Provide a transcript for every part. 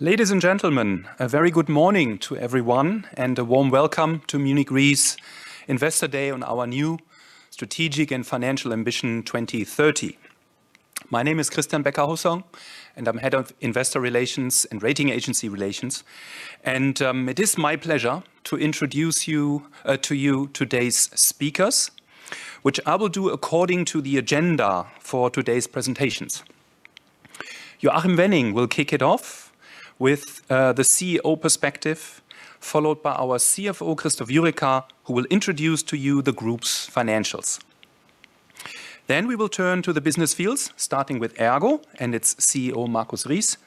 Ladies and gentlemen, a very good morning to everyone and a warm welcome to Munich Re's Investor Day on our new strategic and financial Ambition 2030. My name is Christian Becker-Hussong, and I'm head of investor relations and rating agency relations. It is my pleasure to introduce you to today's speakers, which I will do according to the agenda for today's presentations. Joachim Wenning will kick it off with the CEO perspective, followed by our CFO, Christoph Jurecka, who will introduce to you the group's financials. Then we will turn to the business fields, starting with ERGO and its CEO, Markus Rieß,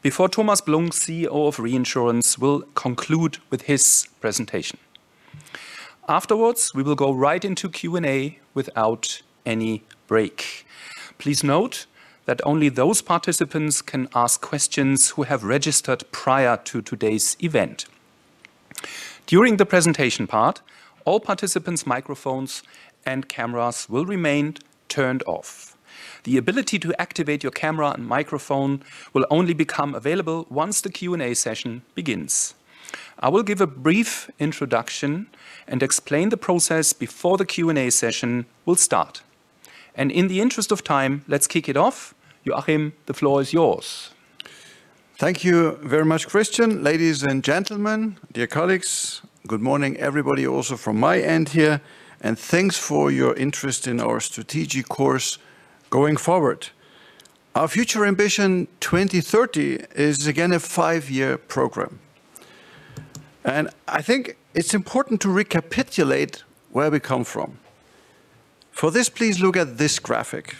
before Thomas Blunck, CEO of Reinsurance, will conclude with his presentation. Afterwards, we will go right into Q&A without any break. Please note that only those participants can ask questions who have registered prior to today's event. During the presentation part, all participants' microphones and cameras will remain turned off. The ability to activate your camera and microphone will only become available once the Q&A session begins. I will give a brief introduction and explain the process before the Q&A session will start, and in the interest of time, let's kick it off. Joachim, the floor is yours. Thank you very much, Christian. Ladies and gentlemen, dear colleagues, good morning everybody also from my end here, and thanks for your interest in our strategic course going forward. Our future Ambition 2030 is again a five-year program. I think it's important to recapitulate where we come from. For this, please look at this graphic.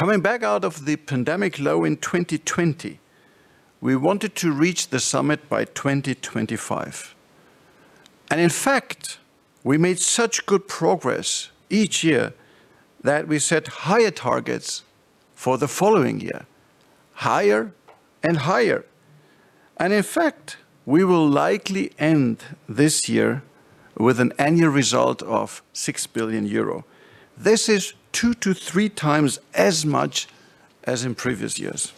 Coming back out of the pandemic low in 2020, we wanted to reach the summit by 2025. In fact, we made such good progress each year that we set higher targets for the following year, higher and higher. In fact, we will likely end this year with an annual result of 6 billion euro. This is two to three times as much as in previous years.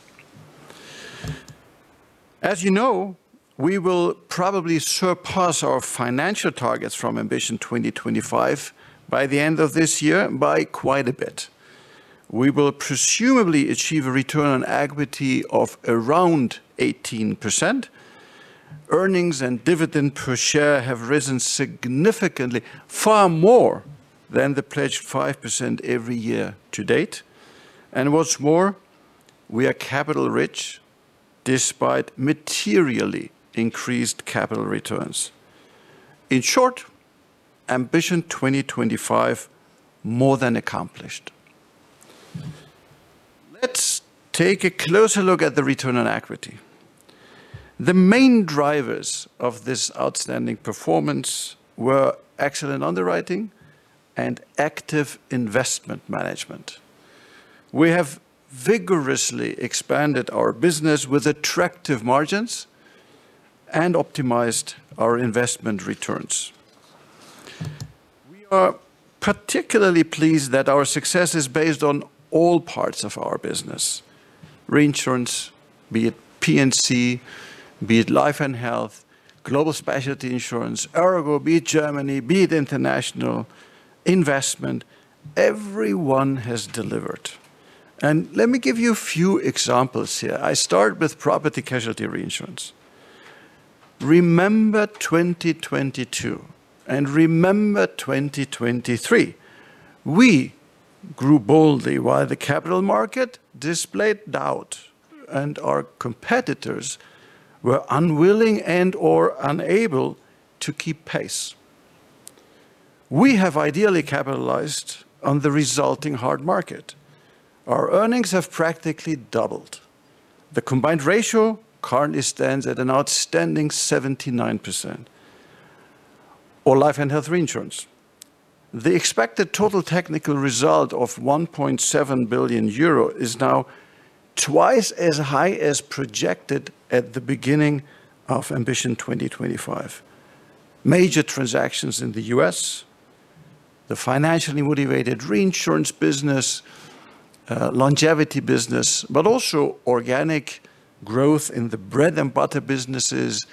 As you know, we will probably surpass our financial targets from Ambition 2025 by the end of this year by quite a bit. We will presumably achieve a return on equity of around 18%. Earnings and dividend per share have risen significantly, far more than the pledged 5% every year to date, and what's more, we are capital rich despite materially increased capital returns. In short, Ambition 2025 more than accomplished. Let's take a closer look at the return on equity. The main drivers of this outstanding performance were excellent underwriting and active investment management. We have vigorously expanded our business with attractive margins and optimized our investment returns. We are particularly pleased that our success is based on all parts of our business: reinsurance, be it P&C, be it Life & Health, Global Specialty Insurance, ERGO, be it Germany, be it international investment. Everyone has delivered, and let me give you a few examples here. I start with Property-Casualty Reinsurance. Remember 2022 and remember 2023. We grew boldly while the capital market displayed doubt and our competitors were unwilling and/or unable to keep pace. We have ideally capitalized on the resulting hard market. Our earnings have practically doubled. The combined ratio currently stands at an outstanding 79%. Our Life & Health reinsurance. The expected total technical result of 1.7 billion euro is now twice as high as projected at the beginning of Ambition 2025. Major transactions in the U.S., the financially motivated reinsurance business, longevity business, but also organic growth in the bread and butter businesses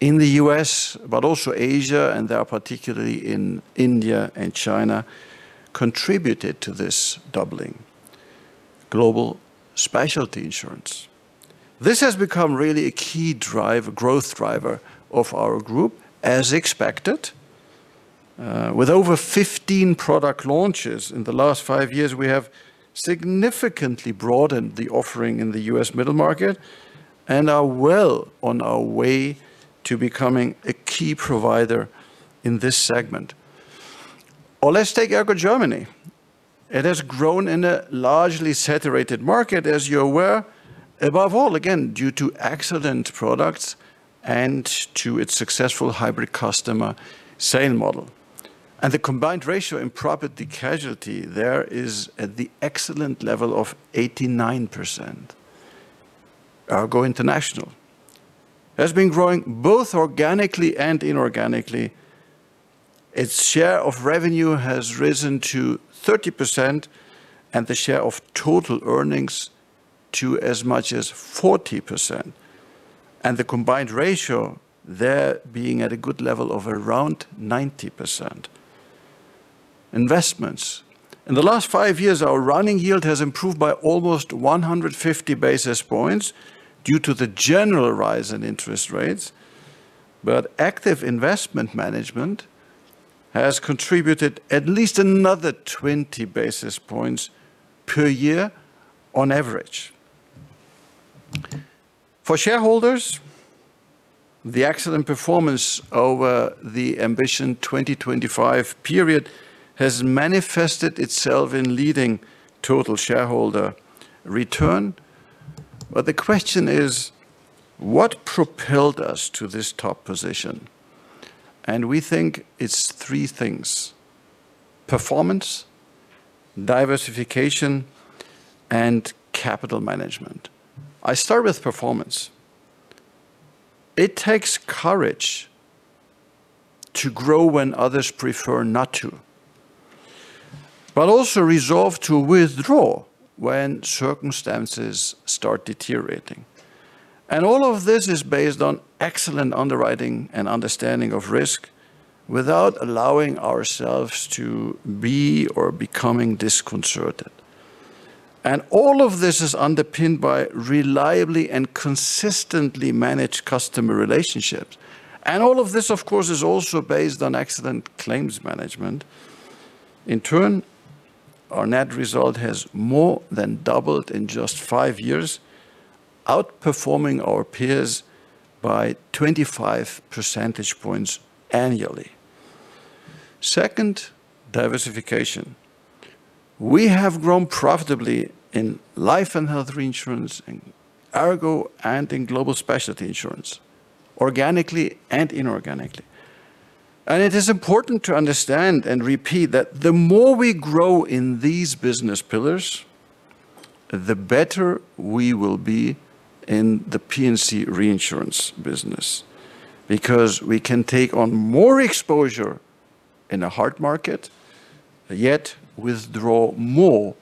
in the U.S., but also Asia, and particularly in India and China, contributed to this doubling. Global Specialty Insurance. This has become really a key growth driver of our group, as expected. With over 15 product launches in the last five years, we have significantly broadened the offering in the U.S. middle market and are well on our way to becoming a key provider in this segment, or let's take ERGO Germany. It has grown in a largely saturated market, as you're aware, above all again due to excellent products and to its successful hybrid customer sale model, and the combined ratio in property casualty there is at the excellent level of 89%. ERGO International has been growing both organically and inorganically. Its share of revenue has risen to 30% and the share of total earnings to as much as 40%, and the combined ratio there being at a good level of around 90%. Investments. In the last five years, our running yield has improved by almost 150 bps due to the general rise in interest rates, but active investment management has contributed at least another 20 bps per year on average. For shareholders, the excellent performance over the Ambition 2025 period has manifested itself in leading total shareholder return. But the question is, what propelled us to this top position? And we think it's three things: performance, diversification, and capital management. I start with performance. It takes courage to grow when others prefer not to, but also resolve to withdraw when circumstances start deteriorating. And all of this is based on excellent underwriting and understanding of risk without allowing ourselves to be or becoming disconcerted. And all of this is underpinned by reliably and consistently managed customer relationships. And all of this, of course, is also based on excellent claims management. In turn, our net result has more than doubled in just five years, outperforming our peers by 25 percentage points annually. Second, diversification. We have grown profitably in Life & Health Reinsurance, in ERGO, and in Global Specialty Insurance, organically and inorganically. And it is important to understand and repeat that the more we grow in these business pillars, the better we will be in the P&C Reinsurance business, because we can take on more exposure in a hard market, yet withdraw more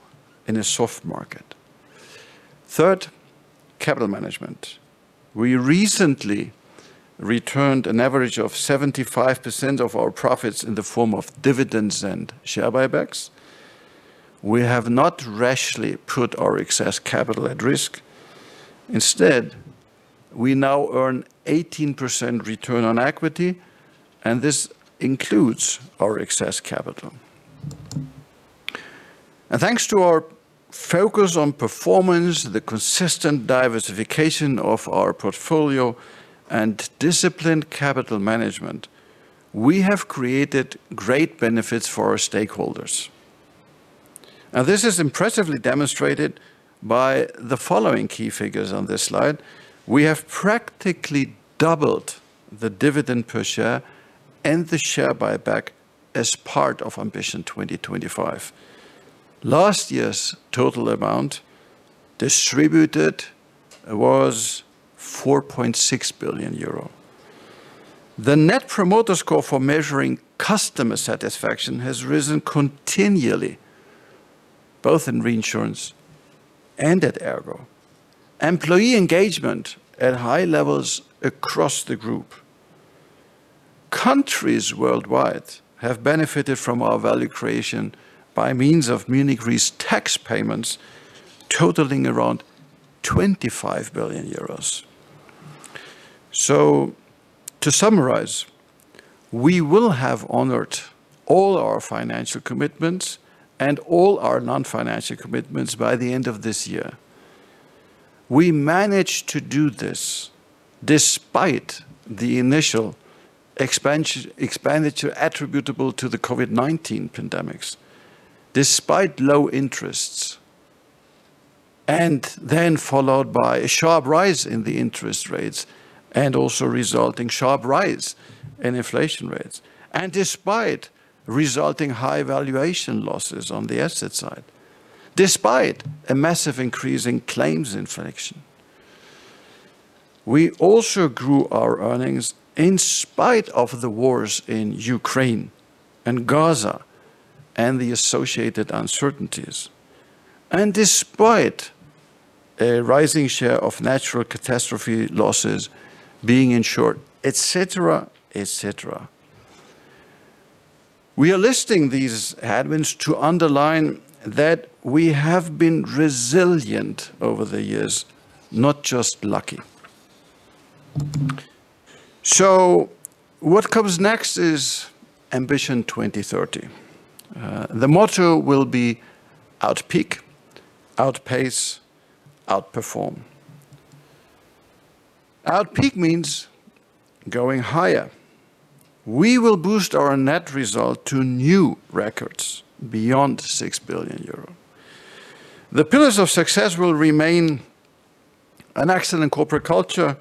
in a soft market. Third, capital management. We recently returned an average of 75% of our profits in the form of dividends and share buybacks. We have not rashly put our excess capital at risk. Instead, we now earn 18% return on equity, and this includes our excess capital. Thanks to our focus on performance, the consistent diversification of our portfolio, and disciplined capital management, we have created great benefits for our stakeholders. This is impressively demonstrated by the following key figures on this slide. We have practically doubled the dividend per share and the share buyback as part of Ambition 2025. Last year's total amount distributed was 4.6 billion euro. The Net Promoter Score for measuring customer satisfaction has risen continually, both in reinsurance and at ERGO. Employee engagement at high levels across the group. Countries worldwide have benefited from our value creation by means of Munich Re's tax payments totaling around EUR 25 billion. To summarize, we will have honored all our financial commitments and all our non-financial commitments by the end of this year. We managed to do this despite the initial expenditure attributable to the COVID-19 pandemic, despite low interest, and then followed by a sharp rise in the interest rates and also resulting sharp rise in inflation rates, and despite resulting high valuation losses on the asset side, despite a massive increase in claims inflation. We also grew our earnings in spite of the wars in Ukraine and Gaza and the associated uncertainties, and despite a rising share of natural catastrophe losses being insured, et cetera, et cetera. We are listing these adversities to underline that we have been resilient over the years, not just lucky. So what comes next is Ambition 2030. The motto will be Outpeak, Outpace, Outperform. Outpeak means going higher. We will boost our net result to new records beyond 6 billion euro. The pillars of success will remain an excellent corporate culture,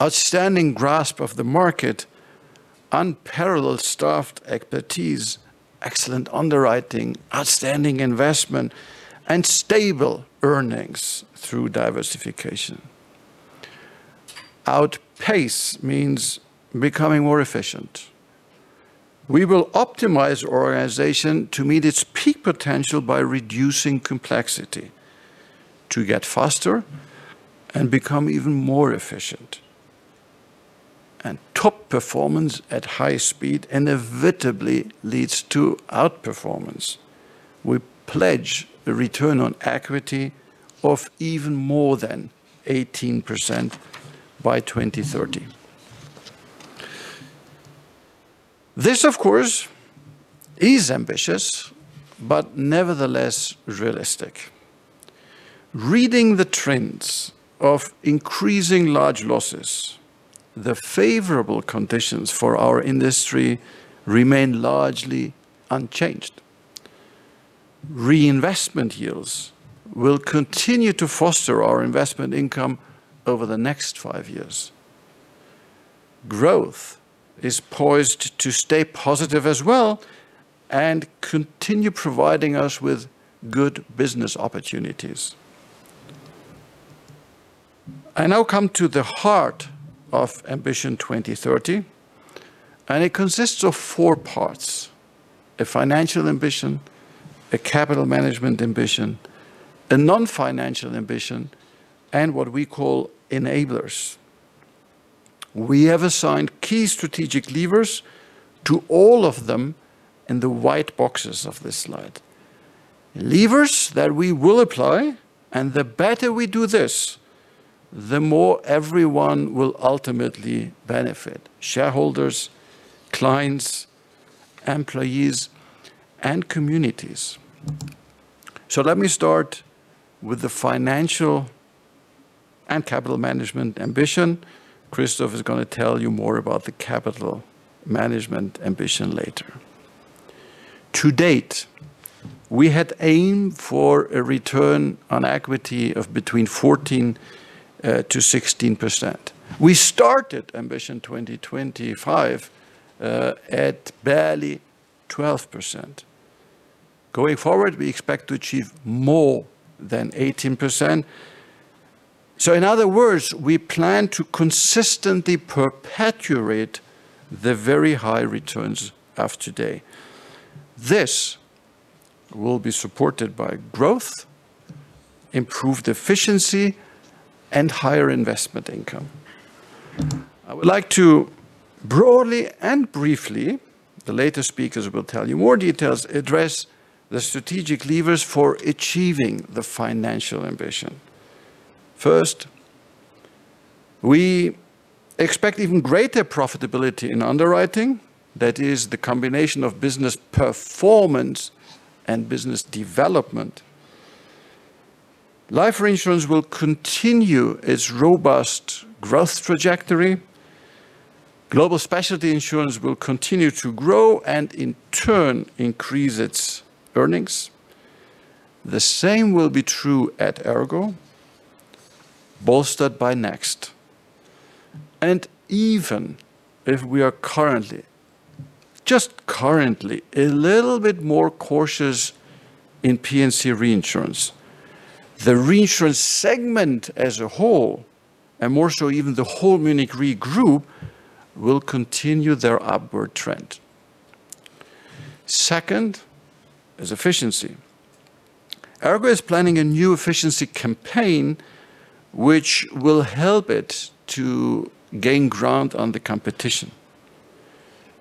outstanding grasp of the market, unparalleled staff expertise, excellent underwriting, outstanding investment, and stable earnings through diversification. Outpace means becoming more efficient. We will optimize our organization to meet its peak potential by reducing complexity to get faster and become even more efficient. And top performance at high speed inevitably leads to outperformance. We pledge a return on equity of even more than 18% by 2030. This, of course, is ambitious, but nevertheless realistic. Reading the trends of increasing large losses, the favorable conditions for our industry remain largely unchanged. Reinvestment yields will continue to foster our investment income over the next five years. Growth is poised to stay positive as well and continue providing us with good business opportunities. I now come to the heart of Ambition 2030, and it consists of four parts: a financial ambition, a capital management ambition, a non-financial ambition, and what we call enablers. We have assigned key strategic levers to all of them in the white boxes of this slide. Levers that we will apply, and the better we do this, the more everyone will ultimately benefit: shareholders, clients, employees, and communities. So let me start with the financial and capital management ambition. Christoph is going to tell you more about the capital management ambition later. To date, we had aimed for a return on equity of between 14% to 16%. We started Ambition 2025 at barely 12%. Going forward, we expect to achieve more than 18%. So in other words, we plan to consistently perpetuate the very high returns of today. This will be supported by growth, improved efficiency, and higher investment income. I would like to broadly and briefly address the strategic levers for achieving the financial ambition. The later speakers will tell you more details. First, we expect even greater profitability in underwriting. That is the combination of business performance and business development. Life reinsurance will continue its robust growth trajectory. Global specialty insurance will continue to grow and in turn increase its earnings. The same will be true at ERGO, bolstered by Next. Even if we are currently, just currently, a little bit more cautious in P&C reinsurance, the reinsurance segment as a whole, and more so even the whole Munich Re group, will continue their upward trend. Second is efficiency. ERGO is planning a new efficiency campaign, which will help it to gain ground on the competition.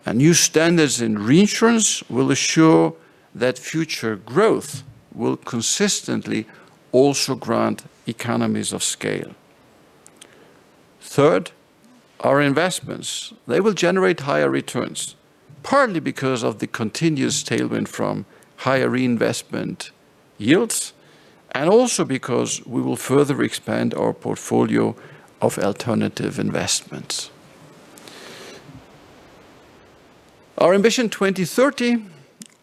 And new standards in reinsurance will assure that future growth will consistently also grant economies of scale. Third, our investments, they will generate higher returns, partly because of the continuous tailwind from higher reinvestment yields, and also because we will further expand our portfolio of alternative investments. Our Ambition 2030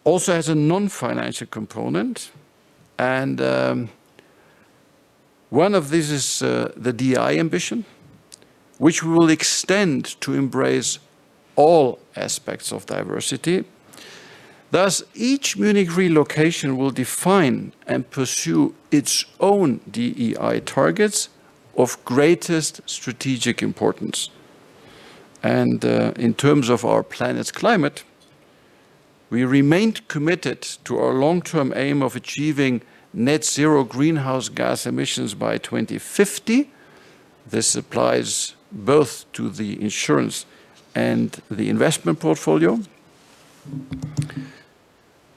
also has a non-financial component, and one of these is the DEI ambition, which we will extend to embrace all aspects of diversity. Thus, each Munich Re location will define and pursue its own DEI targets of greatest strategic importance. And in terms of our planet's climate, we remained committed to our long-term aim of achieving net zero greenhouse gas emissions by 2050. This applies both to the insurance and the investment portfolio.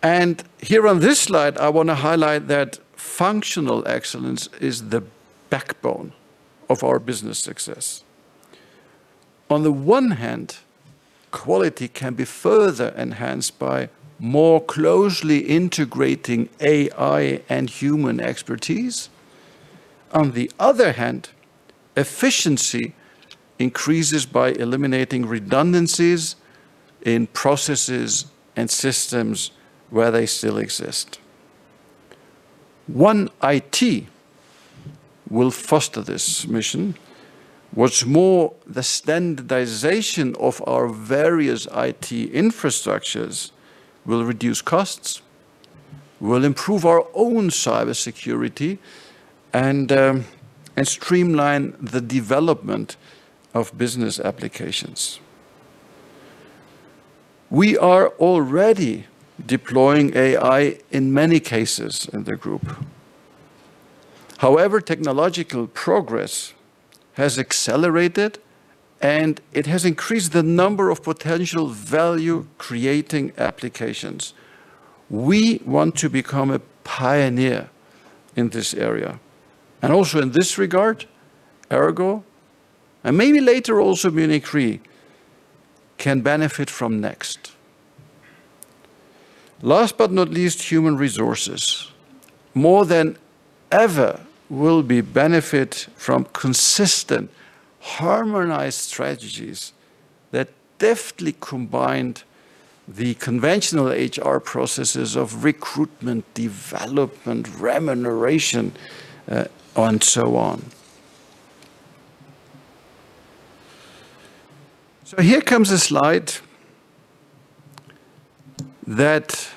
And here on this slide, I want to highlight that functional excellence is the backbone of our business success. On the one hand, quality can be further enhanced by more closely integrating AI and human expertise. On the other hand, efficiency increases by eliminating redundancies in processes and systems where they still exist. One IT will foster this mission, which via the standardization of our various IT infrastructures will reduce costs, will improve our own cybersecurity, and streamline the development of business applications. We are already deploying AI in many cases in the group. However, technological progress has accelerated, and it has increased the number of potential value-creating applications. We want to become a pioneer in this area. And also in this regard, ERGO, and maybe later also Munich Re can benefit from Next. Last but not least, human resources. More than ever, we will be benefit from consistent, harmonized strategies that deftly combine the conventional HR processes of recruitment, development, remuneration, and so on. So here comes a slide that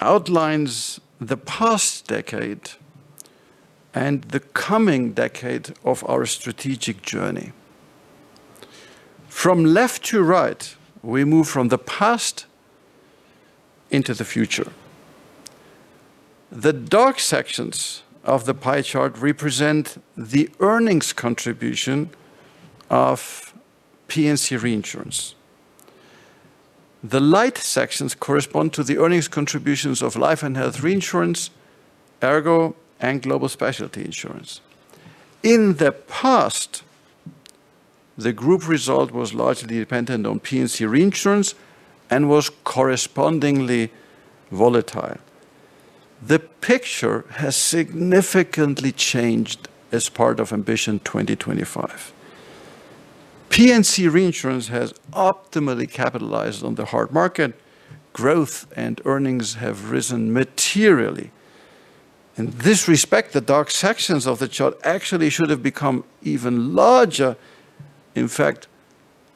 outlines the past decade and the coming decade of our strategic journey. From left to right, we move from the past into the future. The dark sections of the pie chart represent the earnings contribution of P&C reinsurance. The light sections correspond to the earnings contributions of Life & Health reinsurance, ERGO, and global specialty insurance. In the past, the group result was largely dependent on P&C reinsurance and was correspondingly volatile. The picture has significantly changed as part of Ambition 2025. P&C reinsurance has optimally capitalized on the hard market. Growth and earnings have risen materially. In this respect, the dark sections of the chart actually should have become even larger. In fact,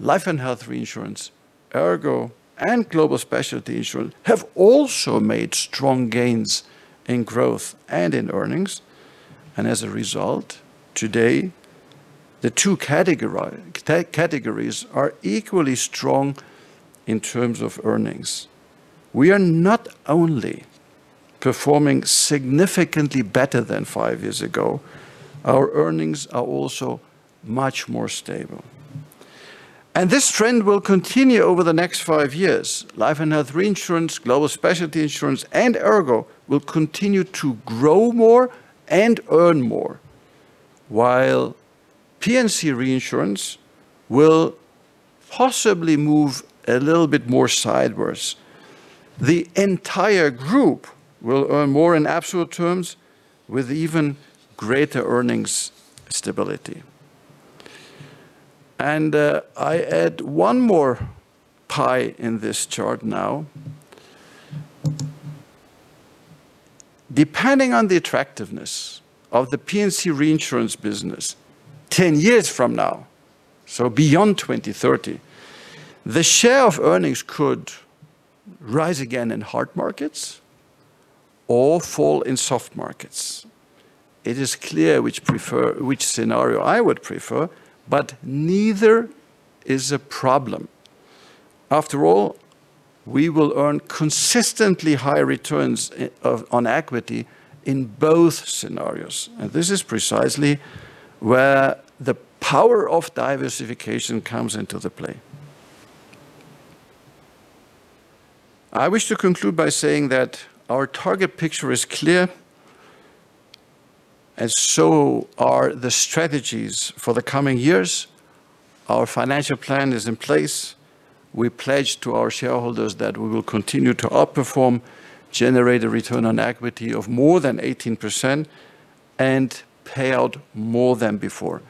Life & Health reinsurance, ERGO, and global specialty insurance have also made strong gains in growth and in earnings. And as a result, today, the two categories are equally strong in terms of earnings. We are not only performing significantly better than five years ago. Our earnings are also much more stable. And this trend will continue over the next five years. Life & Health reinsurance, Global Specialty Insurance, and ERGO will continue to grow more and earn more, while P&C reinsurance will possibly move a little bit more sideways. The entire group will earn more in absolute terms with even greater earnings stability. And I add one more pie in this chart now. Depending on the attractiveness of the P&C reinsurance business 10 years from now, so beyond 2030, the share of earnings could rise again in hard markets or fall in soft markets. It is clear which scenario I would prefer, but neither is a problem. After all, we will earn consistently high returns on equity in both scenarios. And this is precisely where the power of diversification comes into the play. I wish to conclude by saying that our target picture is clear, and so are the strategies for the coming years. Our financial plan is in place. We pledge to our shareholders that we will continue to outperform, generate a return on equity of more than 18%, and pay out more than before.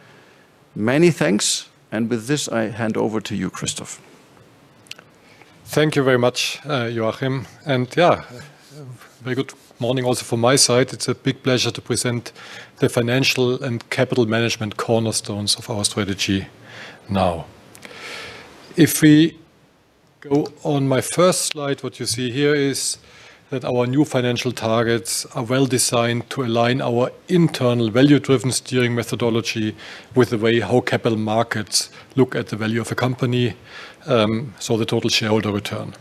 Many thanks. And with this, I hand over to you, Christoph. Thank you very much, Joachim. And yeah, very good morning also from my side. It's a big pleasure to present the financial and capital management cornerstones of our strategy now. If we go on my first slide, what you see here is that our new financial targets are well designed to align our internal value-driven steering methodology with the way how capital markets look at the value of a company, so the total shareholder return.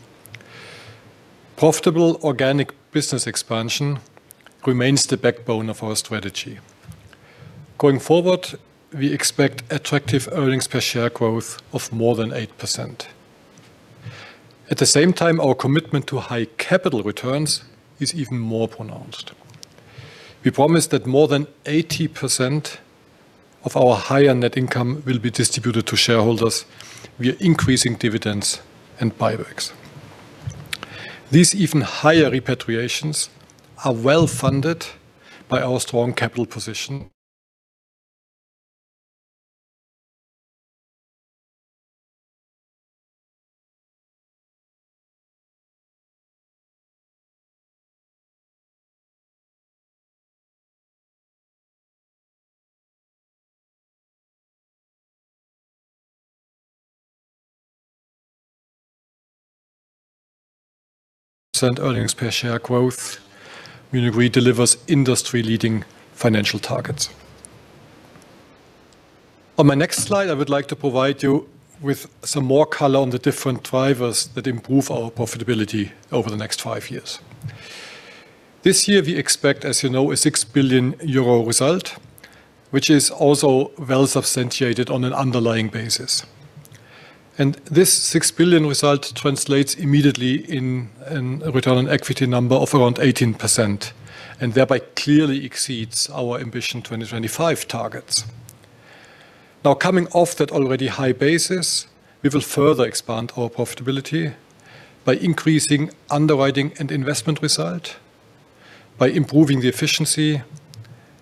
Profitable organic business expansion remains the backbone of our strategy. Going forward, we expect attractive earnings per share growth of more than 8%. At the same time, our commitment to high capital returns is even more pronounced. We promise that more than 80% of our higher net income will be distributed to shareholders via increasing dividends and buybacks. These even higher repatriations are well funded by our strong capital position. Earnings per share growth, Munich Re delivers industry-leading financial targets. On my next slide, I would like to provide you with some more color on the different drivers that improve our profitability over the next five years. This year, we expect, as you know, a 6 billion euro result, which is also well substantiated on an underlying basis. This 6 billion result translates immediately in a return on equity number of around 18% and thereby clearly exceeds our Ambition 2025 targets. Now, coming off that already high basis, we will further expand our profitability by increasing underwriting and investment result, by improving the efficiency,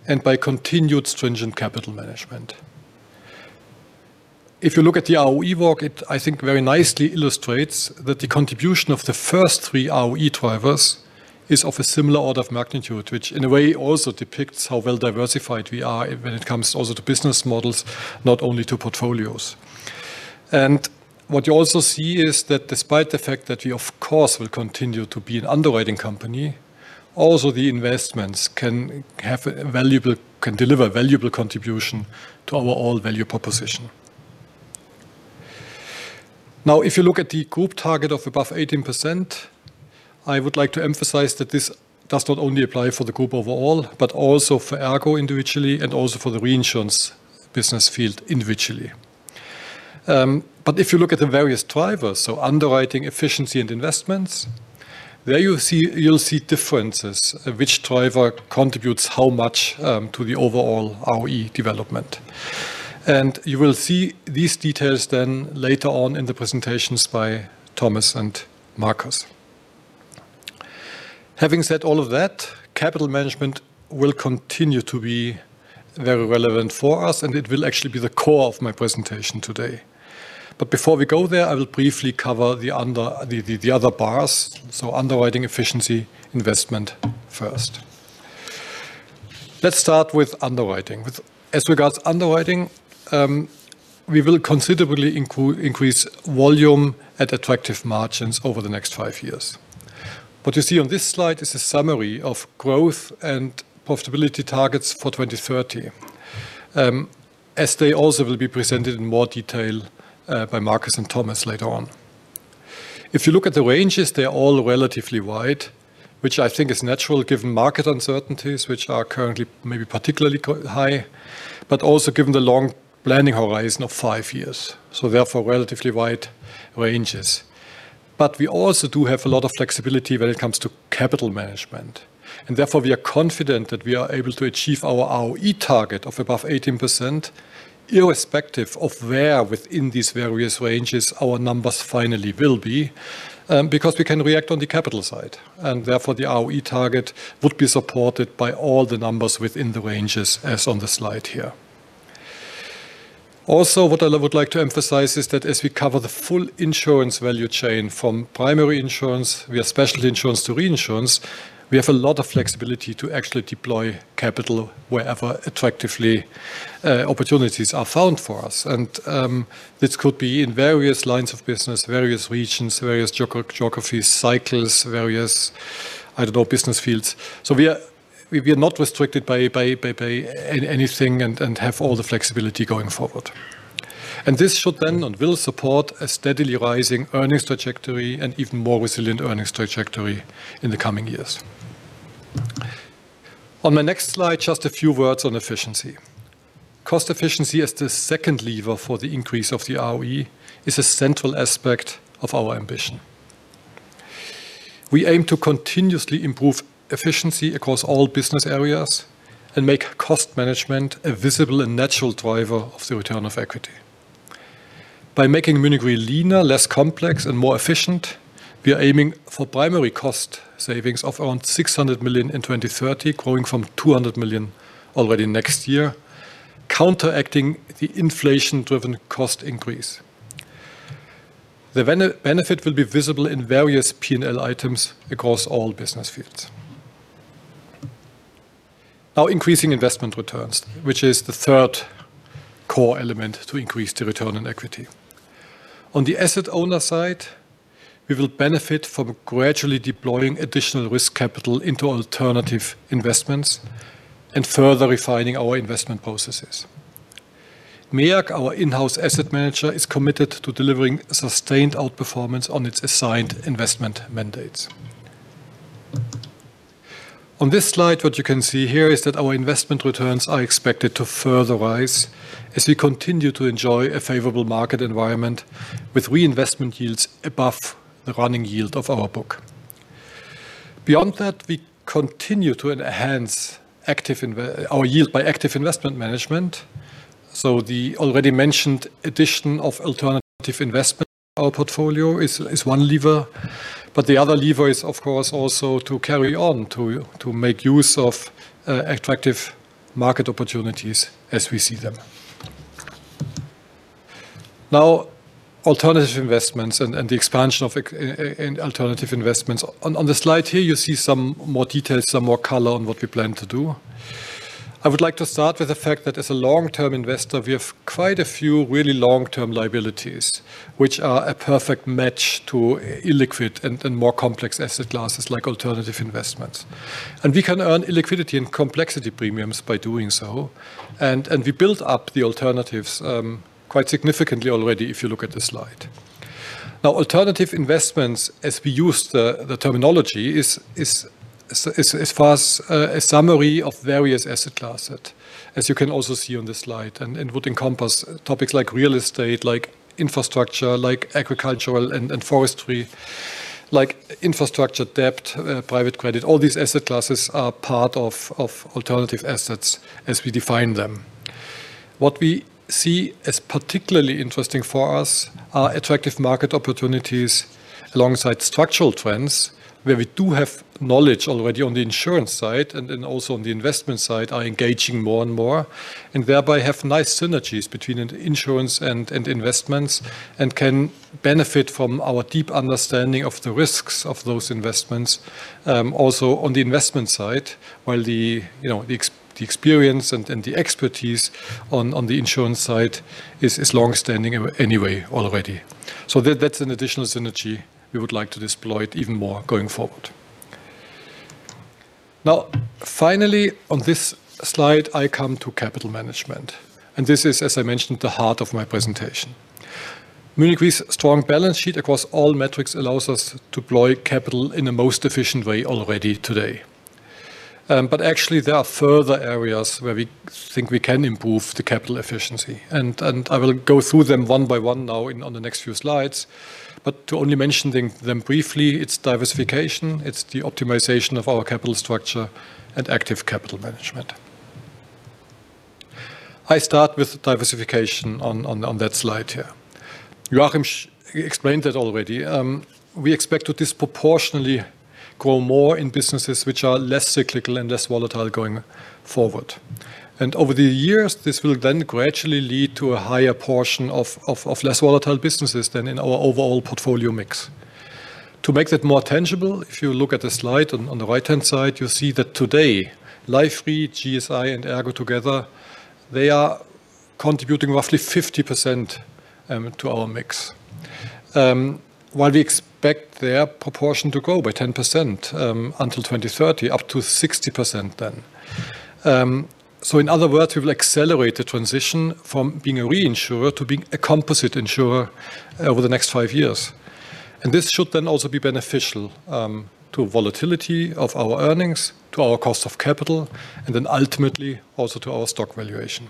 and by continued stringent capital management. If you look at the ROE work, it, I think, very nicely illustrates that the contribution of the first three ROE drivers is of a similar order of magnitude, which in a way also depicts how well diversified we are when it comes also to business models, not only to portfolios, and what you also see is that despite the fact that we, of course, will continue to be an underwriting company, also the investments can have a valuable, can deliver a valuable contribution to our overall value proposition. Now, if you look at the group target of above 18%, I would like to emphasize that this does not only apply for the group overall, but also for ERGO individually and also for the reinsurance business field individually. But if you look at the various drivers, so underwriting, efficiency, and investments, there you'll see differences of which driver contributes how much to the overall ROE development. And you will see these details then later on in the presentations by Thomas and Markus. Having said all of that, capital management will continue to be very relevant for us, and it will actually be the core of my presentation today. But before we go there, I will briefly cover the other bars, so underwriting, efficiency, investment first. Let's start with underwriting. As regards underwriting, we will considerably increase volume at attractive margins over the next five years. What you see on this slide is a summary of growth and profitability targets for 2030, as they also will be presented in more detail by Markus and Thomas later on. If you look at the ranges, they are all relatively wide, which I think is natural given market uncertainties, which are currently maybe particularly high, but also given the long planning horizon of five years, so therefore, relatively wide ranges, but we also do have a lot of flexibility when it comes to capital management, and therefore, we are confident that we are able to achieve our ROE target of above 18%, irrespective of where within these various ranges our numbers finally will be, because we can react on the capital side, and therefore, the ROE target would be supported by all the numbers within the ranges as on the slide here. Also, what I would like to emphasize is that as we cover the full insurance value chain from primary insurance via specialty insurance to reinsurance, we have a lot of flexibility to actually deploy capital wherever attractive opportunities are found for us. And this could be in various lines of business, various regions, various geographies, cycles, various, I don't know, business fields. So we are not restricted by anything and have all the flexibility going forward. And this should then and will support a steadily rising earnings trajectory and even more resilient earnings trajectory in the coming years. On my next slide, just a few words on efficiency. Cost efficiency as the second lever for the increase of the ROE is a central aspect of our ambition. We aim to continuously improve efficiency across all business areas and make cost management a visible and natural driver of the return on equity. By making Munich Re leaner, less complex, and more efficient, we are aiming for primary cost savings of around 600 million in 2030, growing from 200 million already next year, counteracting the inflation-driven cost increase. The benefit will be visible in various P&L items across all business fields. Now, increasing investment returns, which is the third core element to increase the return on equity. On the asset owner side, we will benefit from gradually deploying additional risk capital into alternative investments and further refining our investment processes. MEAG, our in-house asset manager, is committed to delivering sustained outperformance on its assigned investment mandates. On this slide, what you can see here is that our investment returns are expected to further rise as we continue to enjoy a favorable market environment with reinvestment yields above the running yield of our book. Beyond that, we continue to enhance our yield by active investment management. So the already mentioned addition of alternative investment to our portfolio is one lever, but the other lever is, of course, also to carry on to make use of attractive market opportunities as we see them. Now, alternative investments and the expansion of alternative investments. On the slide here, you see some more details, some more color on what we plan to do. I would like to start with the fact that as a long-term investor, we have quite a few really long-term liabilities, which are a perfect match to illiquid and more complex asset classes like alternative investments. We can earn illiquidity and complexity premiums by doing so. We build up the alternatives quite significantly already if you look at the slide. Now, alternative investments, as we use the terminology, is as far as a summary of various asset classes, as you can also see on this slide, and would encompass topics like real estate, like infrastructure, like agricultural and forestry, like infrastructure debt, private credit. All these asset classes are part of alternative assets as we define them. What we see as particularly interesting for us are attractive market opportunities alongside structural trends where we do have knowledge already on the insurance side, and then also on the investment side are engaging more and more and thereby have nice synergies between insurance and investments and can benefit from our deep understanding of the risks of those investments also on the investment side, while the experience and the expertise on the insurance side is longstanding anyway already. So that's an additional synergy we would like to deploy even more going forward. Now, finally, on this slide, I come to capital management. And this is, as I mentioned, the heart of my presentation. Munich Re's strong balance sheet across all metrics allows us to deploy capital in the most efficient way already today. But actually, there are further areas where we think we can improve the capital efficiency. I will go through them one by one now on the next few slides. But to only mention them briefly, it's diversification, it's the optimization of our capital structure, and active capital management. I start with diversification on that slide here. Joachim explained that already. We expect to disproportionately grow more in businesses which are less cyclical and less volatile going forward. And over the years, this will then gradually lead to a higher portion of less volatile businesses than in our overall portfolio mix. To make that more tangible, if you look at the slide on the right-hand side, you see that today, Life Re, GSI, and ERGO together, they are contributing roughly 50% to our mix, while we expect their proportion to grow by 10% until 2030, up to 60% then. So in other words, we will accelerate the transition from being a reinsurer to being a composite insurer over the next five years. And this should then also be beneficial to volatility of our earnings, to our cost of capital, and then ultimately also to our stock valuation.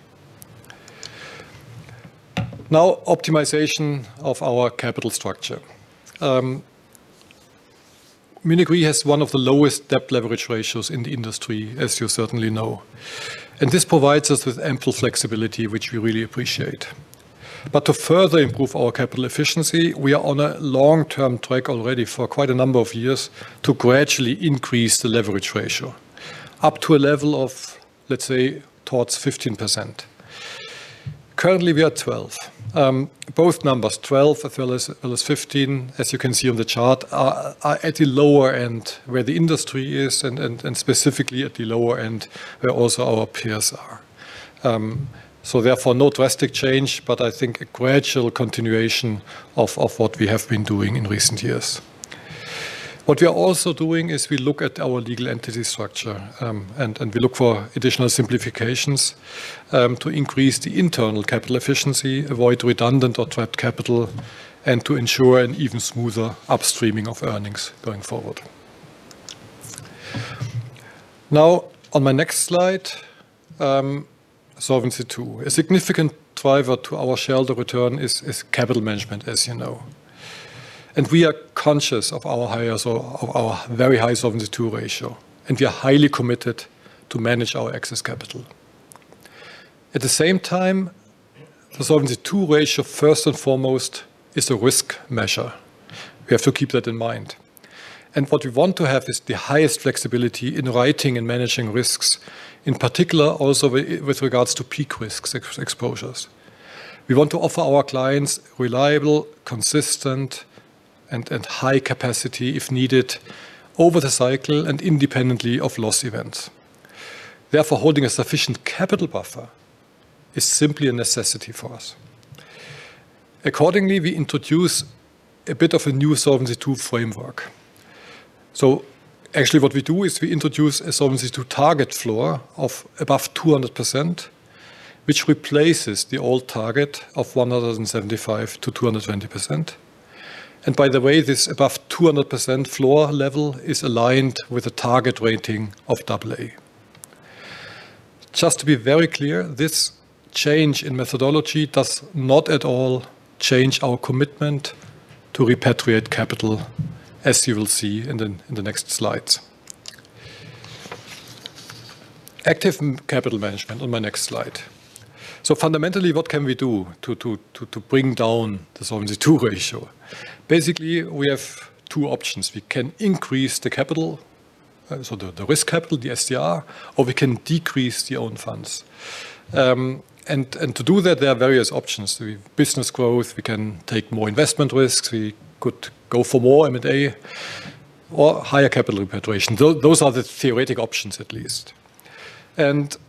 Now, optimization of our capital structure. Munich Re has one of the lowest debt leverage ratios in the industry, as you certainly know. And this provides us with ample flexibility, which we really appreciate. But to further improve our capital efficiency, we are on a long-term track already for quite a number of years to gradually increase the leverage ratio up to a level of, let's say, towards 15%. Currently, we are 12%. Both numbers, 12 as well as 15, as you can see on the chart, are at the lower end where the industry is and specifically at the lower end where also our peers are, so therefore, no drastic change, but I think a gradual continuation of what we have been doing in recent years. What we are also doing is we look at our legal entity structure and we look for additional simplifications to increase the internal capital efficiency, avoid redundant or trapped capital, and to ensure an even smoother upstreaming of earnings going forward. Now, on my next slide, Solvency II. A significant driver to our shareholder return is capital management, as you know, and we are conscious of our higher, so of our very high Solvency II ratio, and we are highly committed to manage our excess capital. At the same time, the Solvency II ratio, first and foremost, is a risk measure. We have to keep that in mind. And what we want to have is the highest flexibility in writing and managing risks, in particular also with regards to peak risk exposures. We want to offer our clients reliable, consistent, and high capacity, if needed, over the cycle and independently of loss events. Therefore, holding a sufficient capital buffer is simply a necessity for us. Accordingly, we introduce a bit of a new Solvency II framework. So actually, what we do is we introduce a Solvency II target floor of above 200%, which replaces the old target of 175% to 220%. And by the way, this above 200% floor level is aligned with a target rating of AA. Just to be very clear, this change in methodology does not at all change our commitment to repatriate capital, as you will see in the next slides. Active capital management on my next slide. So fundamentally, what can we do to bring down the Solvency II ratio? Basically, we have two options. We can increase the capital, so the risk capital, the SCR, or we can decrease the own funds. And to do that, there are various options. Business growth, we can take more investment risks, we could go for more M&A, or higher capital repatriation. Those are the theoretical options, at least.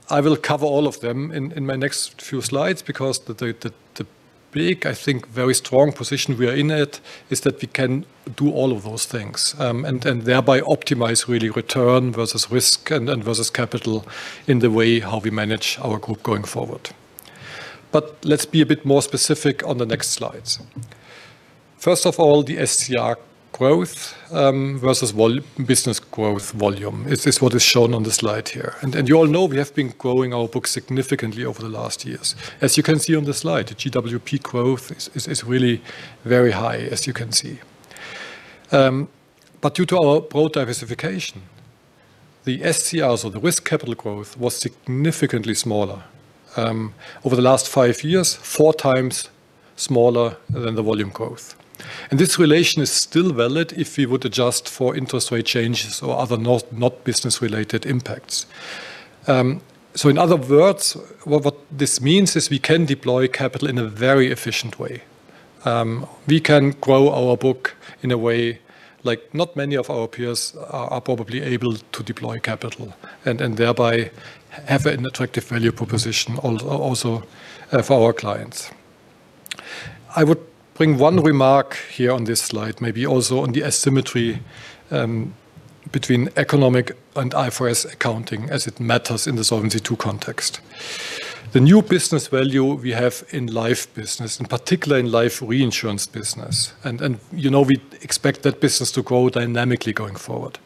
I will cover all of them in my next few slides because the big, I think, very strong position we are in it is that we can do all of those things and thereby optimize really return versus risk and versus capital in the way how we manage our group going forward. Let's be a bit more specific on the next slides. First of all, the SCR growth versus business growth volume is what is shown on the slide here. You all know we have been growing our book significantly over the last years. As you can see on the slide, the GWP growth is really very high, as you can see. Due to our broad diversification, the SCR, so the risk capital growth, was significantly smaller over the last five years, four times smaller than the volume growth. This relation is still valid if we would adjust for interest rate changes or other not business-related impacts. In other words, what this means is we can deploy capital in a very efficient way. We can grow our book in a way like not many of our peers are probably able to deploy capital and thereby have an attractive value proposition also for our clients. I would bring one remark here on this slide, maybe also on the asymmetry between economic and IFRS accounting as it matters in the Solvency II context. The new business value we have in life business, in particular in life reinsurance business, and we expect that business to grow dynamically going forward.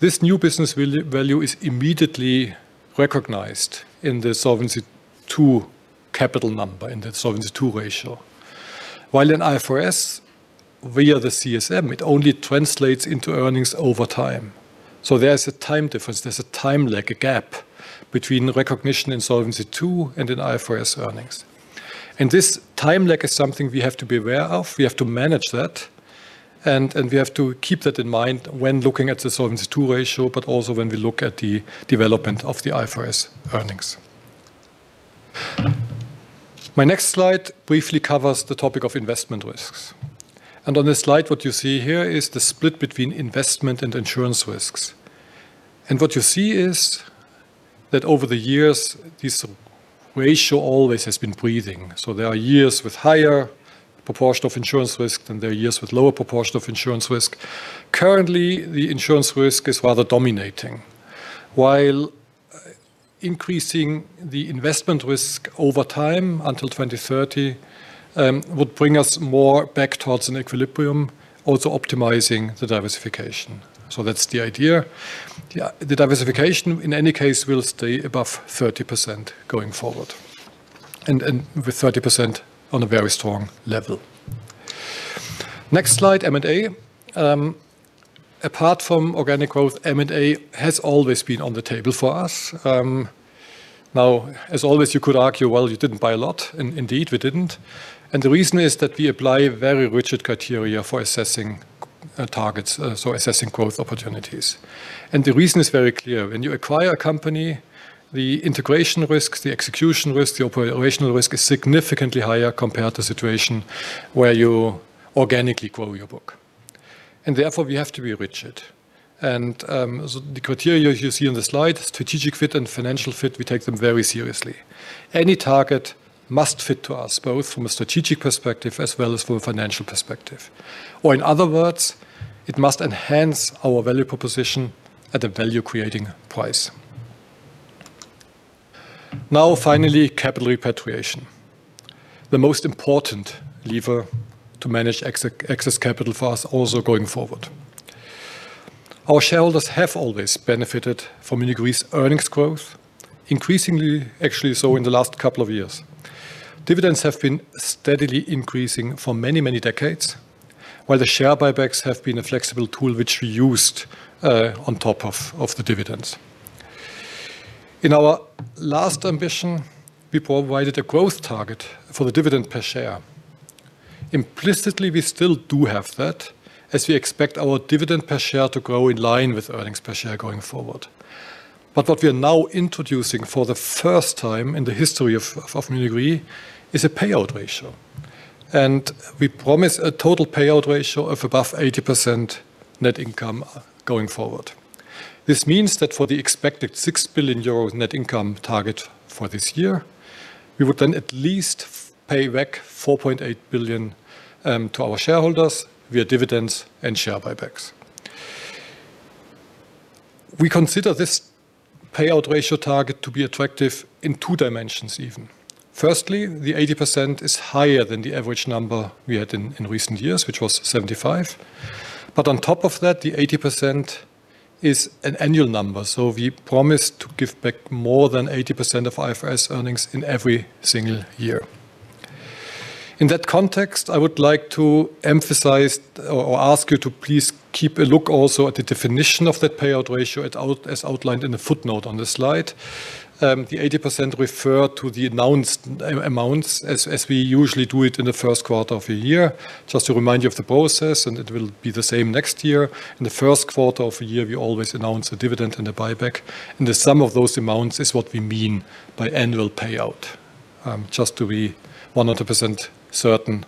This new business value is immediately recognized in the Solvency II capital number, in the Solvency II ratio. While in IFRS, via the CSM, it only translates into earnings over time. There's a time difference, there's a time lag, a gap between recognition in Solvency II and in IFRS earnings. And this time lag is something we have to be aware of. We have to manage that, and we have to keep that in mind when looking at the Solvency II ratio, but also when we look at the development of the IFRS earnings. My next slide briefly covers the topic of investment risks. And on this slide, what you see here is the split between investment and insurance risks. And what you see is that over the years, this ratio always has been breathing. So there are years with higher proportion of insurance risk than there are years with lower proportion of insurance risk. Currently, the insurance risk is rather dominating, while increasing the investment risk over time until 2030 would bring us more back towards an equilibrium, also optimizing the diversification. So that's the idea. The diversification, in any case, will stay above 30% going forward and with 30% on a very strong level. Next slide, M&A. Apart from organic growth, M&A has always been on the table for us. Now, as always, you could argue, well, you didn't buy a lot. And indeed, we didn't. And the reason is that we apply very rigid criteria for assessing targets, so assessing growth opportunities. And the reason is very clear. When you acquire a company, the integration risk, the execution risk, the operational risk is significantly higher compared to the situation where you organically grow your book. And therefore, we have to be rigid. The criteria you see on the slide, strategic fit and financial fit, we take them very seriously. Any target must fit to us, both from a strategic perspective as well as from a financial perspective. Or in other words, it must enhance our value proposition at a value-creating price. Now, finally, capital repatriation, the most important lever to manage excess capital for us also going forward. Our shareholders have always benefited from Munich Re's earnings growth, increasingly actually so in the last couple of years. Dividends have been steadily increasing for many, many decades, while the share buybacks have been a flexible tool which we used on top of the dividends. In our last ambition, we provided a growth target for the dividend per share. Implicitly, we still do have that as we expect our dividend per share to grow in line with earnings per share going forward. But what we are now introducing for the first time in the history of Munich Re is a payout ratio. And we promise a total payout ratio of above 80% net income going forward. This means that for the expected 6 billion euro net income target for this year, we would then at least pay back 4.8 billion to our shareholders via dividends and share buybacks. We consider this payout ratio target to be attractive in two dimensions even. Firstly, the 80% is higher than the average number we had in recent years, which was 75%. But on top of that, the 80% is an annual number. So we promise to give back more than 80% of IFRS earnings in every single year. In that context, I would like to emphasize or ask you to please keep a look also at the definition of that payout ratio as outlined in the footnote on the slide. The 80% refer to the announced amounts as we usually do it in the first quarter of the year. Just to remind you of the process, and it will be the same next year. In the first quarter of the year, we always announce a dividend and a buyback. And the sum of those amounts is what we mean by annual payout, just to be 100% certain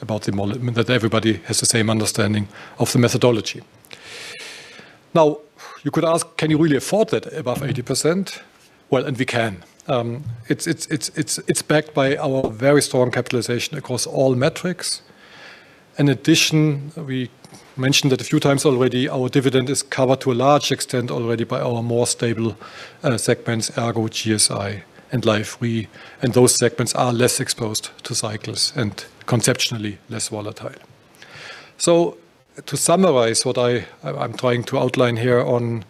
about the model and that everybody has the same understanding of the methodology. Now, you could ask, can you really afford that above 80%? Well, and we can. It's backed by our very strong capitalization across all metrics. In addition, we mentioned that a few times already, our dividend is covered to a large extent already by our more stable segments, ERGO, GSI, and Life Re. And those segments are less exposed to cycles and conceptually less volatile. So to summarize what I'm trying to outline here on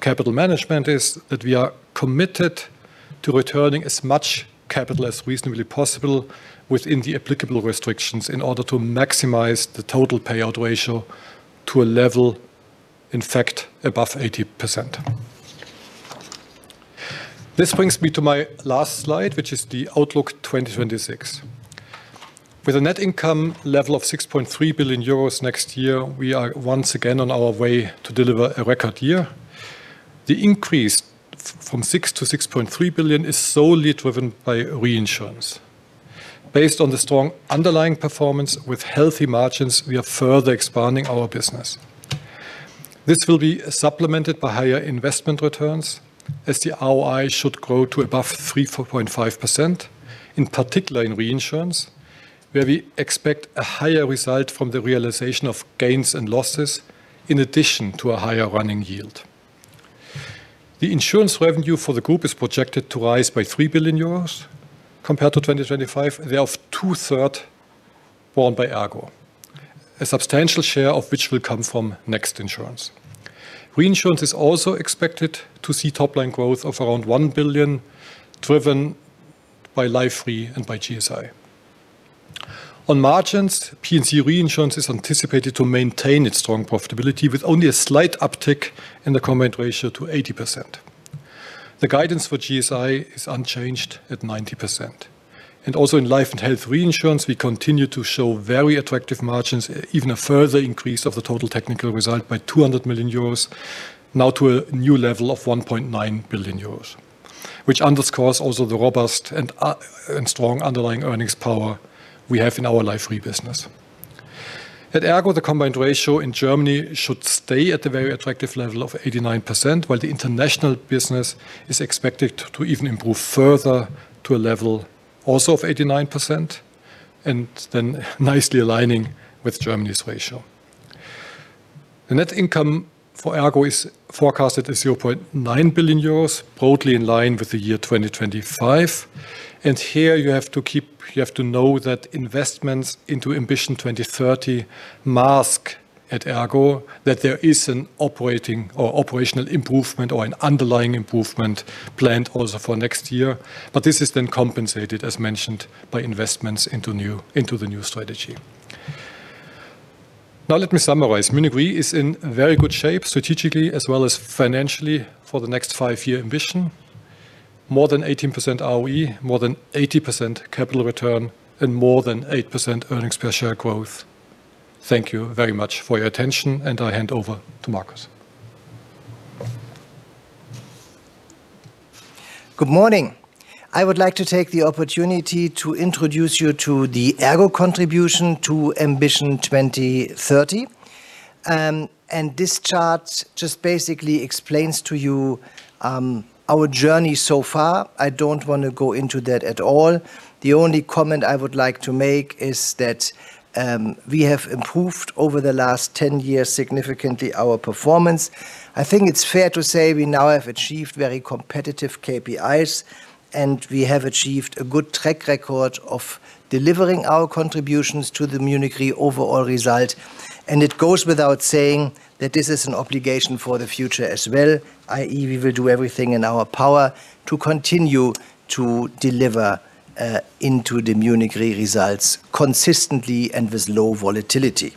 capital management is that we are committed to returning as much capital as reasonably possible within the applicable restrictions in order to maximize the total payout ratio to a level, in fact, above 80%. This brings me to my last slide, which is the Outlook 2026. With a net income level of 6.3 billion euros next year, we are once again on our way to deliver a record year. The increase from 6 billion to 6.3 billion is solely driven by reinsurance. Based on the strong underlying performance with healthy margins, we are further expanding our business. This will be supplemented by higher investment returns as the ROI should grow to above 3.5%, in particular in reinsurance, where we expect a higher result from the realization of gains and losses in addition to a higher running yield. The insurance revenue for the group is projected to rise by 3 billion euros compared to 2025, and they are of 2/3 borne by ERGO, a substantial share of which will come from Next Insurance. Reinsurance is also expected to see top-line growth of around 1 billion driven by Life Re and by GSI. On margins, P&C reinsurance is anticipated to maintain its strong profitability with only a slight uptick in the combined ratio to 80%. The guidance for GSI is unchanged at 90%. And also in Life & Health reinsurance, we continue to show very attractive margins, even a further increase of the total technical result by 200 million euros, now to a new level of 1.9 billion euros, which underscores also the robust and strong underlying earnings power we have Life & Health business. At ERGO, the combined ratio in Germany should stay at a very attractive level of 89%, while the international business is expected to even improve further to a level also of 89% and then nicely aligning with Germany's ratio. The net income for ERGO is forecasted at 0.9 billion euros, broadly in line with the year 2025. And here you have to keep, you have to know that investments into Ambition 2030 mask, at ERGO, that there is an operating or operational improvement or an underlying improvement planned also for next year. This is then compensated, as mentioned, by investments into the new strategy. Now, let me summarize. Munich Re is in very good shape strategically as well as financially for the next five-year ambition, more than 18% ROE, more than 80% capital return, and more than 8% earnings per share growth. Thank you very much for your attention, and I hand over to Markus. Good morning. I would like to take the opportunity to introduce you to the ERGO contribution to Ambition 2030. This chart just basically explains to you our journey so far. I don't want to go into that at all. The only comment I would like to make is that we have improved over the last 10 years significantly our performance. I think it's fair to say we now have achieved very competitive KPIs, and we have achieved a good track record of delivering our contributions to the Munich Re overall result. And it goes without saying that this is an obligation for the future as well, i.e., we will do everything in our power to continue to deliver into the Munich Re results consistently and with low volatility.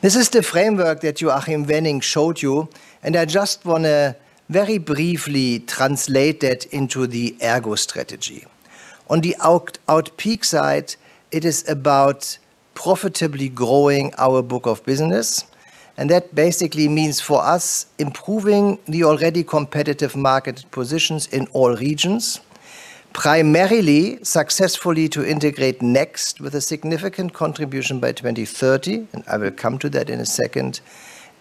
This is the framework that Joachim Wenning showed you, and I just want to very briefly translate that into the ERGO strategy. On the upside, it is about profitably growing our book of business, and that basically means for us improving the already competitive market positions in all regions, primarily successfully to integrate Next with a significant contribution by 2030,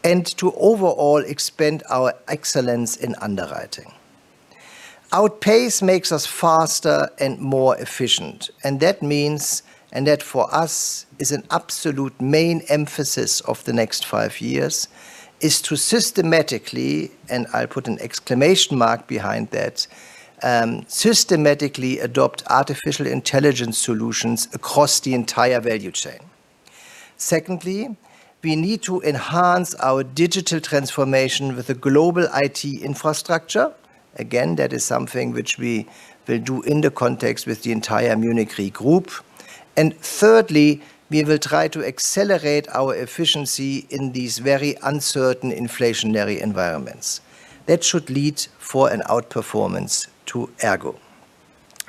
and to overall expand our excellence in underwriting. Outpace makes us faster and more efficient, and that means, and that for us is an absolute main emphasis of the next five years, is to systematically, and I'll put an exclamation mark behind that, systematically adopt artificial intelligence solutions across the entire value chain. Secondly, we need to enhance our digital transformation with a global IT infrastructure. Again, that is something which we will do in the context with the entire Munich Re group. And thirdly, we will try to accelerate our efficiency in these very uncertain inflationary environments. That should lead for an outperformance to ERGO.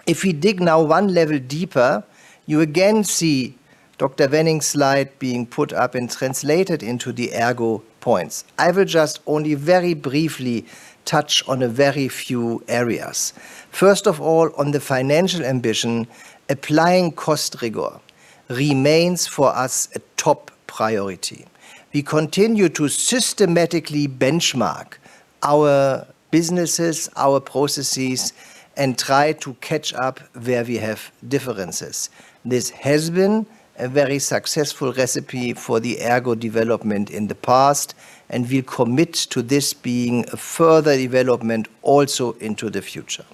If we dig now one level deeper, you again see Dr. Wenning's slide being put up and translated into the ERGO points. I will just only very briefly touch on a very few areas. First of all, on the financial ambition, applying cost rigor remains for us a top priority. We continue to systematically benchmark our businesses, our processes, and try to catch up where we have differences. This has been a very successful recipe for the ERGO development in the past, and we commit to this being a further development also into the future.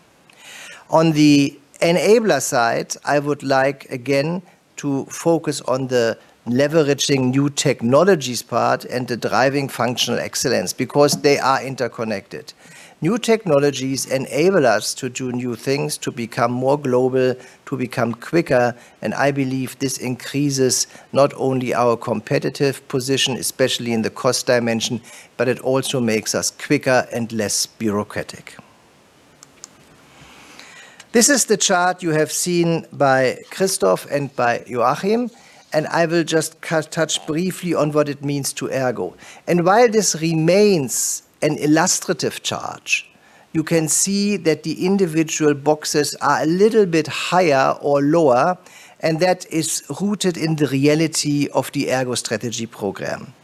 On the enabler side, I would like again to focus on the leveraging new technologies part and the driving functional excellence because they are interconnected. New technologies enable us to do new things, to become more global, to become quicker, and I believe this increases not only our competitive position, especially in the cost dimension, but it also makes us quicker and less bureaucratic. This is the chart you have seen by Christoph and by Joachim, and I will just touch briefly on what it means to ERGO. While this remains an illustrative chart, you can see that the individual boxes are a little bit higher or lower, and that is rooted in the reality of the ERGO strategy program.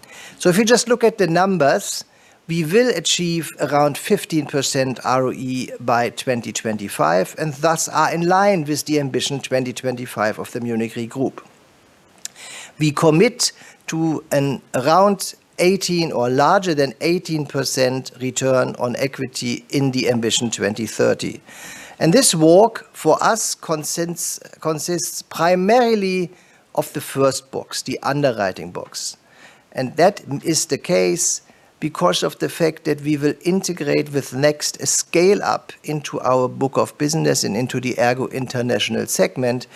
If you just look at the numbers, we will achieve around 15% ROE by 2025 and thus are in line with the Ambition 2025 of the Munich Re group. We commit to an around 18 or larger than 18% return on equity in the Ambition 2030. This walk for us consists primarily of the first box, the underwriting box. That is the case because of the fact that we will integrate with Next a scale-up into our book of business and into the ERGO International segment,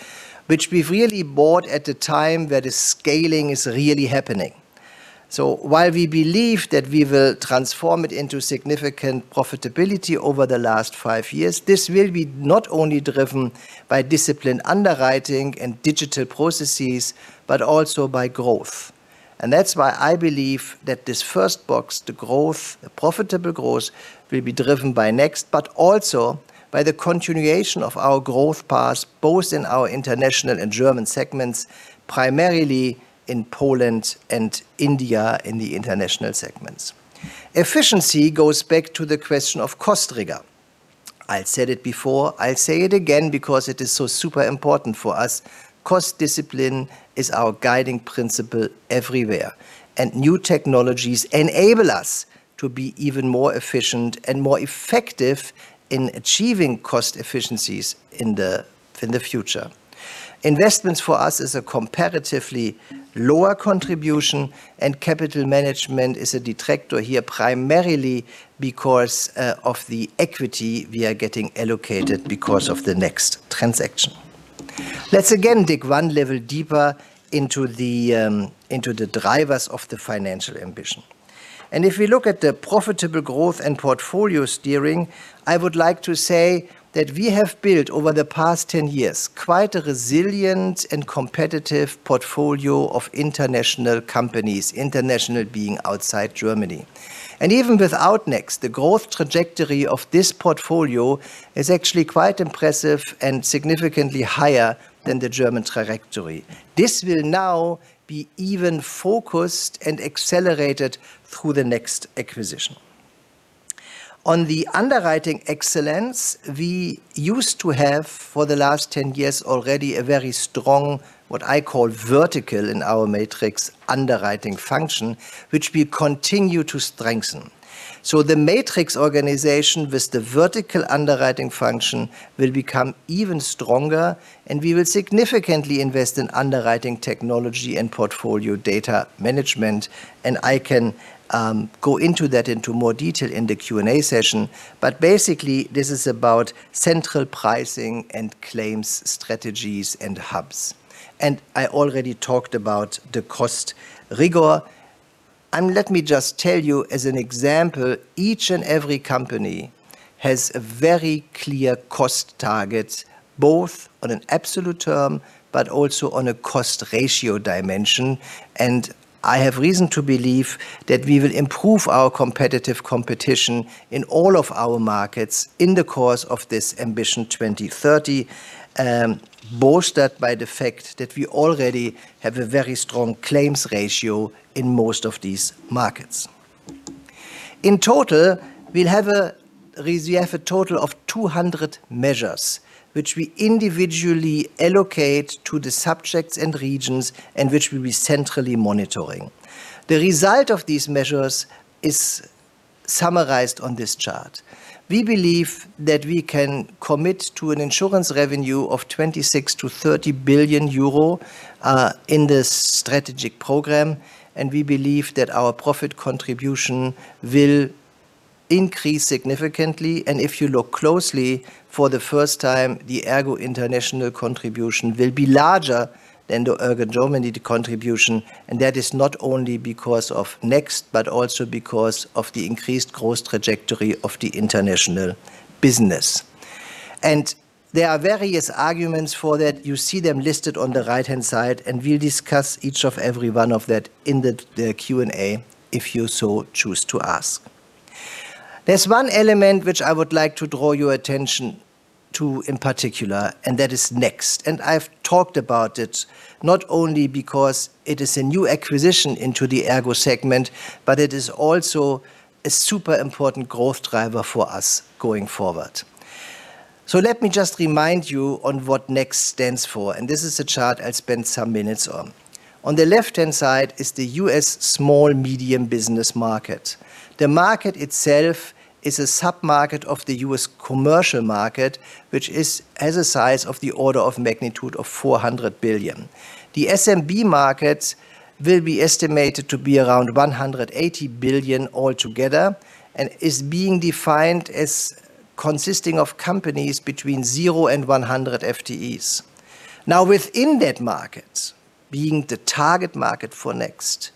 which we've really bought at the time where the scaling is really happening. So while we believe that we will transform it into significant profitability over the last five years, this will be not only driven by disciplined underwriting and digital processes, but also by growth. And that's why I believe that this first box, the growth, the profitable growth will be driven by Next, but also by the continuation of our growth path, both in our international and German segments, primarily in Poland and India in the international segments. Efficiency goes back to the question of cost trigger. I said it before, I'll say it again because it is so super important for us. Cost discipline is our guiding principle everywhere, and new technologies enable us to be even more efficient and more effective in achieving cost efficiencies in the future. Investments for us is a comparatively lower contribution, and capital management is a detractor here primarily because of the equity we are getting allocated because of the Next transaction. Let's again dig one level deeper into the drivers of the financial ambition, and if we look at the profitable growth and portfolio steering, I would like to say that we have built over the past 10 years quite a resilient and competitive portfolio of international companies, international being outside Germany, and even without Next, the growth trajectory of this portfolio is actually quite impressive and significantly higher than the German trajectory. This will now be even focused and accelerated through the Next acquisition. On the underwriting excellence, we used to have for the last 10 years already a very strong, what I call vertical in our matrix underwriting function, which we continue to strengthen. The matrix organization with the vertical underwriting function will become even stronger, and we will significantly invest in underwriting technology and portfolio data management. I can go into that in more detail in the Q&A session, but basically this is about central pricing and claims strategies and hubs. I already talked about the cost rigor. Let me just tell you as an example, each and every company has a very clear cost target, both on an absolute term, but also on a cost ratio dimension. I have reason to believe that we will improve our competitive competition in all of our markets in the course of this Ambition 2030, bolstered by the fact that we already have a very strong claims ratio in most of these markets. In total, we have a total of 200 measures, which we individually allocate to the subjects and regions and which we will be centrally monitoring. The result of these measures is summarized on this chart. We believe that we can commit to an insurance revenue of 26 billion-30 billion euro in this strategic program, and we believe that our profit contribution will increase significantly. And if you look closely for the first time, the ERGO International contribution will be larger than the ERGO Germany contribution, and that is not only because of next, but also because of the increased growth trajectory of the international business. And there are various arguments for that. You see them listed on the right-hand side, and we'll discuss each of every one of that in the Q&A if you so choose to ask. There's one element which I would like to draw your attention to in particular, and that is Next. I've talked about it not only because it is a new acquisition into the ERGO segment, but it is also a super important growth driver for us going forward, so let me just remind you on what Next stands for, and this is a chart I'll spend some minutes on. On the left-hand side is the U.S. small-medium business market. The market itself is a sub-market of the U.S. commercial market, which has a size of the order of magnitude of $400 billion. The SMB markets will be estimated to be around $180 billion altogether and is being defined as consisting of companies between zero and 100 FTEs. Now, within that market, being the target market for Next,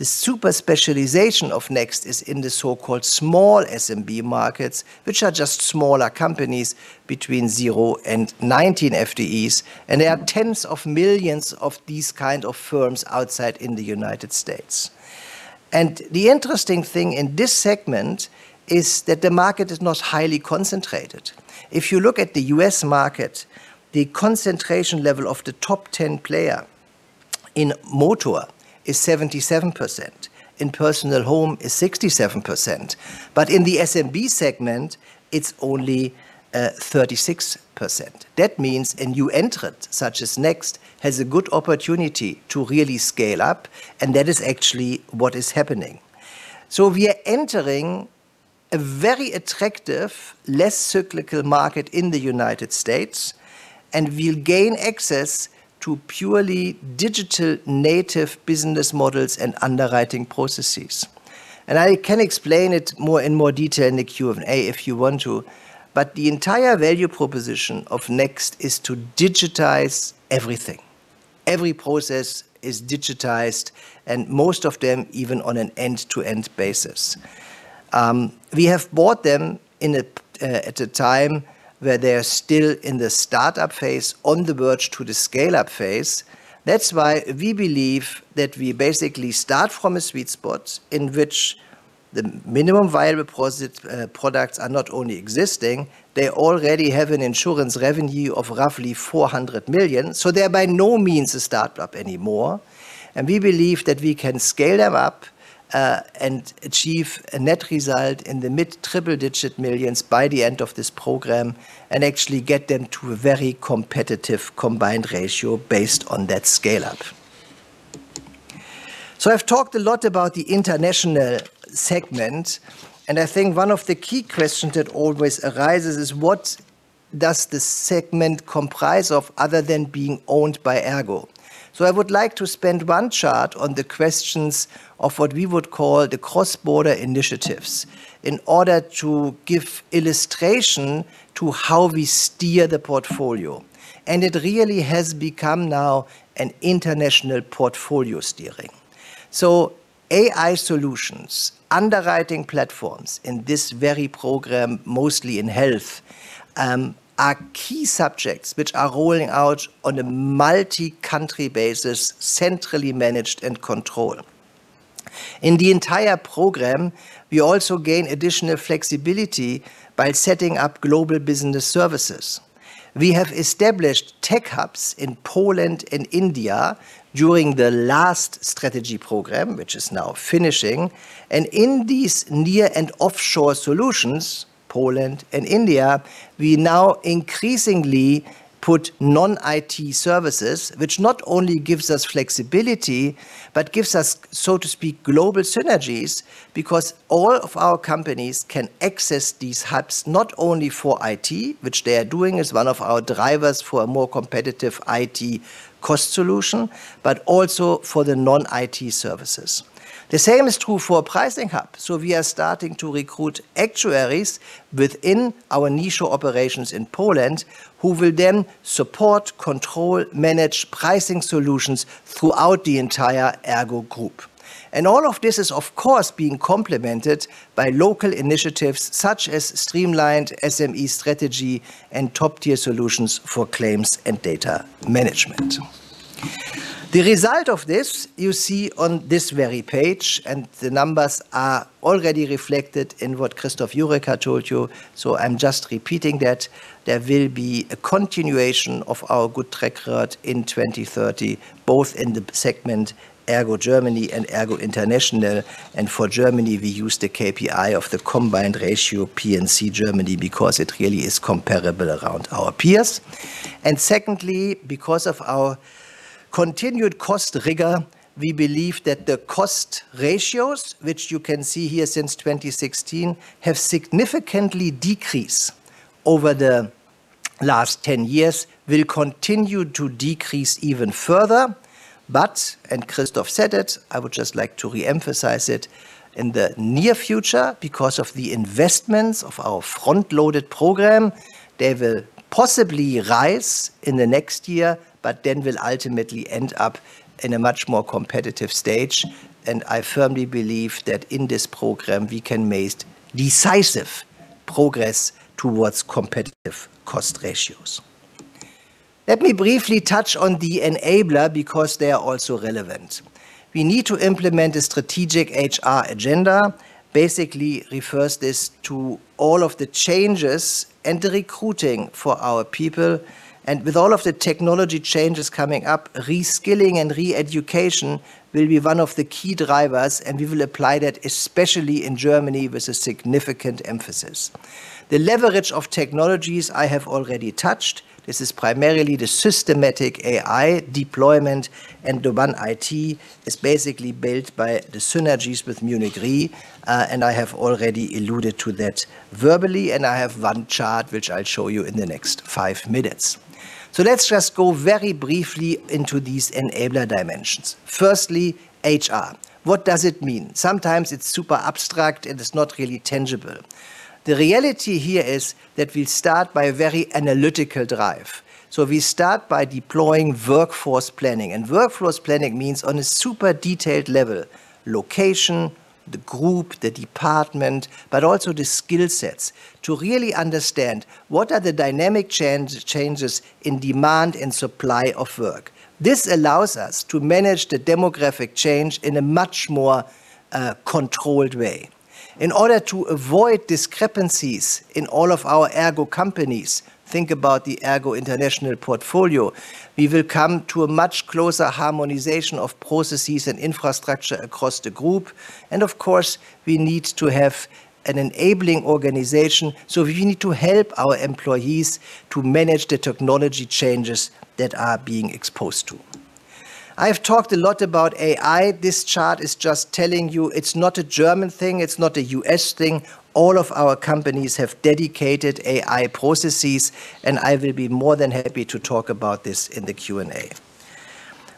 the super specialization of Next is in the so-called small SMB markets, which are just smaller companies between zero and 19 FTEs, and there are tens of millions of these kinds of firms outside in the United States, and the interesting thing in this segment is that the market is not highly concentrated. If you look at the U.S. market, the concentration level of the top 10 player in motor is 77%, in personal home is 67%, but in the SMB segment, it's only 36%. That means a new entrant such as Next has a good opportunity to really scale up, and that is actually what is happening, so we are entering a very attractive, less cyclical market in the United States, and we'll gain access to purely digital native business models and underwriting processes. I can explain it more in detail in the Q&A if you want to, but the entire value proposition of Next is to digitize everything. Every process is digitized, and most of them even on an end-to-end basis. We have bought them at a time where they are still in the startup phase, on the verge to the scale-up phase. That's why we believe that we basically start from a sweet spot in which the minimum viable products are not only existing, they already have an insurance revenue of roughly 400 million, so they're by no means a startup anymore. We believe that we can scale them up and achieve a net result in the mid-triple digit millions by the end of this program and actually get them to a very competitive combined ratio based on that scale-up. So I've talked a lot about the international segment, and I think one of the key questions that always arises is what does the segment comprise of other than being owned by ERGO? So I would like to spend one chart on the questions of what we would call the cross-border initiatives in order to give illustration to how we steer the portfolio. And it really has become now an international portfolio steering. So AI solutions, underwriting platforms in this very program, mostly in health, are key subjects which are rolling out on a multi-country basis, centrally managed and controlled. In the entire program, we also gain additional flexibility by setting up global business services. We have established tech hubs in Poland and India during the last strategy program, which is now finishing. In these near and offshore solutions, Poland and India, we now increasingly put non-IT services, which not only gives us flexibility, but gives us, so to speak, global synergies because all of our companies can access these hubs not only for IT, which they are doing as one of our drivers for a more competitive IT cost solution, but also for the non-IT services. The same is true for a pricing hub. We are starting to recruit actuaries within our niche operations in Poland who will then support, control, manage pricing solutions throughout the entire ERGO Group. All of this is, of course, being complemented by local initiatives such as streamlined SME strategy and top-tier solutions for claims and data management. The result of this you see on this very page, and the numbers are already reflected in what Christoph Jurecka told you, so I'm just repeating that there will be a continuation of our good track record in 2030, both in the segment ERGO Germany and ERGO International, and for Germany, we use the KPI of the combined ratio P&C Germany because it really is comparable around our peers, and secondly, because of our continued cost rigor, we believe that the cost ratios, which you can see here since 2016, have significantly decreased over the last 10 years, will continue to decrease even further, but, and Christoph said it, I would just like to re-emphasize it in the near future because of the investments of our front-loaded program, they will possibly rise in the next year, but then will ultimately end up in a much more competitive stage. I firmly believe that in this program, we can make decisive progress towards competitive cost ratios. Let me briefly touch on the enabler because they are also relevant. We need to implement a strategic HR agenda. Basically, it refers to all of the changes and the recruiting for our people. With all of the technology changes coming up, reskilling and re-education will be one of the key drivers, and we will apply that especially in Germany with a significant emphasis. The leverage of technologies I have already touched, this is primarily the systematic AI deployment, and the one IT is basically built by the synergies with Munich Re, and I have already alluded to that verbally, and I have one chart which I'll show you in the next five minutes. Let's just go very briefly into these enabler dimensions. Firstly, HR. What does it mean? Sometimes it's super abstract and it's not really tangible. The reality here is that we start by a very analytical drive. So we start by deploying workforce planning. And workforce planning means on a super detailed level, location, the group, the department, but also the skill sets to really understand what are the dynamic changes in demand and supply of work. This allows us to manage the demographic change in a much more controlled way. In order to avoid discrepancies in all of our ERGO companies, think about the ERGO International portfolio, we will come to a much closer harmonization of processes and infrastructure across the group. And of course, we need to have an enabling organization, so we need to help our employees to manage the technology changes that are being exposed to. I have talked a lot about AI. This chart is just telling you it's not a German thing, it's not a U.S. thing. All of our companies have dedicated AI processes, and I will be more than happy to talk about this in the Q&A.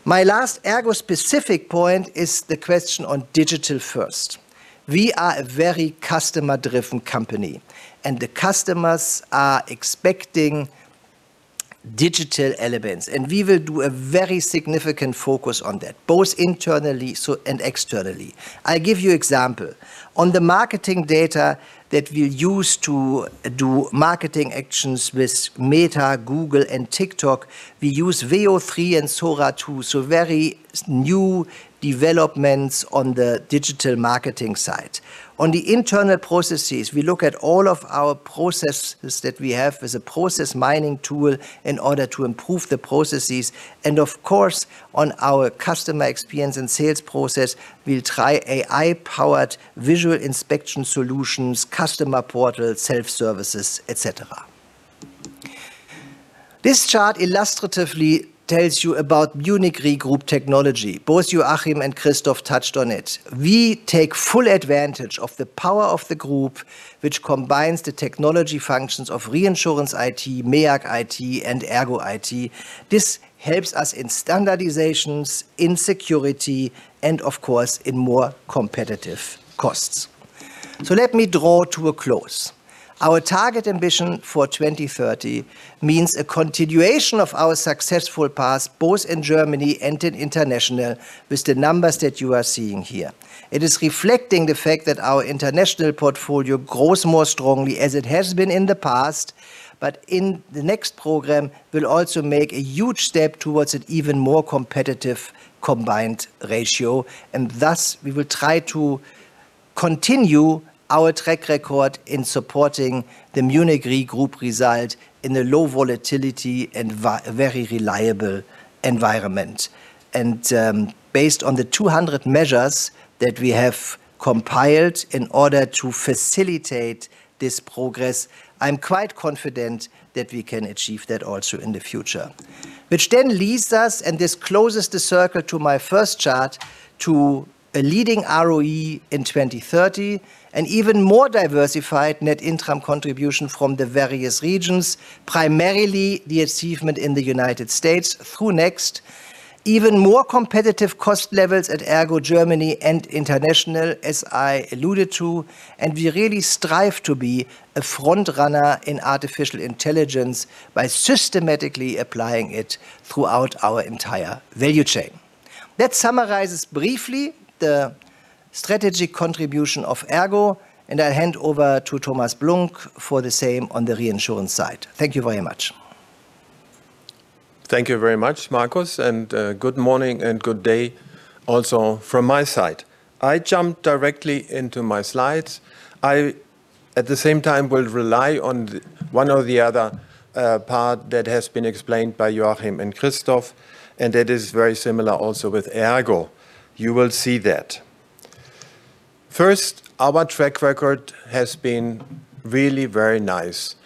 My last ERGO-specific point is the question on digital first. We are a very customer-driven company, and the customers are expecting digital elements, and we will do a very significant focus on that, both internally and externally. I'll give you an example. On the marketing data that we use to do marketing actions with Meta, Google, and TikTok, we use Veo and Sora, so very new developments on the digital marketing side. On the internal processes, we look at all of our processes that we have with a process mining tool in order to improve the processes. Of course, on our customer experience and sales process, we'll try AI-powered visual inspection solutions, customer portal, self-services, etc. This chart illustratively tells you about Munich Re Group technology. Both Joachim and Christoph touched on it. We take full advantage of the power of the group, which combines the technology functions of reinsurance IT, MEAG IT, and ERGO IT. This helps us in standardizations, in security, and of course, in more competitive costs. Let me draw to a close. Our target ambition for 2030 means a continuation of our successful path, both in Germany and in international, with the numbers that you are seeing here. It is reflecting the fact that our international portfolio grows more strongly as it has been in the past, but in the next program, we'll also make a huge step towards an even more competitive combined ratio. And thus, we will try to continue our track record in supporting the Munich Re Group result in a low volatility and very reliable environment. Based on the 200 measures that we have compiled in order to facilitate this progress, I'm quite confident that we can achieve that also in the future, which then leads us, and this closes the circle to my first chart, to a leading ROE in 2030 and even more diversified net income contribution from the various regions, primarily the achievement in the United States through Next, even more competitive cost levels at ERGO Germany and international, as I alluded to. We really strive to be a front runner in artificial intelligence by systematically applying it throughout our entire value chain. That summarizes briefly the strategic contribution of ERGO, and I'll hand over to Thomas Blunck for the same on the reinsurance side. Thank you very much. Thank you very much, Markus, and good morning and good day also from my side. I jumped directly into my slides. I, at the same time, will rely on one or the other part that has been explained by Joachim and Christoph, and that is very similar also with ERGO. You will see that. First, our track record has been really very nice.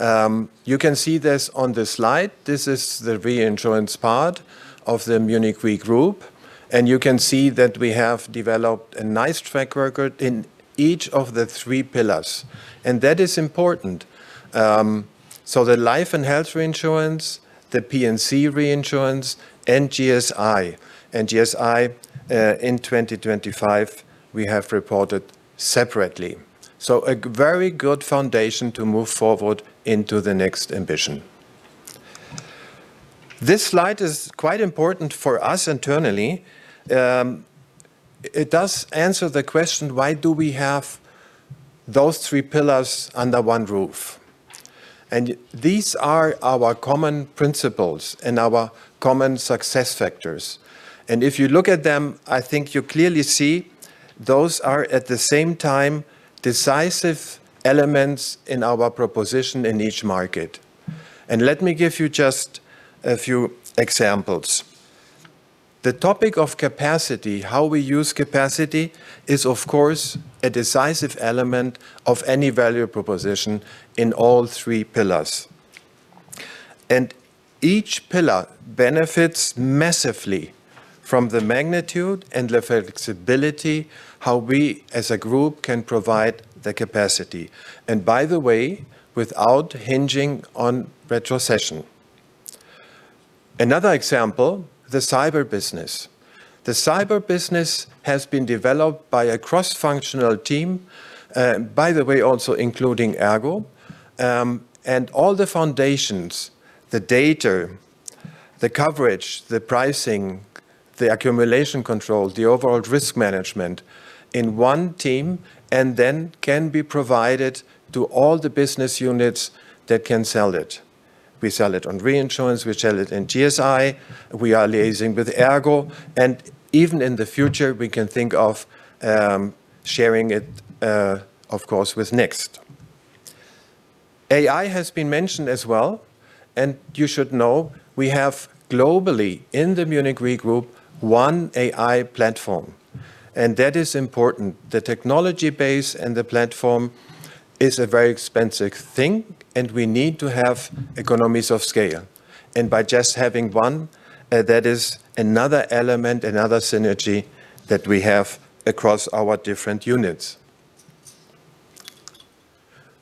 You can see this on the slide. This is the reinsurance part of the Munich Re Group, and you can see that we have developed a nice track record in each of the three pillars, and that is important, so the Life & Health reinsurance, the P&C reinsurance, and GSI, and GSI in 2025, we have reported separately. So a very good foundation to move forward into the next ambition. This slide is quite important for us internally. It does answer the question, why do we have those three pillars under one roof, and these are our common principles and our common success factors. And if you look at them, I think you clearly see those are at the same time decisive elements in our proposition in each market. And let me give you just a few examples. The topic of capacity, how we use capacity, is of course a decisive element of any value proposition in all three pillars. And each pillar benefits massively from the magnitude and the flexibility how we as a group can provide the capacity. And by the way, without hinging on retrocession. Another example, the cyber business. The cyber business has been developed by a cross-functional team, by the way, also including ERGO, and all the foundations, the data, the coverage, the pricing, the accumulation control, the overall risk management in one team and then can be provided to all the business units that can sell it. We sell it on reinsurance, we sell it in GSI, we are liaising with ERGO, and even in the future, we can think of sharing it, of course, with Next. AI has been mentioned as well, and you should know we have globally in the Munich Re Group one AI platform, and that is important. The technology base and the platform is a very expensive thing, and we need to have economies of scale. And by just having one, that is another element, another synergy that we have across our different units.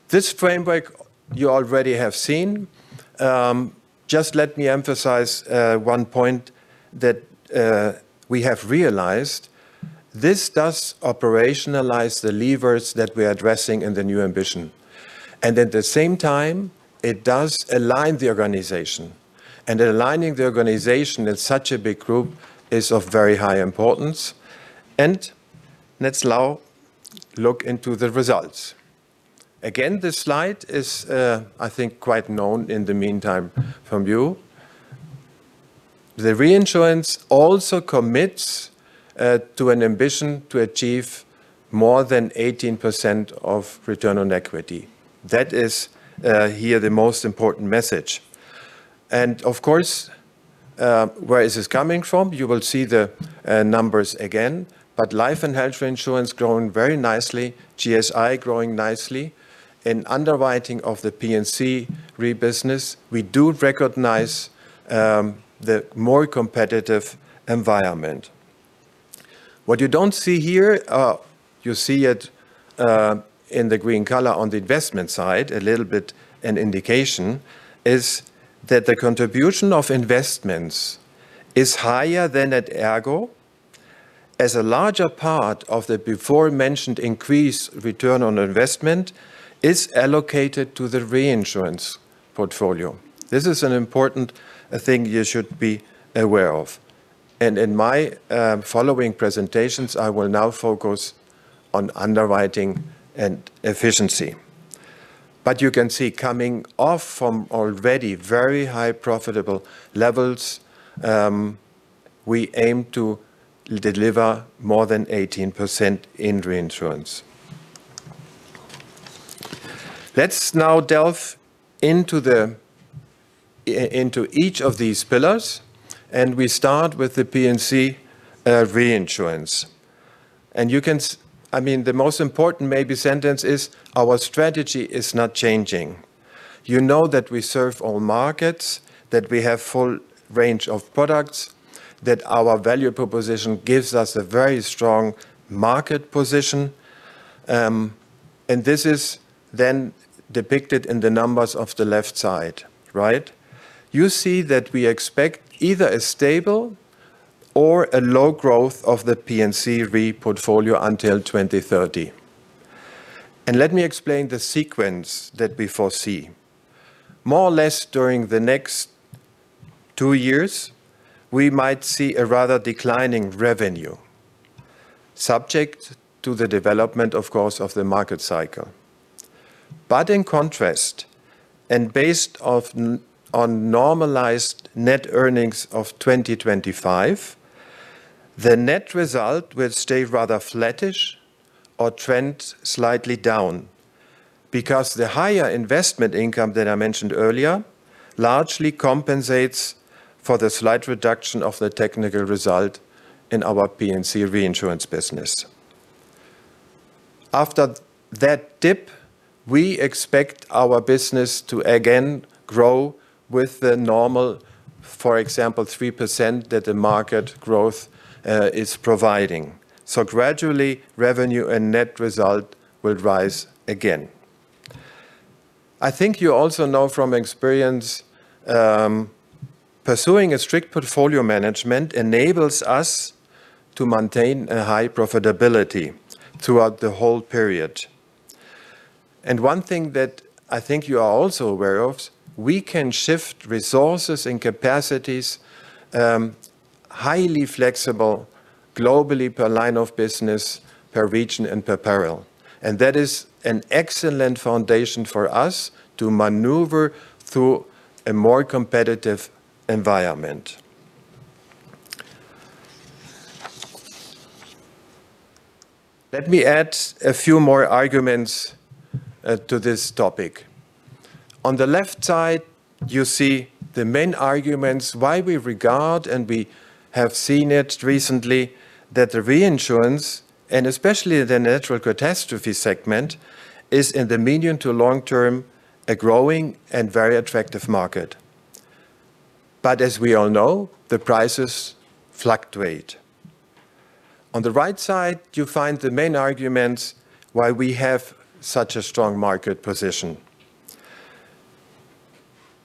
This framework you already have seen. Just let me emphasize one point that we have realized. This does operationalize the levers that we are addressing in the new ambition, and at the same time, it does align the organization, and aligning the organization in such a big group is of very high importance, and let's now look into the results. Again, this slide is, I think, quite known in the meantime from you. The reinsurance also commits to an ambition to achieve more than 18% of return on equity. That is here the most important message, and of course, where is this coming from? You will see the numbers again, but Life & Health reinsurance growing very nicely, GSI growing nicely, and underwriting of the P&C Re business, we do recognize the more competitive environment. What you don't see here, you see it in the green color on the investment side, a little bit an indication is that the contribution of investments is higher than at ERGO, as a larger part of the before-mentioned increased return on investment is allocated to the reinsurance portfolio. This is an important thing you should be aware of, and in my following presentations, I will now focus on underwriting and efficiency, but you can see coming off from already very high profitable levels, we aim to deliver more than 18% in reinsurance. Let's now delve into each of these pillars, and we start with the P&C reinsurance. You can, I mean, the most important maybe sentence is our strategy is not changing. You know that we serve all markets, that we have full range of products, that our value proposition gives us a very strong market position. And this is then depicted in the numbers of the left side, right? You see that we expect either a stable or a low growth of the P&C Re portfolio until 2030. And let me explain the sequence that we foresee. More or less during the next two years, we might see a rather declining revenue, subject to the development, of course, of the market cycle. But in contrast, and based on normalized net earnings of 2025, the net result will stay rather flattish or trend slightly down because the higher investment income that I mentioned earlier largely compensates for the slight reduction of the technical result in our P&C reinsurance business. After that dip, we expect our business to again grow with the normal, for example, 3% that the market growth is providing. So gradually, revenue and net result will rise again. I think you also know from experience pursuing a strict portfolio management enables us to maintain a high profitability throughout the whole period. And one thing that I think you are also aware of, we can shift resources and capacities, highly flexible globally per line of business, per region, and per parallel. And that is an excellent foundation for us to maneuver through a more competitive environment. Let me add a few more arguments to this topic. On the left side, you see the main arguments why we regard, and we have seen it recently, that the reinsurance, and especially the natural catastrophe segment, is in the medium to long term a growing and very attractive market. But as we all know, the prices fluctuate. On the right side, you find the main arguments why we have such a strong market position.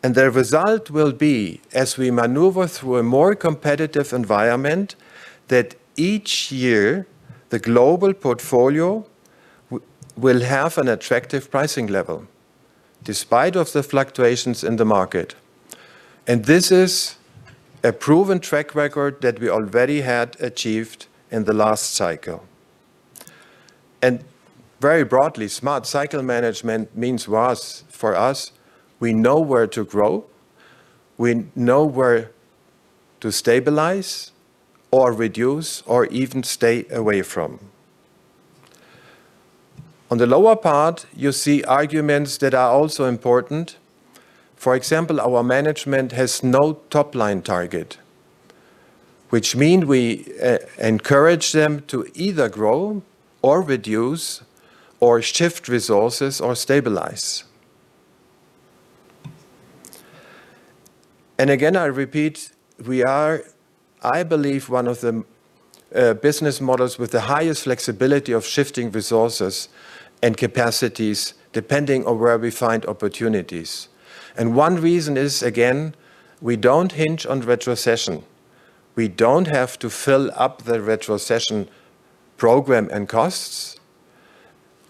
The result will be, as we maneuver through a more competitive environment, that each year the global portfolio will have an attractive pricing level despite the fluctuations in the market. This is a proven track record that we already had achieved in the last cycle. Very broadly, smart cycle management means for us, we know where to grow, we know where to stabilize or reduce or even stay away from. On the lower part, you see arguments that are also important. For example, our management has no top line target, which means we encourage them to either grow or reduce or shift resources or stabilize. Again, I repeat, we are, I believe, one of the business models with the highest flexibility of shifting resources and capacities depending on where we find opportunities. One reason is, again, we don't hinge on retrocession. We don't have to fill up the retrocession program and costs,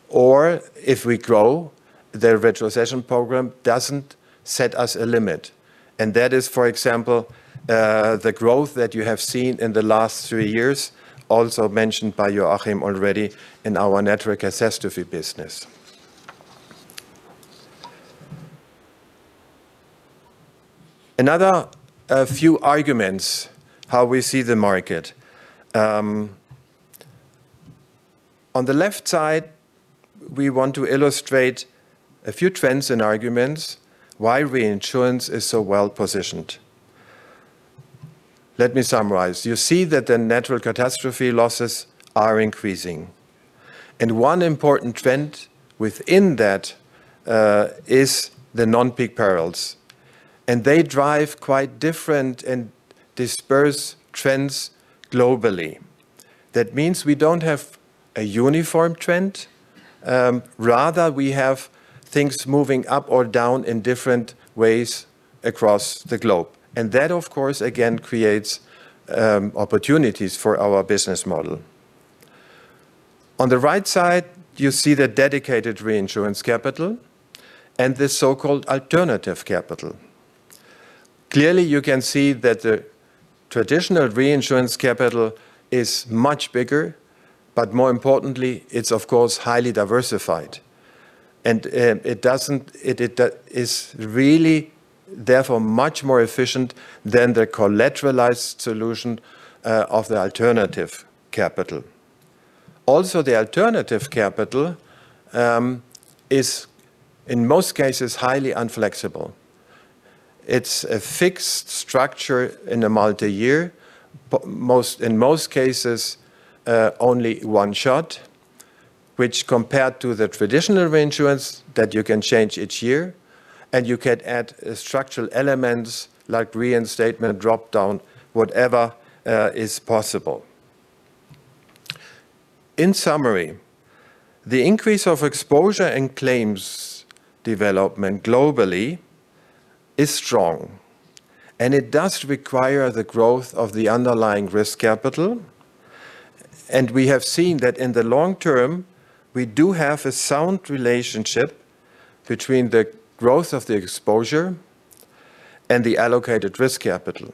or if we grow, the retrocession program doesn't set us a limit. And that is, for example, the growth that you have seen in the last three years, also mentioned by Joachim already in our nat cat business. Another few arguments how we see the market. On the left side, we want to illustrate a few trends and arguments why reinsurance is so well positioned. Let me summarize. You see that the natural catastrophe losses are increasing. And one important trend within that is the non-peak perils. And they drive quite different and dispersed trends globally. That means we don't have a uniform trend. Rather, we have things moving up or down in different ways across the globe. And that, of course, again, creates opportunities for our business model. On the right side, you see the dedicated reinsurance capital and the so-called alternative capital. Clearly, you can see that the traditional reinsurance capital is much bigger, but more importantly, it's, of course, highly diversified, and it is really, therefore, much more efficient than the collateralized solution of the alternative capital. Also, the alternative capital is, in most cases, highly inflexible. It's a fixed structure in a multi-year, in most cases, only one shot, which compared to the traditional reinsurance that you can change each year, and you can add structural elements like reinstatement, dropdown, whatever is possible. In summary, the increase of exposure and claims development globally is strong, and it does require the growth of the underlying risk capital, and we have seen that in the long term, we do have a sound relationship between the growth of the exposure and the allocated risk capital.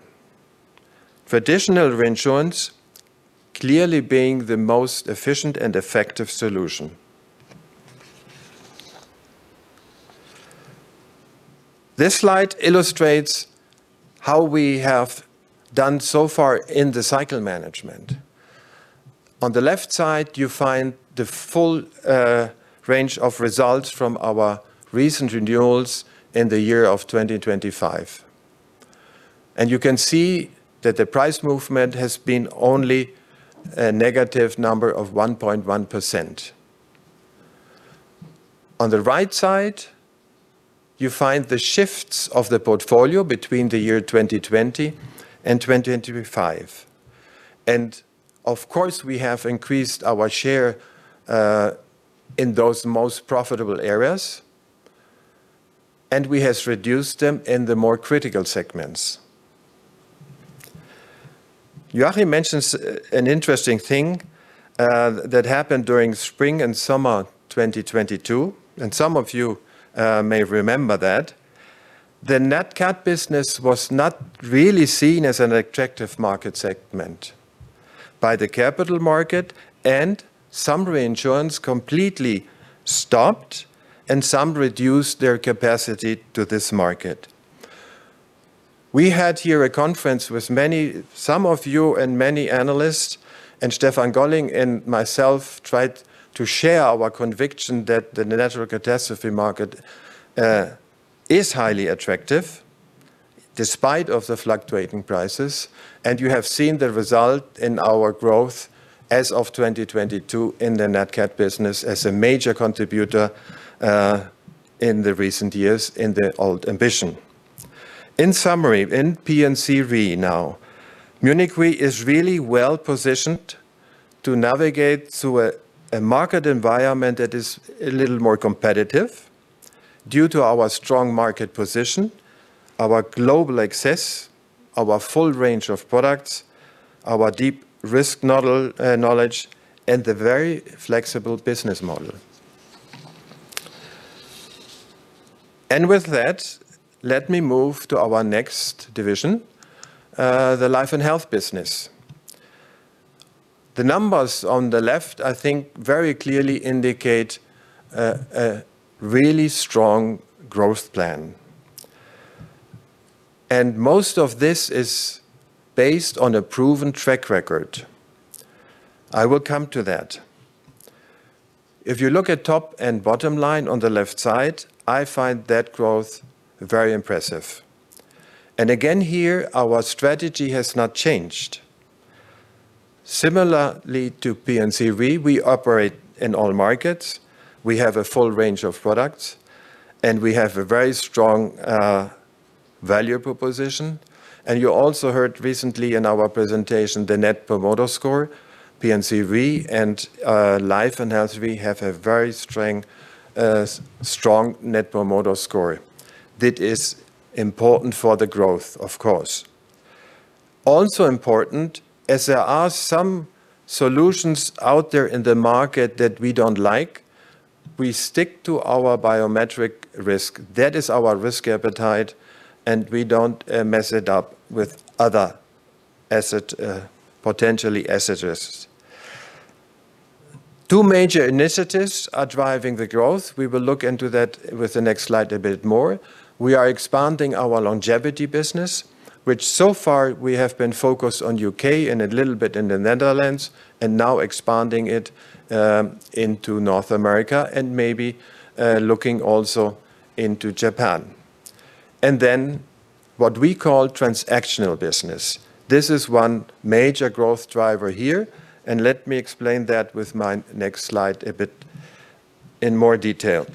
Traditional reinsurance clearly being the most efficient and effective solution. This slide illustrates how we have done so far in the cycle management. On the left side, you find the full range of results from our recent renewals in the year of 2025, and you can see that the price movement has been only a negative number of 1.1%. On the right side, you find the shifts of the portfolio between the year 2020 and 2025, and of course, we have increased our share in those most profitable areas, and we have reduced them in the more critical segments. Joachim mentions an interesting thing that happened during spring and summer 2022, and some of you may remember that. The nat cat business was not really seen as an attractive market segment by the capital market, and some reinsurance completely stopped, and some reduced their capacity to this market. We had here a conference with some of you and many analysts, and Stefan Golling and myself tried to share our conviction that the natural catastrophe market is highly attractive despite the fluctuating prices. And you have seen the result in our growth as of 2022 in the nat cat business as a major contributor in the recent years in the old ambition. In summary, in P&C Re now, Munich Re is really well positioned to navigate through a market environment that is a little more competitive due to our strong market position, our global access, our full range of products, our deep risk knowledge, and the very flexible business model. And with that, let me move to our next division, the Life & Health business. The numbers on the left, I think, very clearly indicate a really strong growth plan. And most of this is based on a proven track record. I will come to that. If you look at top and bottom line on the left side, I find that growth very impressive. And again, here, our strategy has not changed. Similarly to P&C Re, we operate in all markets. We have a full range of products, and we have a very strong value proposition. And you also heard recently in our presentation the Net Promoter Score. P&C Re and Life & Health Re have a very strong Net Promoter Score. That is important for the growth, of course. Also important, as there are some solutions out there in the market that we don't like, we stick to our biometric risk. That is our risk appetite, and we don't mess it up with other potentially asset risks. Two major initiatives are driving the growth. We will look into that with the next slide a bit more. We are expanding our longevity business, which so far we have been focused on U.K. and a little bit in the Netherlands, and now expanding it into North America and maybe looking also into Japan, and then what we call transactional business. This is one major growth driver here, and let me explain that with my next slide a bit in more detail.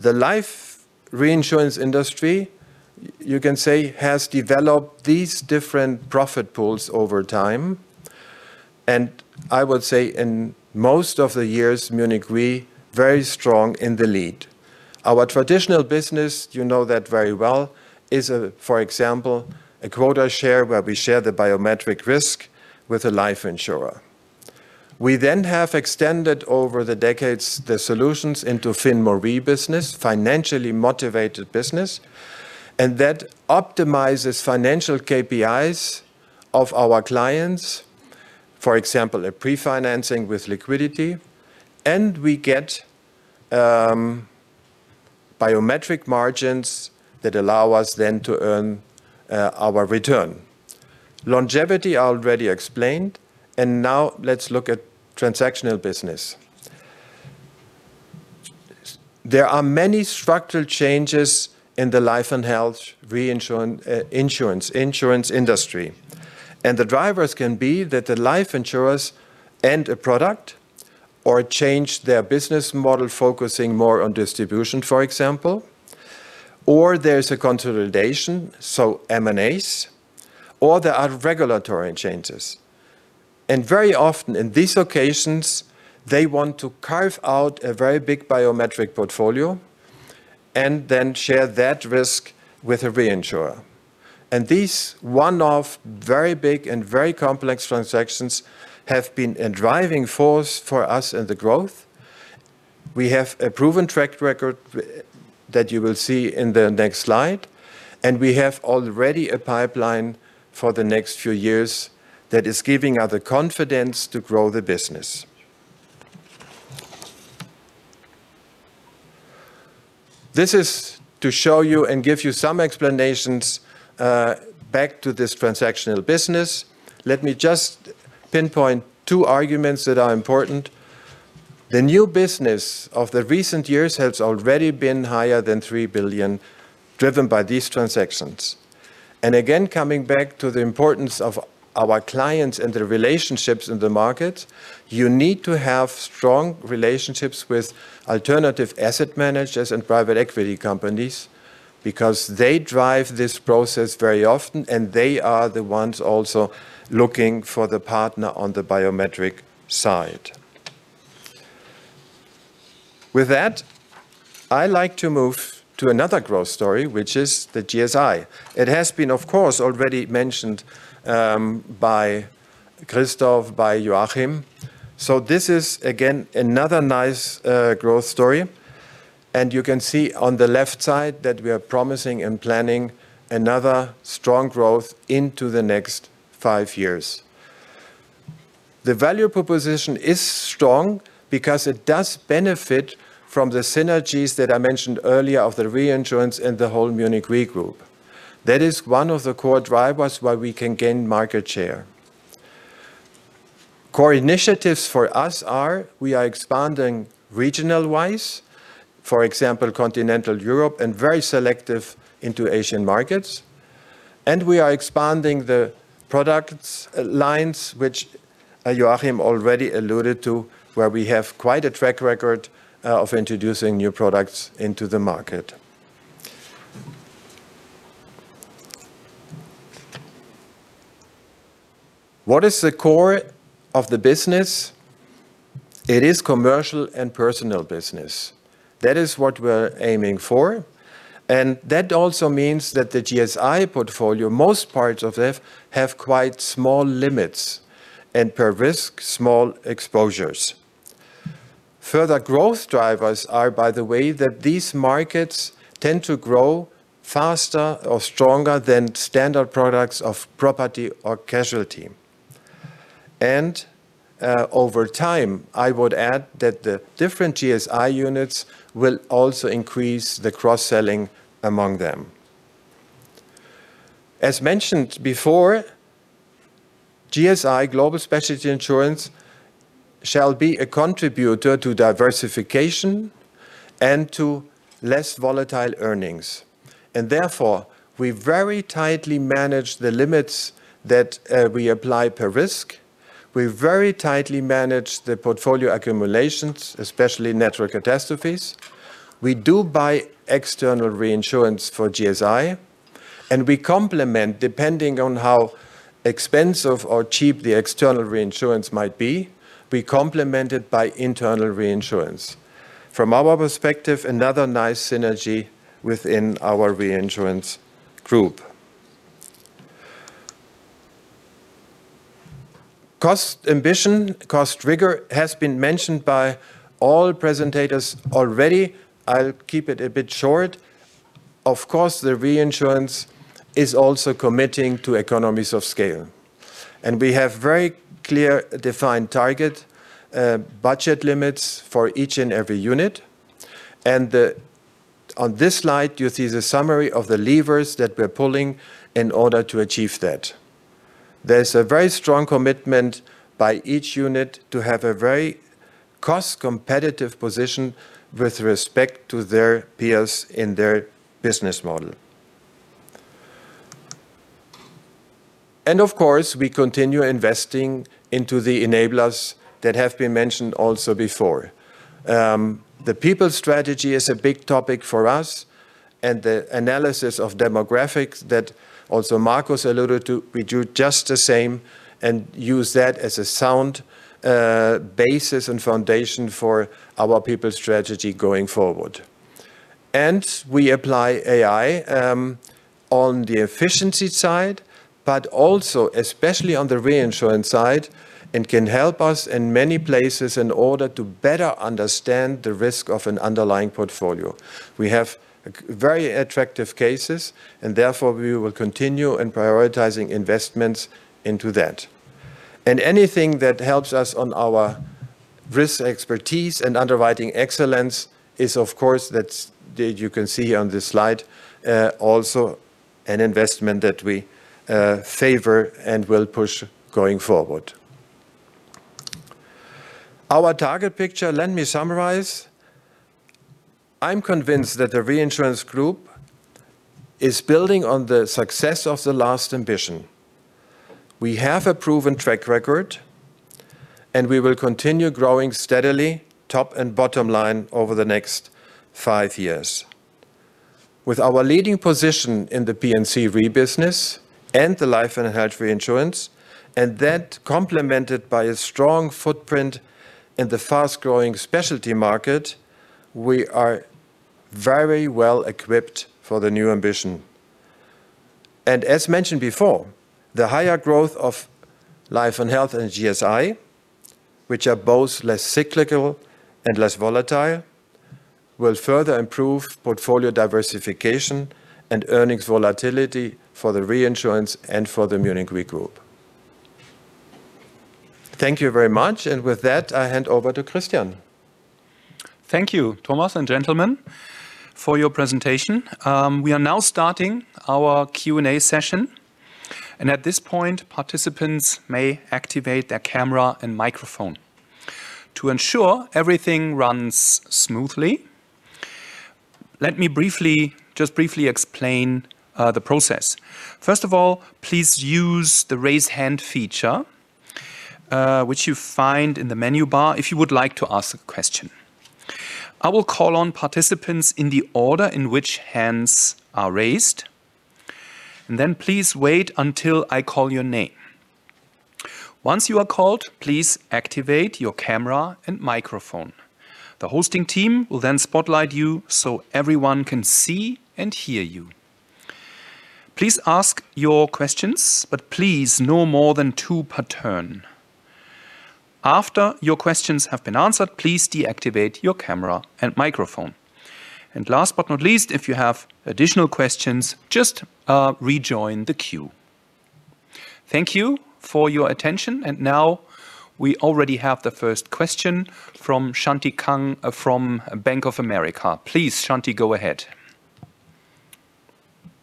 The life reinsurance industry, you can say, has developed these different profit pools over time, and I would say in most of the years, Munich Re is very strong in the lead. Our traditional business, you know that very well, is, for example, a quota share where we share the biometric risk with a life insurer. We then have extended over the decades the solutions into FinMoRe business, financially motivated business, and that optimizes financial KPIs of our clients, for example, a pre-financing with liquidity, and we get biometric margins that allow us then to earn our return. Longevity I already explained, and now let's look at transactional business. There are many structural changes in the Life & Health insurance industry, and the drivers can be that the life insurers end a product or change their business model focusing more on distribution, for example, or there's a consolidation, so M&As, or there are regulatory changes, and very often in these occasions, they want to carve out a very big biometric portfolio and then share that risk with a reinsurer, and these one-off very big and very complex transactions have been a driving force for us in the growth. We have a proven track record that you will see in the next slide, and we have already a pipeline for the next few years that is giving us the confidence to grow the business. This is to show you and give you some explanations back to this transactional business. Let me just pinpoint two arguments that are important. The new business of the recent years has already been higher than 3 billion driven by these transactions. And again, coming back to the importance of our clients and the relationships in the market, you need to have strong relationships with alternative asset managers and private equity companies because they drive this process very often, and they are the ones also looking for the partner on the biometric side. With that, I like to move to another growth story, which is the GSI. It has been, of course, already mentioned by Christoph, by Joachim. So this is, again, another nice growth story. And you can see on the left side that we are promising and planning another strong growth into the next five years. The value proposition is strong because it does benefit from the synergies that I mentioned earlier of the reinsurance and the whole Munich Re group. That is one of the core drivers where we can gain market share. Core initiatives for us are we are expanding regional-wise, for example, continental Europe and very selective into Asian markets. And we are expanding the product lines, which Joachim already alluded to, where we have quite a track record of introducing new products into the market. What is the core of the business? It is commercial and personal business. That is what we're aiming for. That also means that the GSI portfolio, most parts of them have quite small limits and per risk, small exposures. Further growth drivers are, by the way, that these markets tend to grow faster or stronger than standard products of property or casualty. Over time, I would add that the different GSI units will also increase the cross-selling among them. As mentioned before, GSI Global Specialty Insurance shall be a contributor to diversification and to less volatile earnings. Therefore, we very tightly manage the limits that we apply per risk. We very tightly manage the portfolio accumulations, especially natural catastrophes. We do buy external reinsurance for GSI, and we complement, depending on how expensive or cheap the external reinsurance might be, we complement it by internal reinsurance. From our perspective, another nice synergy within our reinsurance group. Cost ambition, cost rigor has been mentioned by all presenters already. I'll keep it a bit short. Of course, the reinsurance is also committing to economies of scale, and we have very clear defined target budget limits for each and every unit. On this slide, you see the summary of the levers that we're pulling in order to achieve that. There's a very strong commitment by each unit to have a very cost competitive position with respect to their peers in their business model. Of course, we continue investing into the enablers that have been mentioned also before. The people strategy is a big topic for us, and the analysis of demographics that also Markus alluded to, we do just the same and use that as a sound basis and foundation for our people strategy going forward. We apply AI on the efficiency side, but also especially on the reinsurance side and can help us in many places in order to better understand the risk of an underlying portfolio. We have very attractive cases, and therefore we will continue in prioritizing investments into that. Anything that helps us on our risk expertise and underwriting excellence is, of course, that you can see here on this slide, also an investment that we favor and will push going forward. Our target picture. Let me summarize. I'm convinced that the reinsurance group is building on the success of the last ambition. We have a proven track record, and we will continue growing steadily, top and bottom line over the next five years. With our leading position in the P&C Re business and the Life & Health reinsurance, and that complemented by a strong footprint in the fast-growing specialty market, we are very well equipped for the new ambition. And as mentioned before, the higher growth of Life & Health and GSI, which are both less cyclical and less volatile, will further improve portfolio diversification and earnings volatility for the reinsurance and for the Munich Re group. Thank you very much, and with that, I hand over to Christian. Thank you, Thomas and gentlemen, for your presentation. We are now starting our Q&A session, and at this point, participants may activate their camera and microphone. To ensure everything runs smoothly, let me just briefly explain the process. First of all, please use the raise hand feature, which you find in the menu bar if you would like to ask a question. I will call on participants in the order in which hands are raised, and then please wait until I call your name. Once you are called, please activate your camera and microphone. The hosting team will then spotlight you so everyone can see and hear you. Please ask your questions, but please no more than two per turn. After your questions have been answered, please deactivate your camera and microphone. And last but not least, if you have additional questions, just rejoin the queue. Thank you for your attention, and now we already have the first question from Shanti Kang from Bank of America. Please, Shanti, go ahead.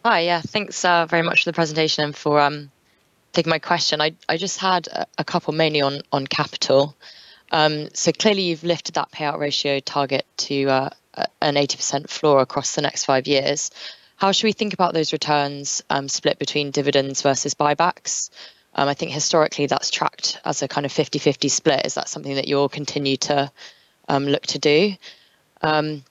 Hi, yeah, thanks very much for the presentation and for taking my question. I just had a couple mainly on capital. So clearly you've lifted that payout ratio target to an 80% floor across the next five years. How should we think about those returns split between dividends versus buybacks? I think historically that's tracked as a kind of 50-50 split. Is that something that you'll continue to look to do? And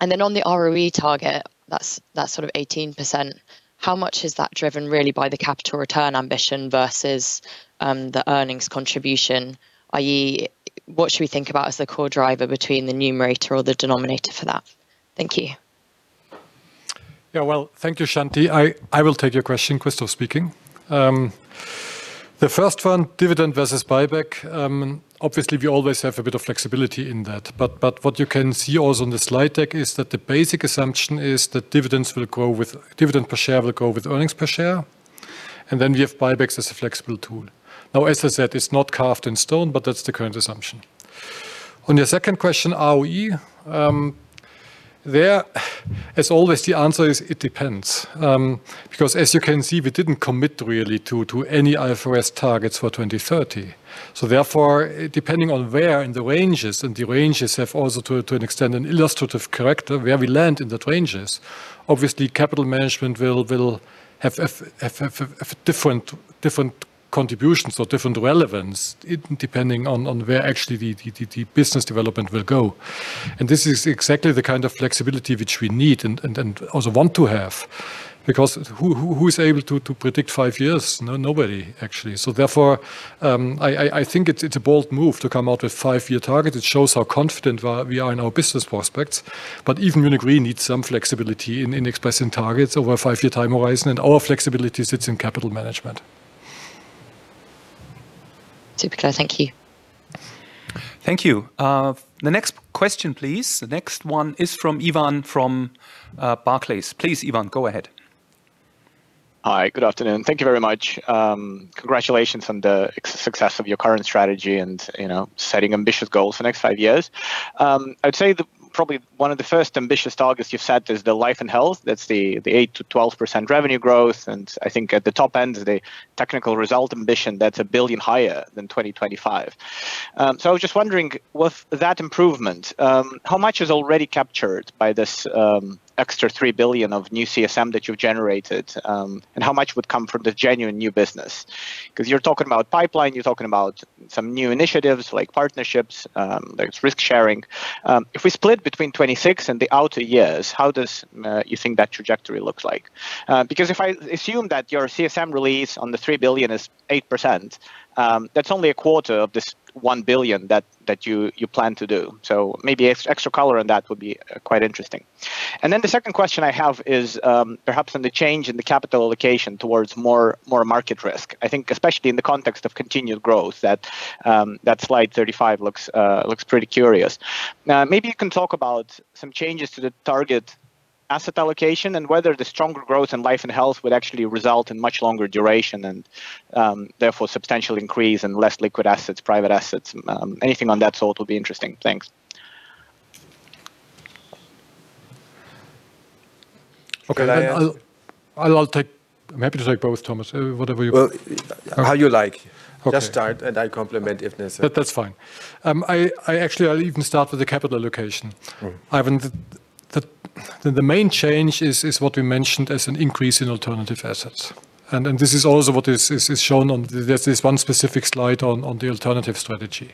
then on the ROE target, that's sort of 18%. How much is that driven really by the capital return ambition versus the earnings contribution, i.e., what should we think about as the core driver between the numerator or the denominator for that? Thank you. Yeah, well, thank you, Shanti. I will take your question. Christoph speaking. The first one, dividend versus buyback, obviously we always have a bit of flexibility in that. But what you can see also in the slide deck is that the basic assumption is that dividends will grow with dividend per share will go with earnings per share, and then we have buybacks as a flexible tool. Now, as I said, it's not carved in stone, but that's the current assumption. On your second question, ROE, there, as always, the answer is it depends. Because as you can see, we didn't commit really to any IFRS targets for 2030. So therefore, depending on where in the ranges, and the ranges have also to an extent an illustrative character, where we land in the ranges, obviously capital management will have different contributions or different relevance depending on where actually the business development will go. And this is exactly the kind of flexibility which we need and also want to have. Because who is able to predict five years? Nobody, actually. So therefore, I think it's a bold move to come out with five-year targets. It shows how confident we are in our business prospects. But even Munich Re needs some flexibility in expressing targets over a five-year time horizon, and our flexibility sits in capital management. Typical, thank you. Thank you. The next question, please. The next one is from Ivan from Barclays. Please, Ivan, go ahead. Hi, good afternoon. Thank you very much. Congratulations on the success of your current strategy and setting ambitious goals for the next five years. I'd say probably one of the first ambitious targets you've set is the Life & Health. That's the 8% to 12% revenue growth. And I think at the top end, the technical result ambition, that's a billion higher than 2025. So I was just wondering, with that improvement, how much is already captured by this extra 3 billion of new CSM that you've generated, and how much would come from the genuine new business? Because you're talking about pipeline, you're talking about some new initiatives like partnerships, there's risk sharing. If we split between 2026 and the outer years, how does you think that trajectory looks like? Because if I assume that your CSM release on the 3 billion is 8%, that's only a quarter of this 1 billion that you plan to do. So maybe extra color on that would be quite interesting. And then the second question I have is perhaps on the change in the capital allocation towards more market risk. I think especially in the context of continued growth, that slide 35 looks pretty curious. Maybe you can talk about some changes to the target asset allocation and whether the stronger growth in Life & Health would actually result in much longer duration and therefore substantial increase in less liquid assets, private assets. Anything on that sort would be interesting. Thanks. Okay, I'm happy to take both, Thomas, whatever you want. However you like. Just start and I'll comment if necessary. That's fine. I actually, I'll even start with the capital allocation. The main change is what we mentioned as an increase in alternative assets. And this is also what is shown on this one specific slide on the alternative strategy.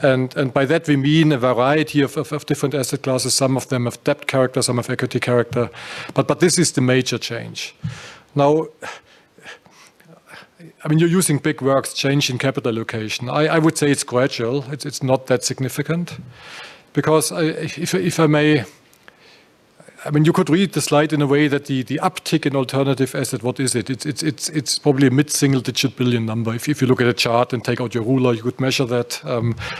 And by that, we mean a variety of different asset classes. Some of them have debt character, some have equity character. But this is the major change. Now, I mean, you're using big words, change in capital allocation. I would say it's gradual. It's not that significant. Because if I may, I mean, you could read the slide in a way that the uptick in alternative asset, what is it? It's probably a mid-single-digit billion number. If you look at a chart and take out your ruler, you could measure that.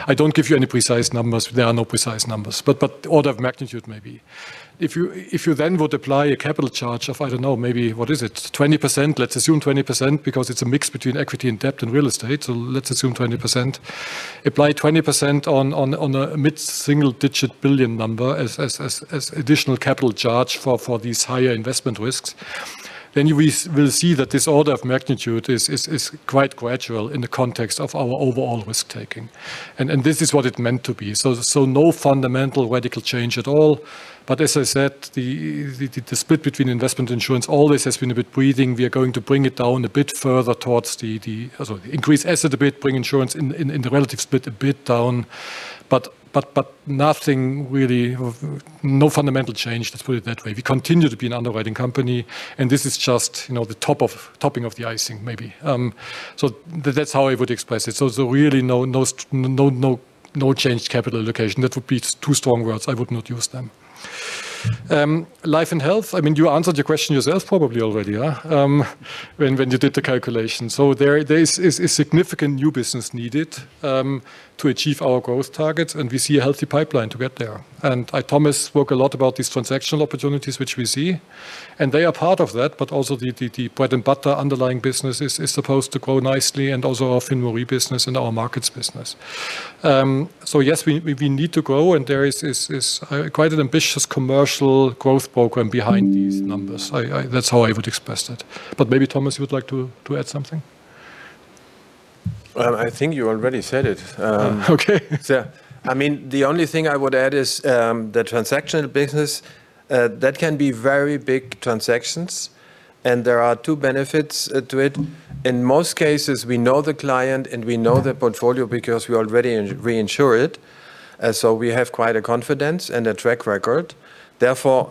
I don't give you any precise numbers. There are no precise numbers, but order of magnitude maybe. If you then would apply a capital charge of, I don't know, maybe what is it? 20%. Let's assume 20%, because it's a mix between equity and debt and real estate. Let's assume 20%. Apply 20% on a mid-single-digit billion number as additional capital charge for these higher investment risks. Then we will see that this order of magnitude is quite gradual in the context of our overall risk taking. This is what it meant to be. No fundamental radical change at all. As I said, the split between investments and insurance always has been a bit flexible. We are going to bring it down a bit further towards increasing assets a bit, bring insurance in the relative split a bit down. Nothing really, no fundamental change. Let's put it that way. We continue to be an underwriting company, and this is just the topping of the icing maybe. So that's how I would express it. So really no changed capital allocation. That would be too strong words. I would not use them. Life & Health, I mean, you answered your question yourself probably already when you did the calculation. So there is significant new business needed to achieve our growth targets, and we see a healthy pipeline to get there. And I, Thomas, spoke a lot about these transactional opportunities which we see. And they are part of that, but also the bread and butter underlying business is supposed to grow nicely and also our funeral business and our mortality business. So yes, we need to grow, and there is quite an ambitious commercial growth program behind these numbers. That's how I would express that. But maybe Thomas, you would like to add something? I think you already said it. Okay. I mean, the only thing I would add is the transactional business. That can be very big transactions, and there are two benefits to it. In most cases, we know the client and we know the portfolio because we already reinsure it. So we have quite a confidence and a track record. Therefore,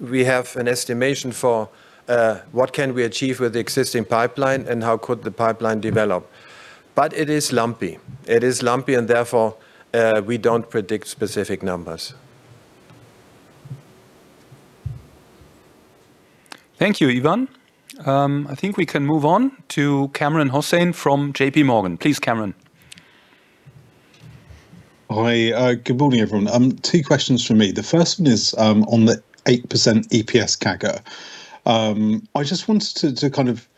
we have an estimation for what can we achieve with the existing pipeline and how could the pipeline develop. But it is lumpy. It is lumpy, and therefore we don't predict specific numbers. Thank you, Ivan. I think we can move on to Kamran Hosie from J.P. Morgan. Please, Kamran. Hi, good morning, everyone. Two questions for me. The first one is on the 8% EPS CAGR. I just wanted to kind of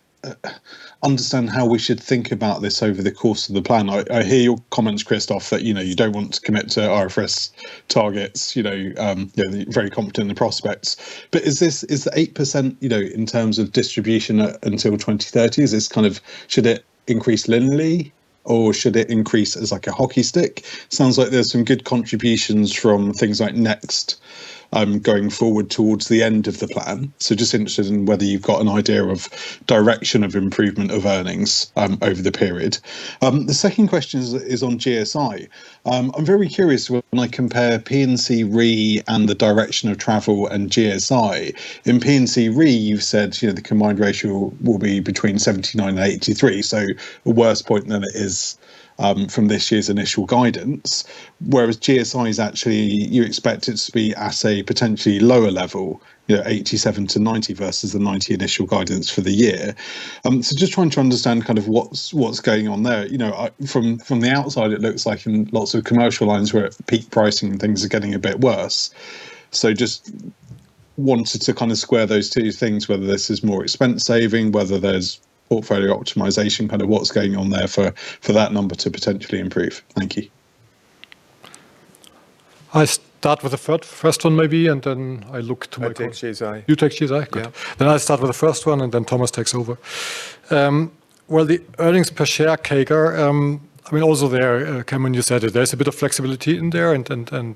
understand how we should think about this over the course of the plan. I hear your comments, Christoph, that you don't want to commit to RFS targets. You're very confident in the prospects. But is the 8% in terms of distribution until 2030, is this kind of should it increase linearly or should it increase as like a hockey stick? Sounds like there's some good contributions from things like Next going forward towards the end of the plan. So just interested in whether you've got an idea of direction of improvement of earnings over the period. The second question is on GSI. I'm very curious when I compare P&C Re and the direction of travel and GSI. In P&C Re, you've said the combined ratio will be between 79% and 83%, so a worse point than it is from this year's initial guidance. Whereas GSI is actually you expect it to be at a potentially lower level, 87% to 90% versus the 90% initial guidance for the year. So just trying to understand kind of what's going on there. From the outside, it looks like in lots of commercial lines where peak pricing and things are getting a bit worse. So just wanted to kind of square those two things, whether this is more expense saving, whether there's portfolio optimization, kind of what's going on there for that number to potentially improve. Thank you. I start with the first one maybe, and then I look to my colleague. You take GSI. You take GSI. Good. Then I'll start with the first one, and then Thomas takes over. The earnings per share CAGR, I mean, also there, Kamran, you said it. There's a bit of flexibility in there, and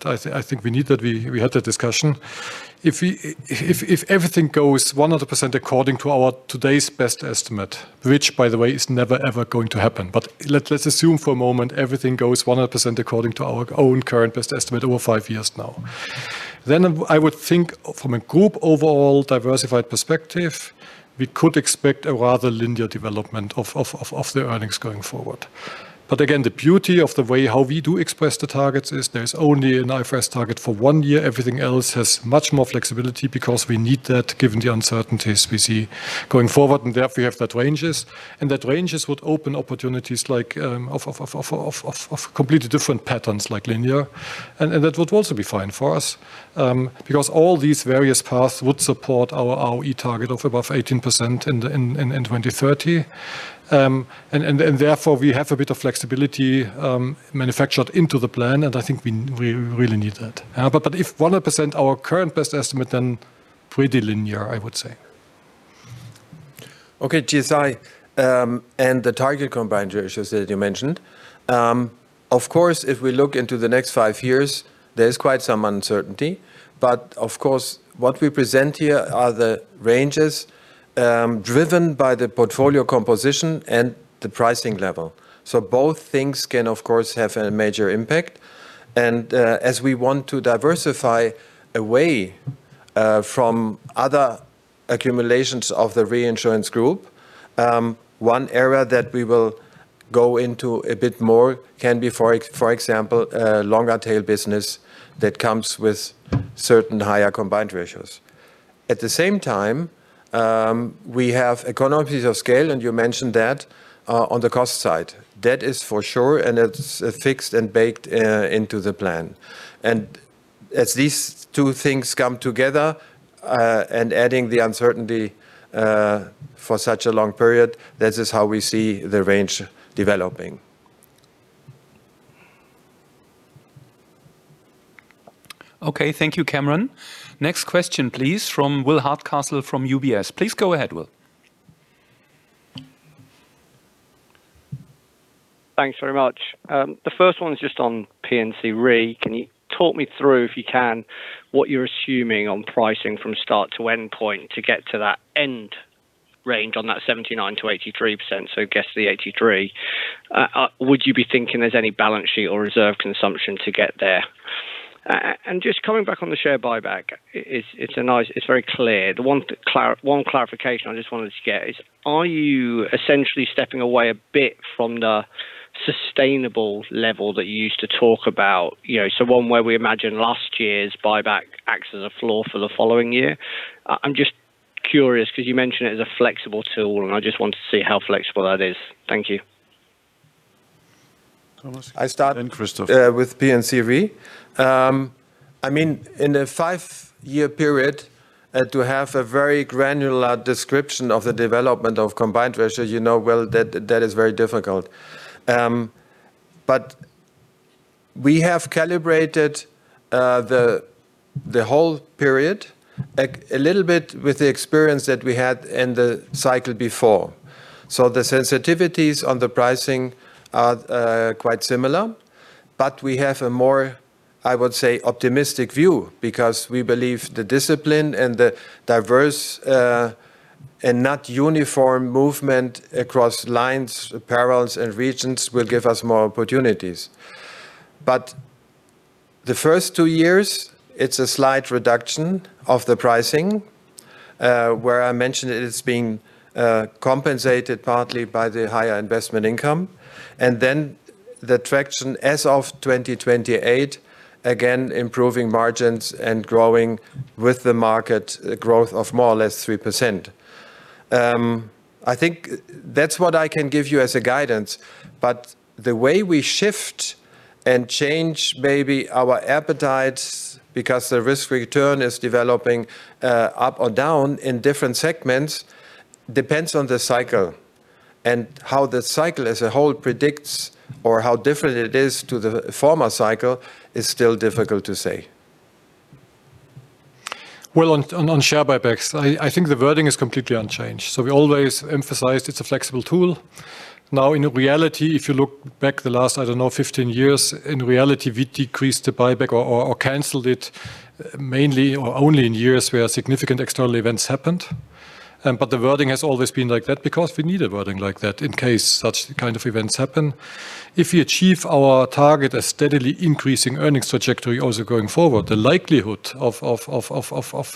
I think we need that. We had that discussion. If everything goes 100% according to our today's best estimate, which, by the way, is never ever going to happen, but let's assume for a moment everything goes 100% according to our own current best estimate over five years now. Then I would think from a group overall diversified perspective, we could expect a rather linear development of the earnings going forward. But again, the beauty of the way how we do express the targets is there's only an IFRS target for one year. Everything else has much more flexibility because we need that given the uncertainties we see going forward, and therefore we have that ranges. And that ranges would open opportunities like of completely different patterns like linear. And that would also be fine for us because all these various paths would support our ROE target of above 18% in 2030. And therefore we have a bit of flexibility manufactured into the plan, and I think we really need that. But if 100%, our current best estimate, then pretty linear, I would say. Okay, GSI and the target combined ratio that you mentioned. Of course, if we look into the next five years, there is quite some uncertainty, but of course, what we present here are the ranges driven by the portfolio composition and the pricing level, so both things can, of course, have a major impact, and as we want to diversify away from other accumulations of the reinsurance group, one area that we will go into a bit more can be, for example, a longer-tail business that comes with certain higher combined ratios. At the same time, we have economies of scale, and you mentioned that on the cost side. That is for sure, and it's fixed and baked into the plan, and as these two things come together and adding the uncertainty for such a long period, this is how we see the range developing. Okay, thank you, Kamran. Next question, please, from Will Hardcastle from UBS. Please go ahead, Will. Thanks very much. The first one is just on P&C Re. Can you talk me through, if you can, what you're assuming on pricing from start to end point to get to that end range on that 79%-83%, so guess the 83? Would you be thinking there's any balance sheet or reserve consumption to get there? And just coming back on the share buyback, it's very clear. One clarification I just wanted to get is, are you essentially stepping away a bit from the sustainable level that you used to talk about? So one where we imagine last year's buyback acts as a floor for the following year. I'm just curious because you mentioned it as a flexible tool, and I just want to see how flexible that is. Thank you. Thomas. I start with P&C Re. I mean, in a five-year period, to have a very granular description of the development of combined ratio, you know well that is very difficult. But we have calibrated the whole period a little bit with the experience that we had in the cycle before. So the sensitivities on the pricing are quite similar, but we have a more, I would say, optimistic view because we believe the discipline and the diverse and not uniform movement across lines, perils, and regions will give us more opportunities. But the first two years, it's a slight reduction of the pricing where I mentioned it's being compensated partly by the higher investment income. And then the traction as of 2028, again, improving margins and growing with the market growth of more or less 3%. I think that's what I can give you as a guidance. But the way we shift and change maybe our appetites because the risk return is developing up or down in different segments depends on the cycle. And how the cycle as a whole predicts or how different it is to the former cycle is still difficult to say. On share buybacks, I think the wording is completely unchanged. So we always emphasized it's a flexible tool. Now, in reality, if you look back the last, I don't know, 15 years, in reality, we decreased the buyback or canceled it mainly or only in years where significant external events happened. But the wording has always been like that because we need a wording like that in case such kind of events happen. If we achieve our target, a steadily increasing earnings trajectory also going forward, the likelihood of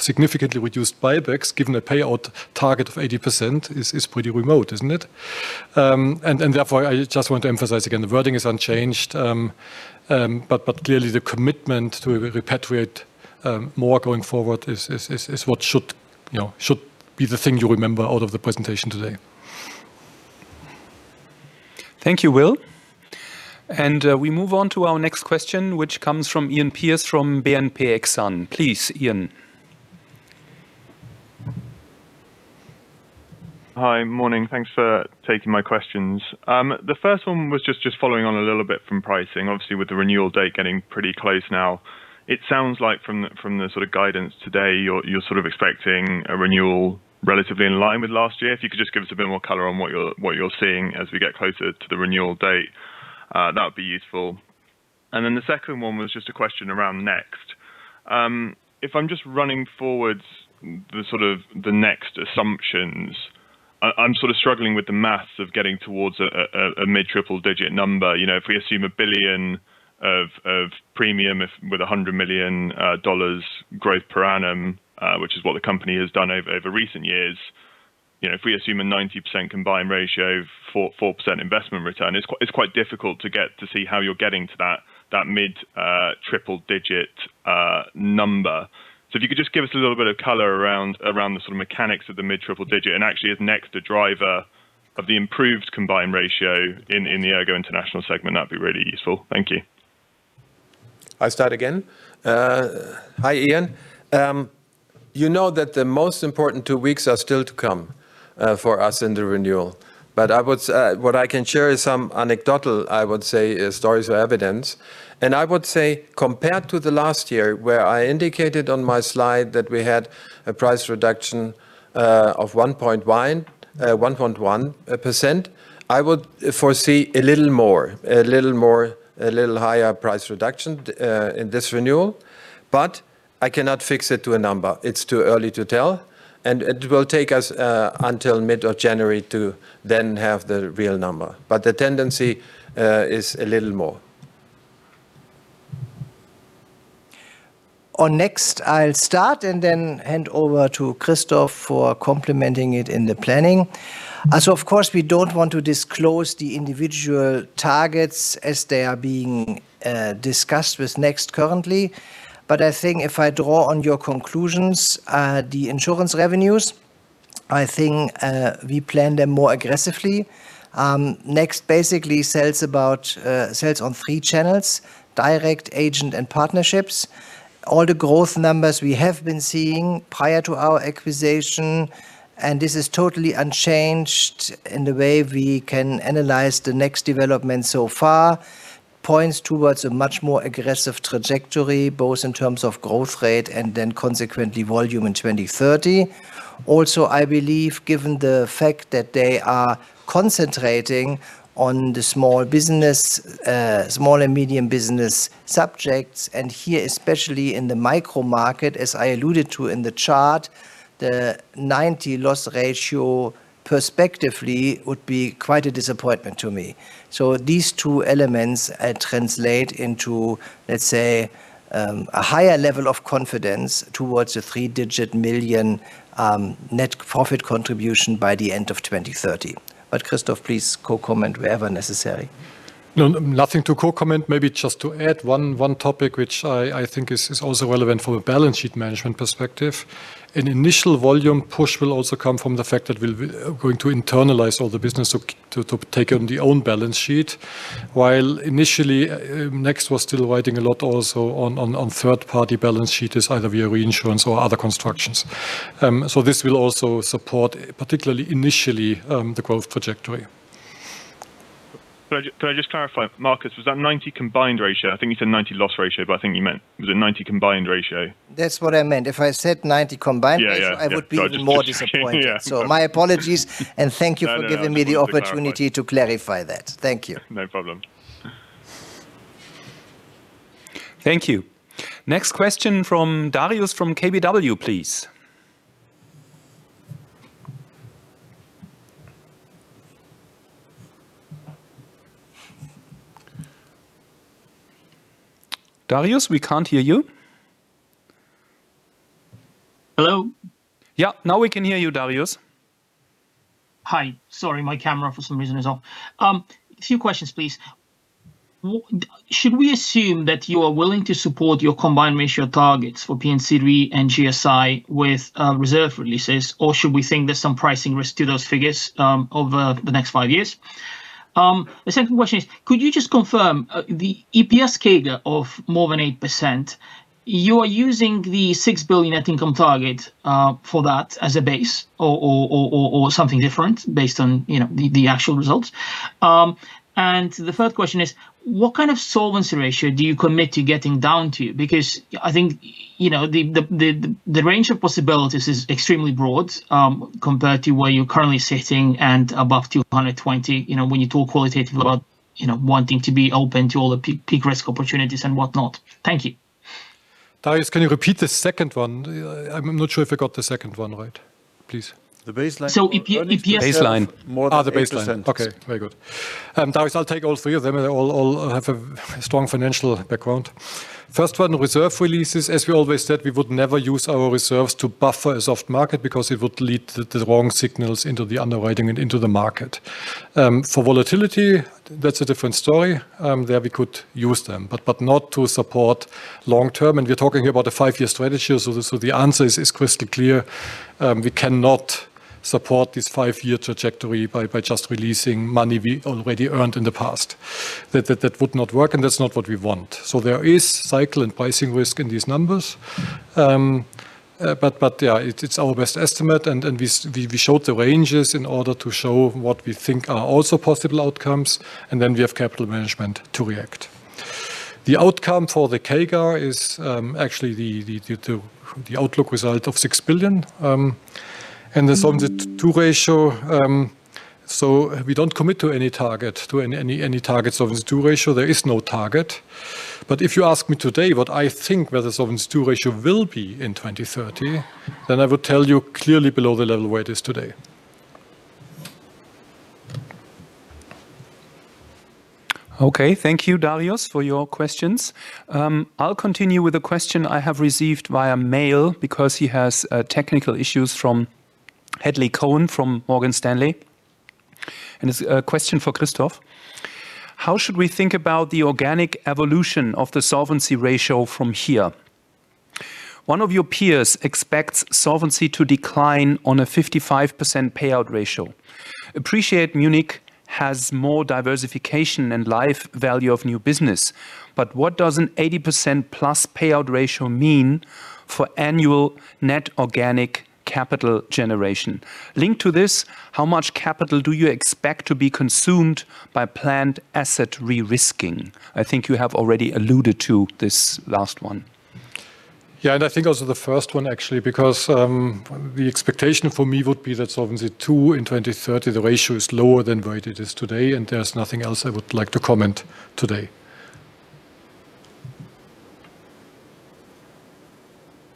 significantly reduced buybacks given a payout target of 80% is pretty remote, isn't it? And therefore, I just want to emphasize again, the wording is unchanged. But clearly, the commitment to repatriate more going forward is what should be the thing you remember out of the presentation today. Thank you, Will. And we move on to our next question, which comes from Iain Pearce from BNP Paribas Exane. Please, Iain. Hi, morning. Thanks for taking my questions. The first one was just following on a little bit from pricing, obviously with the renewal date getting pretty close now. It sounds like from the sort of guidance today, you're sort of expecting a renewal relatively in line with last year. If you could just give us a bit more color on what you're seeing as we get closer to the renewal date, that would be useful, and then the second one was just a question around Next. If I'm just running forwards sort of the Next assumptions, I'm sort of struggling with the math of getting towards a mid-triple digit number. If we assume $1 billion of premium with $100 million growth per annum, which is what the company has done over recent years, if we assume a 90% combined ratio, 4% investment return, it's quite difficult to get to see how you're getting to that mid-triple-digit number. So if you could just give us a little bit of color around the sort of mechanics of the mid-triple-digit and actually if Next the driver of the improved combined ratio in the ERGO International segment, that'd be really useful. Thank you. I start again. Hi, Iain. You know that the most important two weeks are still to come for us in the renewal. But what I can share is some anecdotal, I would say, stories or evidence. And I would say compared to the last year where I indicated on my slide that we had a price reduction of 1.1%, I would foresee a little more, a little higher price reduction in this renewal. But I cannot fix it to a number. It's too early to tell. And it will take us until mid of January to then have the real number. But the tendency is a little more. On Next, I'll start and then hand over to Christoph for complementing it in the planning. So of course, we don't want to disclose the individual targets as they are being discussed with Next currently. But I think if I draw on your conclusions, the insurance revenues, I think we plan them more aggressively. Next basically sells on three channels: direct, agent, and partnerships. All the growth numbers we have been seeing prior to our acquisition, and this is totally unchanged in the way we can analyze the Next development so far, points towards a much more aggressive trajectory, both in terms of growth rate and then consequently volume in 2030. Also, I believe given the fact that they are concentrating on the small business, small and medium business subjects, and here especially in the micro market, as I alluded to in the chart, the 90% loss ratio prospectively would be quite a disappointment to me. So these two elements translate into, let's say, a higher level of confidence towards a three-digit million net profit contribution by the end of 2030. But Christoph, please comment wherever necessary. Nothing to co-comment. Maybe just to add one topic, which I think is also relevant from a balance sheet management perspective. An initial volume push will also come from the fact that we're going to internalize all the business to take on the own balance sheet. While initially, Next was still writing a lot also on third-party balance sheets, either via reinsurance or other constructions, so this will also support, particularly initially, the growth trajectory. Could I just clarify, Markus, was that 90 combined ratio? I think you said 90 loss ratio, but I think you meant was it 90 combined ratio? That's what I meant. If I said 90 combined ratio, I would be even more disappointed. So my apologies and thank you for giving me the opportunity to clarify that. Thank you. No problem. Thank you. Next question from Darius from KBW, please. Darius, we can't hear you. Hello? Yeah, now we can hear you, Darius. Hi. Sorry, my camera for some reason is off. A few questions, please. Should we assume that you are willing to support your combined ratio targets for P&C Re and GSI with reserve releases, or should we think there's some pricing risk to those figures over the next five years? The second question is, could you just confirm the EPS CAGR of more than 8%? You are using the 6 billion net income target for that as a base or something different based on the actual results? And the third question is, what kind of solvency ratio do you commit to getting down to? Because I think the range of possibilities is extremely broad compared to where you're currently sitting and above 220 when you talk qualitatively about wanting to be open to all the peak risk opportunities and whatnot. Thank you. Darius, can you repeat the second one? I'm not sure if I got the second one right, please. The baseline. EPS and. The baseline. The baseline. Okay, very good. Darius, I'll take all three of them. They all have a strong financial background. First one, reserve releases. As we always said, we would never use our reserves to buffer a soft market because it would lead to the wrong signals into the underwriting and into the market. For volatility, that's a different story. There we could use them, but not to support long-term. And we're talking about a five-year strategy. So the answer is crystal clear. We cannot support this five-year trajectory by just releasing money we already earned in the past. That would not work, and that's not what we want. So there is cycle and pricing risk in these numbers. But yeah, it's our best estimate. And we showed the ranges in order to show what we think are also possible outcomes. And then we have capital management to react. The outcome for the CAGR is actually the outlook result of 6 billion, and the Solvency II ratio, so we don't commit to any target, to any target Solvency II ratio. There is no target, but if you ask me today what I think where the Solvency II ratio will be in 2030, then I would tell you clearly below the level where it is today. Okay, thank you, Darius, for your questions. I'll continue with a question I have received via mail because he has technical issues from Hadley Cohen from Morgan Stanley, and it's a question for Christoph. How should we think about the organic evolution of the solvency ratio from here? One of your peers expects solvency to decline on a 55% payout ratio. Appreciate Munich has more diversification and life value of new business. But what does an 80%+ payout ratio mean for annual net organic capital generation? Linked to this, how much capital do you expect to be consumed by planned asset re-risking? I think you have already alluded to this last one. Yeah. And I think also the first one, actually, because the expectation for me would be that Solvency II in 2030, the ratio is lower than where it is today. And there's nothing else I would like to comment today.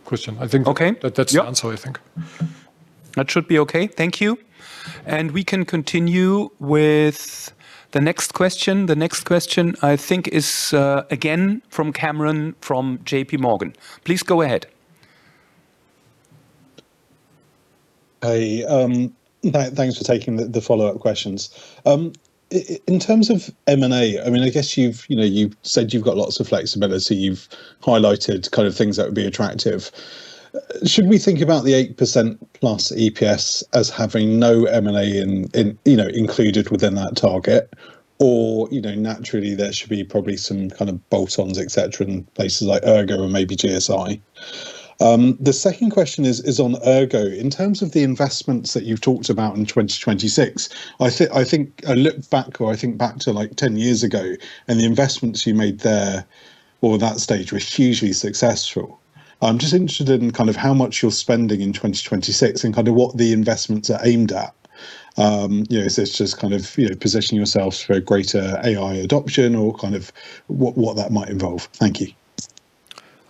Question. I think that's the answer, I think. That should be okay. Thank you. And we can continue with the next question. The next question, I think, is again from Kamran from J.P. Morgan. Please go ahead. Thanks for taking the follow-up questions. In terms of M&A, I mean, I guess you've said you've got lots of flexibility. You've highlighted kind of things that would be attractive. Should we think about the 8%+ EPS as having no M&A included within that target? Or naturally, there should be probably some kind of bolt-ons, etc., in places like ERGO or maybe GSI. The second question is on ERGO. In terms of the investments that you've talked about in 2026, I think I look back or I think back to like 10 years ago, and the investments you made there or that stage were hugely successful. I'm just interested in kind of how much you're spending in 2026 and kind of what the investments are aimed at. Is this just kind of positioning yourselves for a greater AI adoption or kind of what that might involve? Thank you.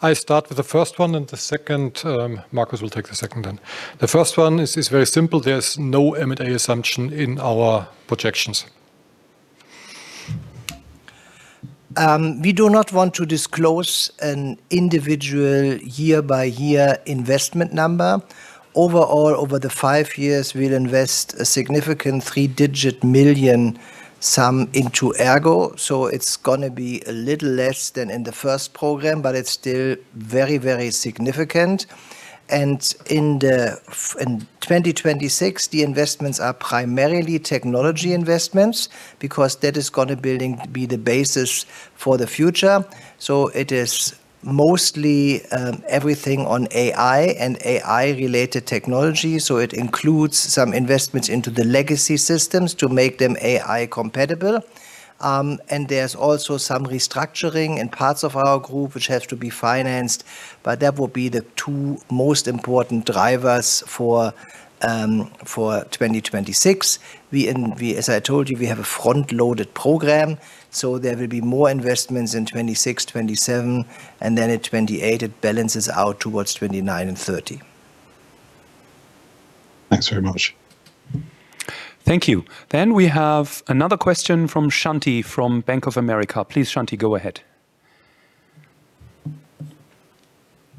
I start with the first one, and the second, Markus will take the second then. The first one is very simple. There's no M&A assumption in our projections. We do not want to disclose an individual year-by-year investment number. Overall, over the five years, we'll invest a significant three-digit million sum into ERGO. So it's going to be a little less than in the first program, but it's still very, very significant. And in 2026, the investments are primarily technology investments because that is going to be the basis for the future. So it is mostly everything on AI and AI-related technology. So it includes some investments into the legacy systems to make them AI-compatible. And there's also some restructuring in parts of our group which have to be financed. But that will be the two most important drivers for 2026. As I told you, we have a front-loaded program. So there will be more investments in 2026, 2027, and then in 2028, it balances out towards 2029 and 2030. Thanks very much. Thank you. Then we have another question from Shanti from Bank of America. Please, Shanti, go ahead.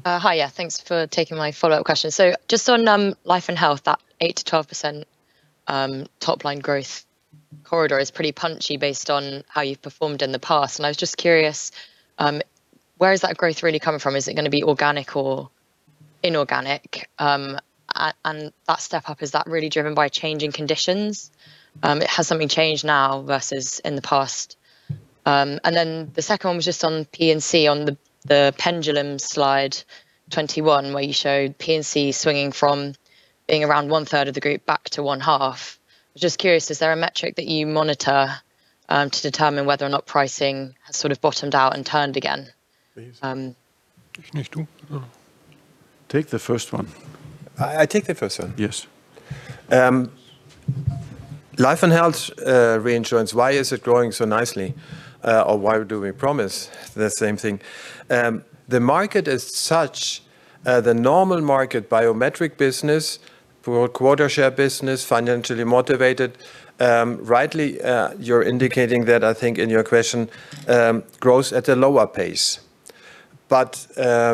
Hi, yeah, thanks for taking my follow-up question. So just on Life & Health, that 8% to 12% top-line growth corridor is pretty punchy based on how you've performed in the past. And I was just curious, where is that growth really coming from? Is it going to be organic or inorganic? And that step up, is that really driven by changing conditions? Has something changed now versus in the past? And then the second one was just on P&C on the pendulum Slide 21, where you showed P&C swinging from being around one-third of the group back to one-half. I was just curious, is there a metric that you monitor to determine whether or not pricing has sort of bottomed out and turned again? Take the first one. I take the first one. Yes. Life & Health Reinsurance, why is it growing so nicely? Or why do we promise the same thing? The market is such the normal market, biometric business, quota-share business, financially motivated. Rightly, you're indicating that, I think in your question, grows at a lower pace, but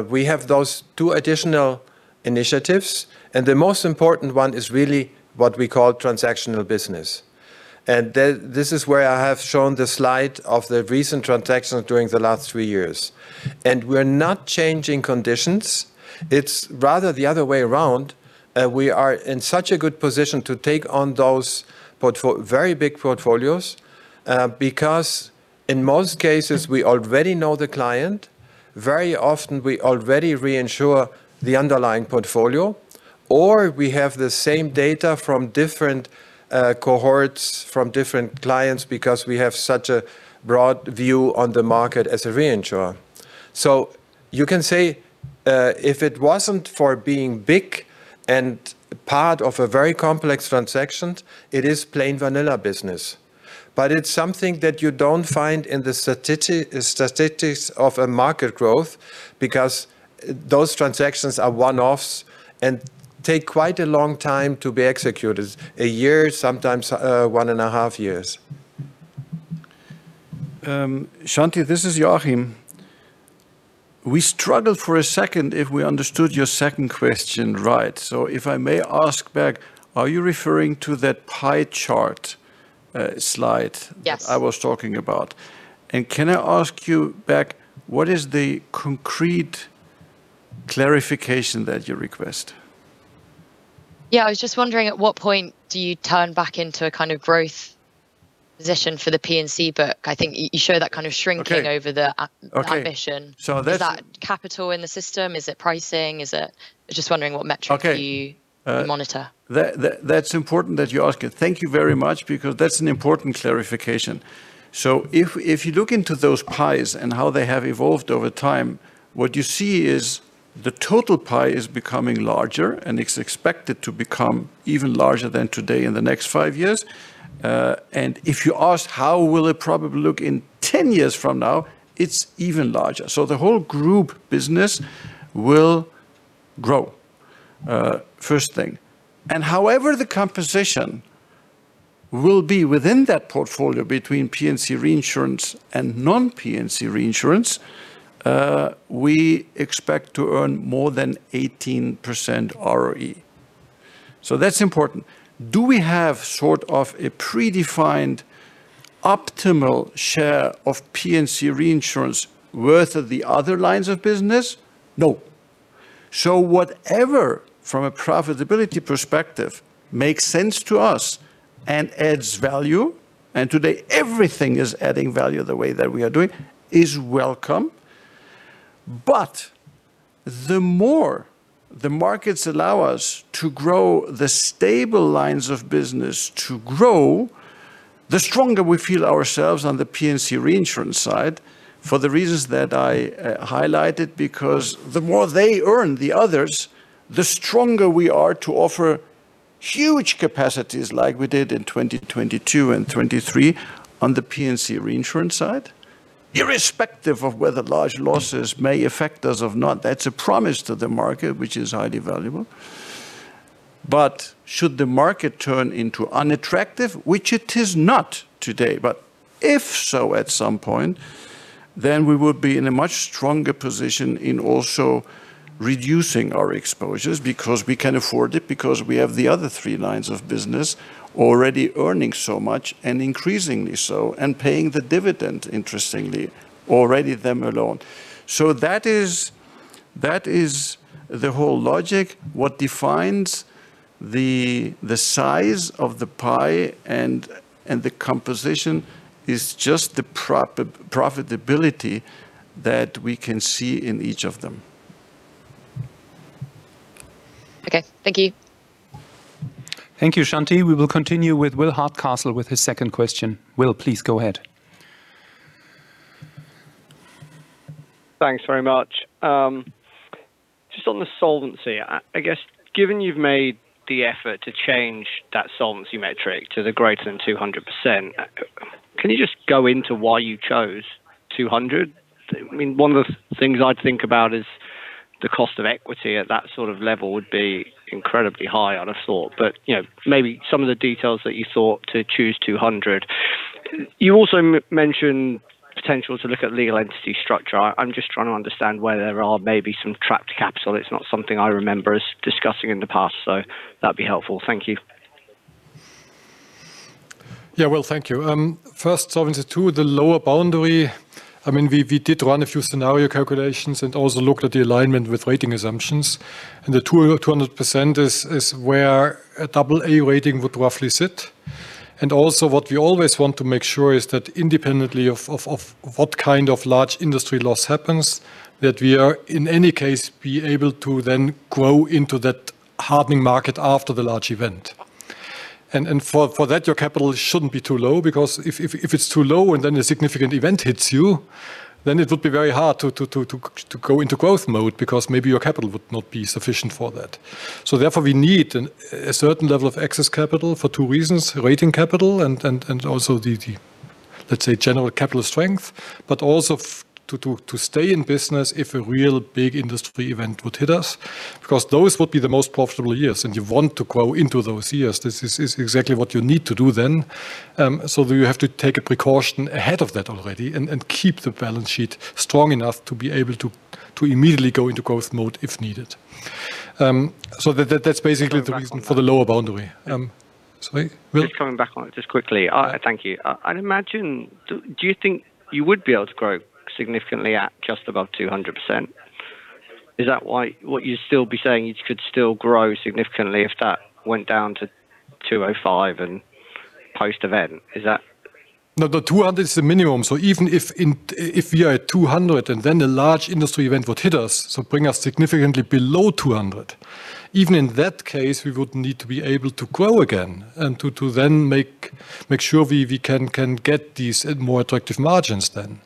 we have those two additional initiatives. The most important one is really what we call transactional business. This is where I have shown the slide of the recent transactions during the last three years. We're not changing conditions. It's rather the other way around. We are in such a good position to take on those very big portfolios because in most cases, we already know the client. Very often, we already reinsure the underlying portfolio. Or we have the same data from different cohorts, from different clients because we have such a broad view on the market as a reinsurer. So you can say if it wasn't for being big and part of a very complex transaction, it is plain vanilla business. But it's something that you don't find in the statistics of a market growth because those transactions are one-offs and take quite a long time to be executed. A year, sometimes one and a half years. Shanti, this is Joachim. We struggled for a second if we understood your second question right. So if I may ask back, are you referring to that pie chart slide that I was talking about? Yes. Can I ask you back, what is the concrete clarification that you request? Yeah, I was just wondering at what point do you turn back into a kind of growth position for the P&C book? I think you show that kind of shrinking over the ambition. Is that capital in the system? Is it pricing? Just wondering what metrics you monitor? That's important that you ask it. Thank you very much because that's an important clarification. So if you look into those pies and how they have evolved over time, what you see is the total pie is becoming larger, and it's expected to become even larger than today in the next five years, and if you ask how will it probably look in 10 years from now, it's even larger, so the whole group business will grow, first thing, and however the composition will be within that portfolio between P&C reinsurance and non-P&C reinsurance, we expect to earn more than 18% ROE, so that's important. Do we have sort of a predefined optimal share of P&C reinsurance worth of the other lines of business? No. So whatever, from a profitability perspective, makes sense to us and adds value, and today everything is adding value the way that we are doing, is welcome. But the more the markets allow us to grow the stable lines of business to grow, the stronger we feel ourselves on the P&C reinsurance side for the reasons that I highlighted because the more they earn, the others, the stronger we are to offer huge capacities like we did in 2022 and 2023 on the P&C reinsurance side, irrespective of whether large losses may affect us or not. That's a promise to the market, which is highly valuable. But should the market turn into unattractive, which it is not today, but if so at some point, then we would be in a much stronger position in also reducing our exposures because we can afford it because we have the other three lines of business already earning so much and increasingly so and paying the dividend, interestingly, already them alone. So that is the whole logic. What defines the size of the pie and the composition is just the profitability that we can see in each of them. Okay, thank you. Thank you, Shanti. We will continue with Will Hardcastle with his second question. Will, please go ahead. Thanks very much. Just on the solvency, I guess, given you've made the effort to change that solvency metric to the greater than 200%, can you just go into why you chose 200? I mean, one of the things I'd think about is the cost of equity at that sort of level would be incredibly high, I'd have thought. But maybe some of the details that you thought to choose 200. You also mentioned potential to look at legal entity structure. I'm just trying to understand where there are maybe some trapped capital. It's not something I remember discussing in the past, so that'd be helpful. Thank you. Yeah, Will, thank you. First, Solvency II, the lower boundary, I mean, we did run a few scenario calculations and also looked at the alignment with rating assumptions. And the 200% is where a double-A rating would roughly sit. And also what we always want to make sure is that independently of what kind of large industry loss happens, that we are in any case be able to then grow into that hardening market after the large event. And for that, your capital shouldn't be too low because if it's too low and then a significant event hits you, then it would be very hard to go into growth mode because maybe your capital would not be sufficient for that. So therefore, we need a certain level of excess capital for two reasons: rating capital and also the, let's say, general capital strength, but also to stay in business if a real big industry event would hit us because those would be the most profitable years. And you want to grow into those years. This is exactly what you need to do then. So you have to take a precaution ahead of that already and keep the balance sheet strong enough to be able to immediately go into growth mode if needed. So that's basically the reason for the lower boundary. Just coming back on it just quickly, thank you. I'd imagine, do you think you would be able to grow significantly at just above 200%? Is that why what you'd still be saying you could still grow significantly if that went down to 205 and post-event? No, the 200 is the minimum, so even if we are at 200 and then a large industry event would hit us, so bring us significantly below 200, even in that case, we would need to be able to grow again and to then make sure we can get these more attractive margins then,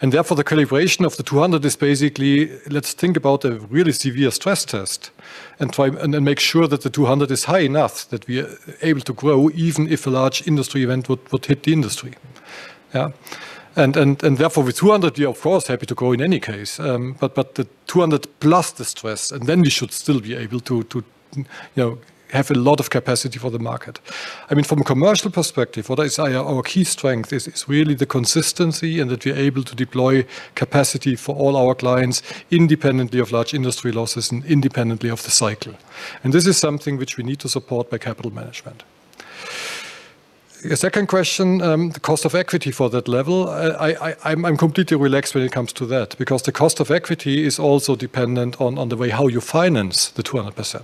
and therefore, the calibration of the 200 is basically, let's think about a really severe stress test and make sure that the 200 is high enough that we are able to grow even if a large industry event would hit the industry. Yeah, and therefore, with 200, we're of course happy to grow in any case, but the 200+ the stress, and then we should still be able to have a lot of capacity for the market. I mean, from a commercial perspective, what is our key strength is really the consistency and that we're able to deploy capacity for all our clients independently of large industry losses and independently of the cycle. And this is something which we need to support by capital management. The second question, the cost of equity for that level, I'm completely relaxed when it comes to that because the cost of equity is also dependent on the way how you finance the 200%.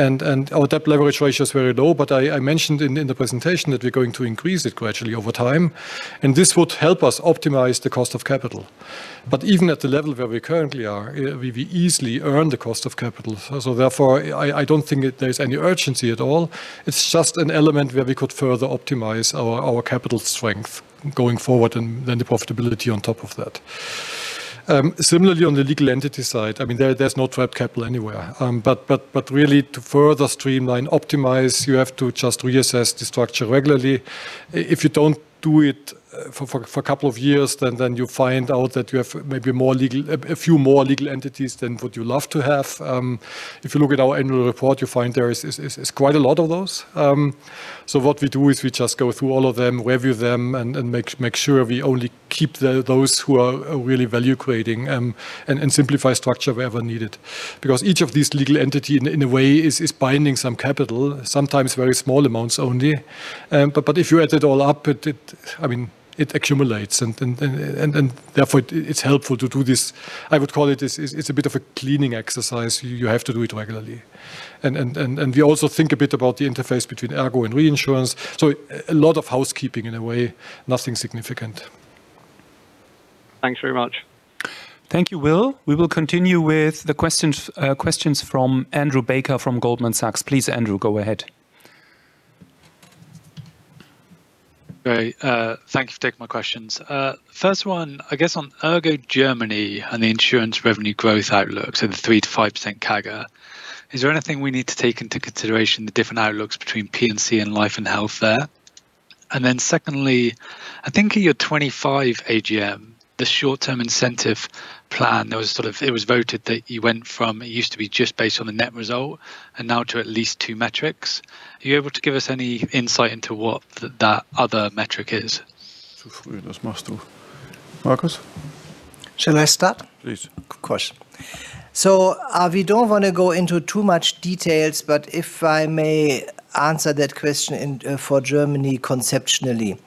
And our debt leverage ratio is very low, but I mentioned in the presentation that we're going to increase it gradually over time. And this would help us optimize the cost of capital. But even at the level where we currently are, we easily earn the cost of capital. So therefore, I don't think there's any urgency at all. It's just an element where we could further optimize our capital strength going forward and then the profitability on top of that. Similarly, on the legal entity side, I mean, there's no trapped capital anywhere. But really, to further streamline, optimize, you have to just reassess the structure regularly. If you don't do it for a couple of years, then you find out that you have maybe a few more legal entities than what you love to have. If you look at our annual report, you find there is quite a lot of those. So what we do is we just go through all of them, review them, and make sure we only keep those who are really value-creating and simplify structure wherever needed because each of these legal entities, in a way, is binding some capital, sometimes very small amounts only. But if you add it all up, I mean, it accumulates. And therefore, it's helpful to do this. I would call it it's a bit of a cleaning exercise. You have to do it regularly. And we also think a bit about the interface between ERGO and reinsurance. So a lot of housekeeping in a way, nothing significant. Thanks very much. Thank you, Will. We will continue with the questions from Andrew Baker from Goldman Sachs. Please, Andrew, go ahead. Great. Thank you for taking my questions. First one, I guess on ERGO Germany and the insurance revenue growth outlook, so the 3% to 5% CAGR, is there anything we need to take into consideration, the different outlooks between P&C and Life & Health there? And then secondly, I think in your 2025 AGM, the short-term incentive plan, there was sort of it was voted that you went from it used to be just based on the net result and now to at least two metrics. Are you able to give us any insight into what that other metric is? Shall I start? Please. Good question. So we don't want to go into too much details, but if I may answer that question for Germany conceptually,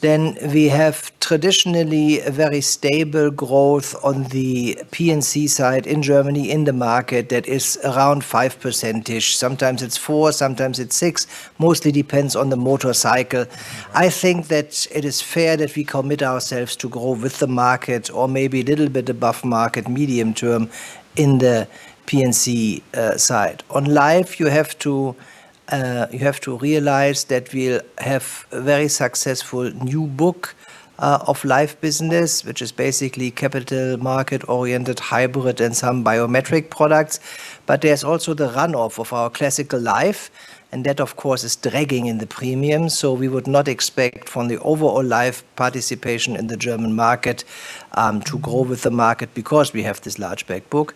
then we have traditionally a very stable growth on the P&C side in Germany in the market that is around five%-ish. Sometimes it's four, sometimes it's six. Mostly depends on the motorcycle. I think that it is fair that we commit ourselves to grow with the market or maybe a little bit above market medium term in the P&C side. On life, you have to realize that we'll have a very successful new book of life business, which is basically capital market-oriented, hybrid, and some biometric products. But there's also the run-off of our classical life, and that, of course, is dragging in the premium. So we would not expect from the overall life participation in the German market to grow with the market because we have this large backbook.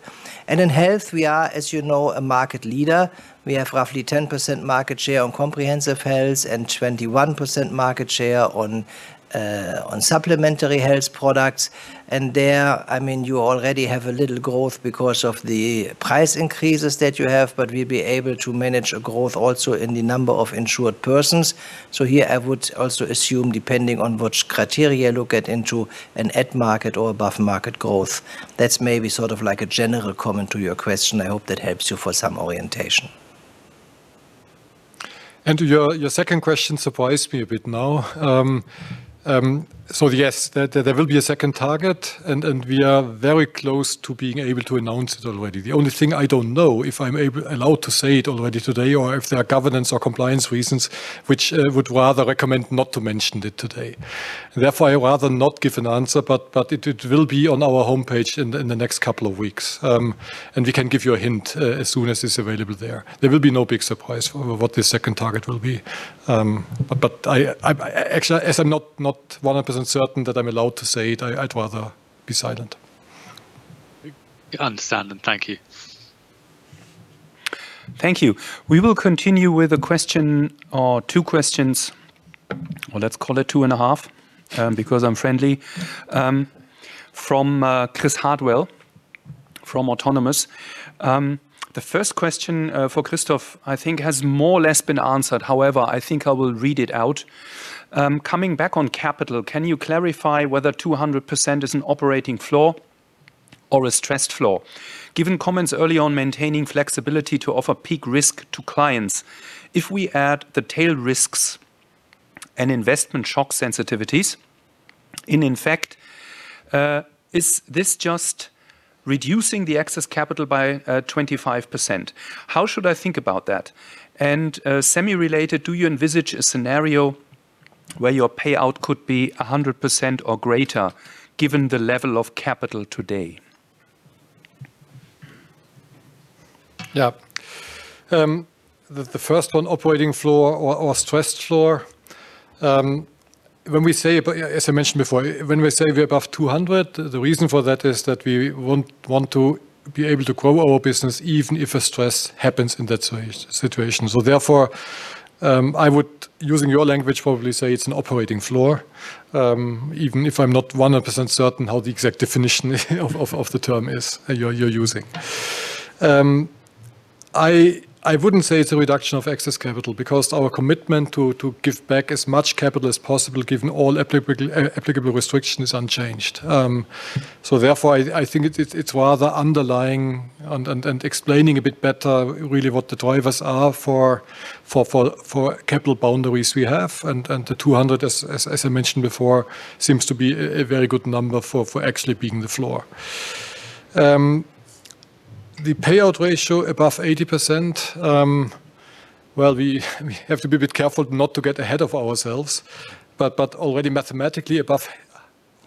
And in health, we are, as you know, a market leader. We have roughly 10% market share on comprehensive health and 21% market share on supplementary health products. And there, I mean, you already have a little growth because of the price increases that you have, but we'll be able to manage a growth also in the number of insured persons. So here, I would also assume, depending on which criteria you look at into an at-market or above-market growth. That's maybe sort of like a general comment to your question. I hope that helps you for some orientation. Andrew, your second question surprised me a bit now. So yes, there will be a second target, and we are very close to being able to announce it already. The only thing I don't know if I'm allowed to say it already today or if there are governance or compliance reasons which would rather recommend not to mention it today. Therefore, I'd rather not give an answer, but it will be on our homepage in the next couple of weeks. And we can give you a hint as soon as it's available there. There will be no big surprise what the second target will be. But actually, as I'm not 100% certain that I'm allowed to say it, I'd rather be silent. Understand. Thank you. Thank you. We will continue with a question or two questions, or let's call it two and a half because I'm friendly, from Chris Hartwell from Autonomous. The first question for Christoph, I think, has more or less been answered. However, I think I will read it out. Coming back on capital, can you clarify whether 200% is an operating floor or a stressed floor? Given comments early on maintaining flexibility to offer peak risk to clients, if we add the tail risks and investment shock sensitivities, in effect, is this just reducing the excess capital by 25%? How should I think about that? And semi-related, do you envisage a scenario where your payout could be 100% or greater given the level of capital today? Yeah. The first one, operating floor or stressed floor, when we say, as I mentioned before, when we say we're above 200, the reason for that is that we wouldn't want to be able to grow our business even if a stress happens in that situation. So therefore, I would, using your language, probably say it's an operating floor, even if I'm not 100% certain how the exact definition of the term you're using is. I wouldn't say it's a reduction of excess capital because our commitment to give back as much capital as possible given all applicable restrictions is unchanged. So therefore, I think it's rather underlying and explaining a bit better really what the drivers are for the capital buffer we have. And the 200, as I mentioned before, seems to be a very good number for actually being the floor. The payout ratio above 80%, well, we have to be a bit careful not to get ahead of ourselves. But already mathematically, above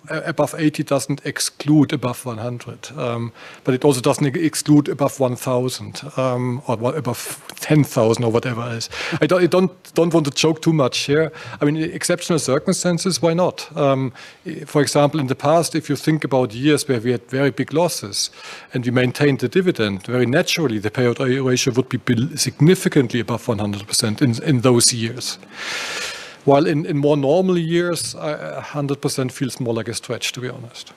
80 doesn't exclude above 100. But it also doesn't exclude above 1,000 or above 10,000 or whatever it is. I don't want to joke too much here. I mean, exceptional circumstances, why not? For example, in the past, if you think about years where we had very big losses and we maintained the dividend, very naturally, the payout ratio would be significantly above 100% in those years. While in more normal years, 100% feels more like a stretch, to be honest.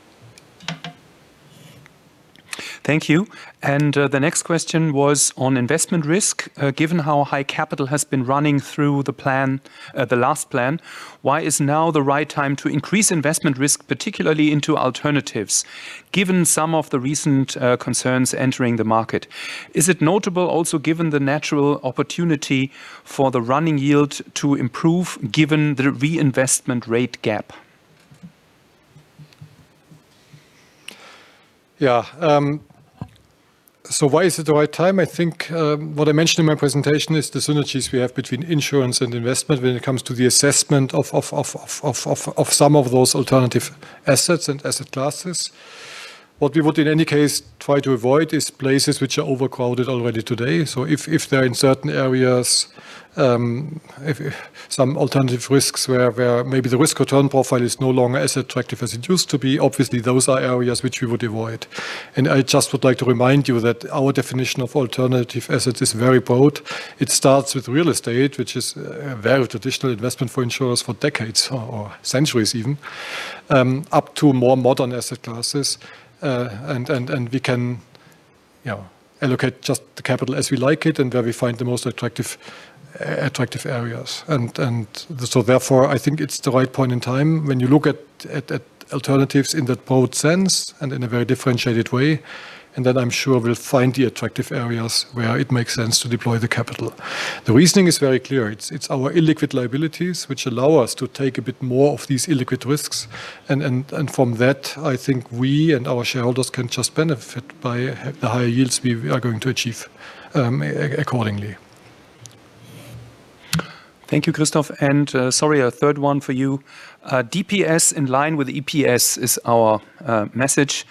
Thank you. And the next question was on investment risk. Given how high capital has been running through the last plan, why is now the right time to increase investment risk, particularly into alternatives, given some of the recent concerns entering the market? Is it notable also given the natural opportunity for the running yield to improve given the reinvestment rate gap? Yeah. So why is it the right time? I think what I mentioned in my presentation is the synergies we have between insurance and investment when it comes to the assessment of some of those alternative assets and asset classes. What we would in any case try to avoid is places which are overcrowded already today. So if there are in certain areas some alternative risks where maybe the risk-return profile is no longer as attractive as it used to be, obviously, those are areas which we would avoid. And I just would like to remind you that our definition of alternative assets is very broad. It starts with real estate, which is a very traditional investment for insurers for decades or centuries even, up to more modern asset classes. We can allocate just the capital as we like it and where we find the most attractive areas. So therefore, I think it's the right point in time when you look at alternatives in that broad sense and in a very differentiated way. Then I'm sure we'll find the attractive areas where it makes sense to deploy the capital. The reasoning is very clear. It's our illiquid liabilities, which allow us to take a bit more of these illiquid risks. From that, I think we and our shareholders can just benefit by the higher yields we are going to achieve accordingly. Thank you, Christoph. Sorry, a third one for you. DPS in line with EPS is our message.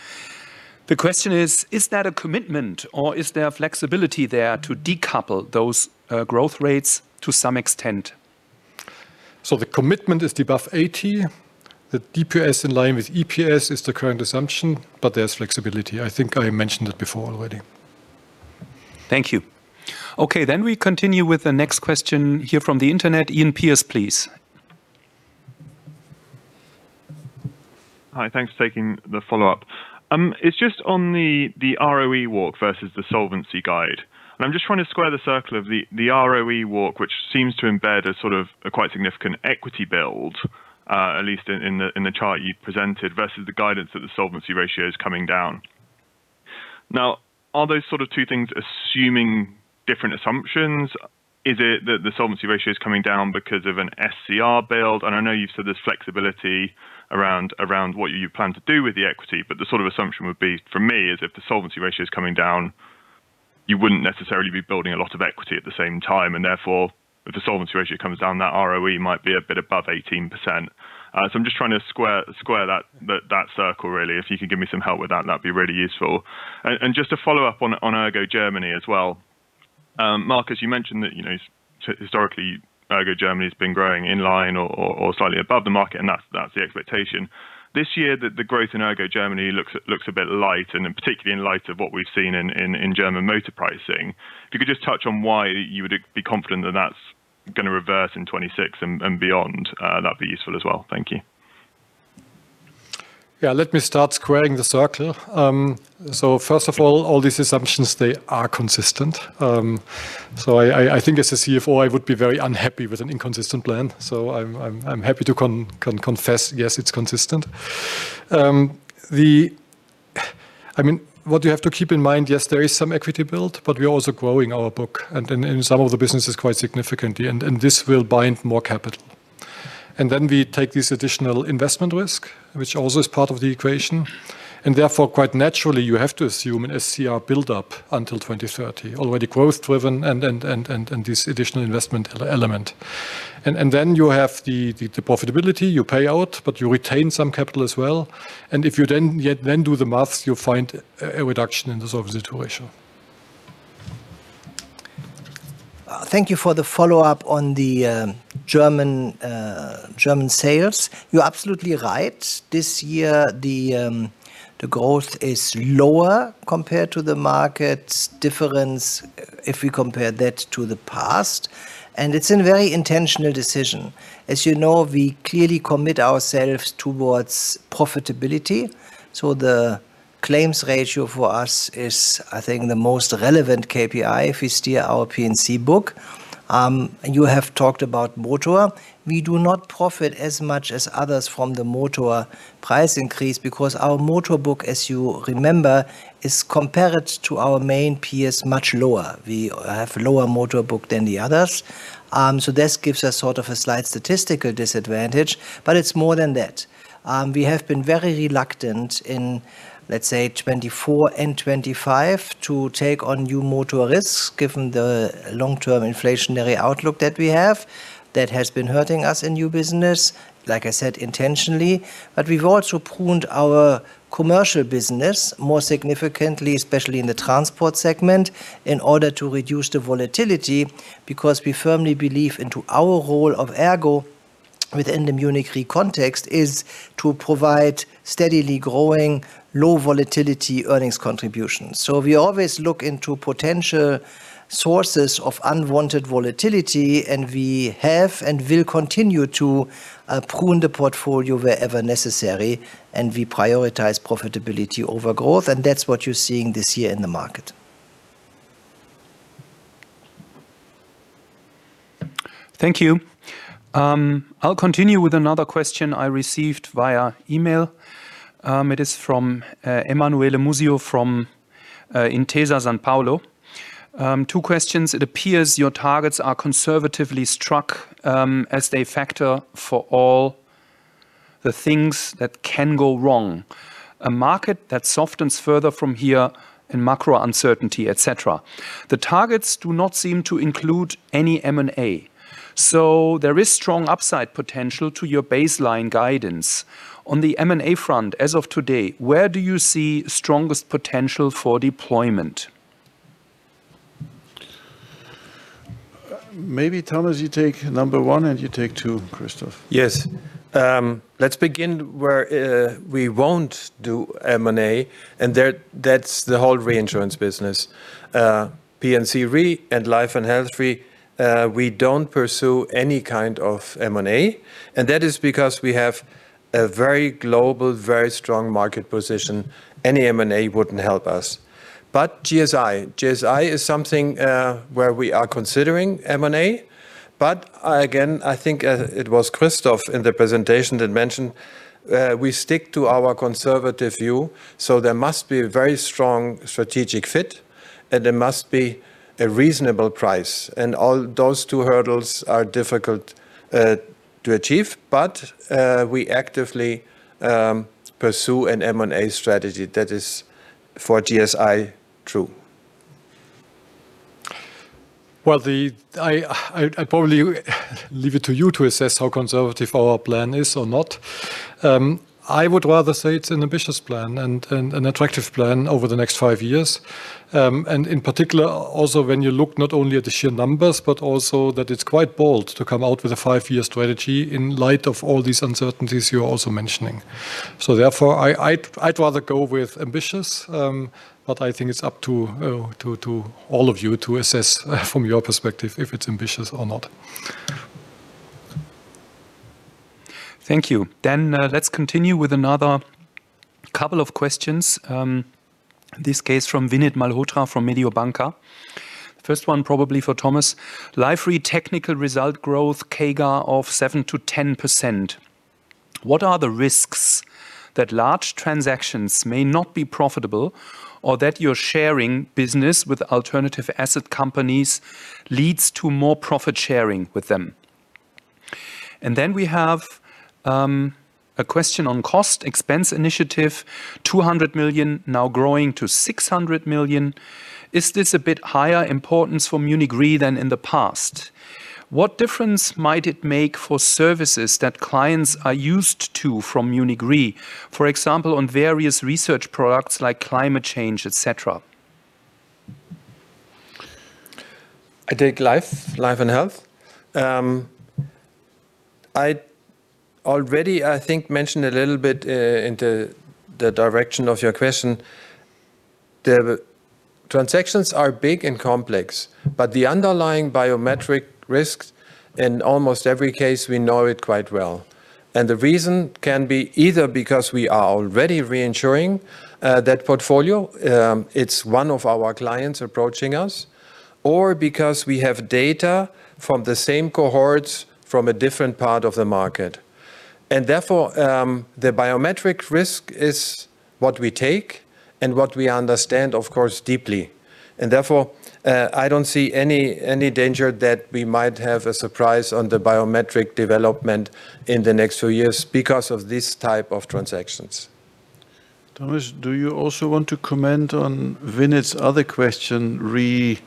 The question is, is that a commitment or is there flexibility there to decouple those growth rates to some extent? So the commitment is the above 80. The DPS in line with EPS is the current assumption, but there's flexibility. I think I mentioned it before already. Thank you. Okay, then we continue with the next question here from the internet. Iain Pearce, please. Hi, thanks for taking the follow-up. It's just on the ROE walk versus the solvency guide, and I'm just trying to square the circle of the ROE walk, which seems to embed a sort of quite significant equity build, at least in the chart you presented, versus the guidance that the solvency ratio is coming down. Now, are those sort of two things assuming different assumptions? Is it that the solvency ratio is coming down because of an SCR build? And I know you've said there's flexibility around what you plan to do with the equity, but the sort of assumption would be, for me, is if the solvency ratio is coming down, you wouldn't necessarily be building a lot of equity at the same time, and therefore, if the solvency ratio comes down, that ROE might be a bit above 18%. So I'm just trying to square that circle, really. If you can give me some help with that, that'd be really useful. And just to follow up on ERGO Germany as well, Markus, you mentioned that historically, ERGO Germany has been growing in line or slightly above the market, and that's the expectation. This year, the growth in ERGO Germany looks a bit light, and particularly in light of what we've seen in German motor pricing. If you could just touch on why you would be confident that that's going to reverse in 2026 and beyond, that'd be useful as well. Thank you. Yeah, let me start squaring the circle. So first of all, all these assumptions, they are consistent. So I think as a CFO, I would be very unhappy with an inconsistent plan. So I'm happy to confess, yes, it's consistent. I mean, what you have to keep in mind, yes, there is some equity build, but we're also growing our book, and in some of the businesses quite significantly, and this will bind more capital. And then we take this additional investment risk, which also is part of the equation. And therefore, quite naturally, you have to assume an SCR build-up until 2030, already growth-driven and this additional investment element. And then you have the profitability, you pay out, but you retain some capital as well. And if you then do the math, you find a reduction in the solvency ratio. Thank you for the follow-up on the German sales. You're absolutely right. This year, the growth is lower compared to the market's difference if we compare that to the past. And it's a very intentional decision. As you know, we clearly commit ourselves towards profitability. So the claims ratio for us is, I think, the most relevant KPI if we steer our P&C book. You have talked about motor. We do not profit as much as others from the motor price increase because our motor book, as you remember, is compared to our main peers much lower. We have a lower motor book than the others. So this gives us sort of a slight statistical disadvantage, but it's more than that. We have been very reluctant in, let's say, 2024 and 2025 to take on new motor risks given the long-term inflationary outlook that we have that has been hurting us in new business, like I said, intentionally, but we've also pruned our commercial business more significantly, especially in the transport segment, in order to reduce the volatility because we firmly believe into our role of ERGO within the Munich Re context is to provide steadily growing low-volatility earnings contributions, so we always look into potential sources of unwanted volatility, and we have and will continue to prune the portfolio wherever necessary, and we prioritize profitability over growth, and that's what you're seeing this year in the market. Thank you. I'll continue with another question I received via email. It is from Emanuele Musio from Intesa Sanpaolo. Two questions. It appears your targets are conservatively struck as they factor for all the things that can go wrong: a market that softens further from here and macro uncertainty, et cetera. The targets do not seem to include any M&A. So there is strong upside potential to your baseline guidance. On the M&A front, as of today, where do you see strongest potential for deployment? Maybe, Thomas, you take number one and you take two, Christoph. Yes. Let's begin where we won't do M&A, and that's the whole reinsurance business. P&C Re and Life & Health Re, we don't pursue any kind of M&A. And that is because we have a very global, very strong market position. Any M&A wouldn't help us. But GSI, GSI is something where we are considering M&A. But again, I think it was Christoph in the presentation that mentioned we stick to our conservative view. So there must be a very strong strategic fit, and there must be a reasonable price. And all those two hurdles are difficult to achieve, but we actively pursue an M&A strategy that is for GSI true. Well, I probably leave it to you to assess how conservative our plan is or not. I would rather say it's an ambitious plan and an attractive plan over the next five years. And in particular, also when you look not only at the sheer numbers, but also that it's quite bold to come out with a five-year strategy in light of all these uncertainties you're also mentioning. So therefore, I'd rather go with ambitious, but I think it's up to all of you to assess from your perspective if it's ambitious or not. Thank you. Then let's continue with another couple of questions. This case from Vinit Malhotra from Mediobanca. First one probably for Thomas. Life Re technical result growth CAGR of 7%-10%. What are the risks that large transactions may not be profitable or that your sharing business with alternative asset companies leads to more profit sharing with them? And then we have a question on cost expense initiative, 200 million now growing to 600 million. Is this a bit higher importance for Munich Re than in the past? What difference might it make for services that clients are used to from Munich Re, for example, on various research products like climate change, et cetera? I take life, Life & Health. I already, I think, mentioned a little bit in the direction of your question. The transactions are big and complex, but the underlying biometric risks in almost every case, we know it quite well. And the reason can be either because we are already reinsuring that portfolio, it's one of our clients approaching us, or because we have data from the same cohorts from a different part of the market. And therefore, the biometric risk is what we take and what we understand, of course, deeply. And therefore, I don't see any danger that we might have a surprise on the biometric development in the next few years because of this type of transactions. Thomas, do you also want to comment on Vinit's other question, re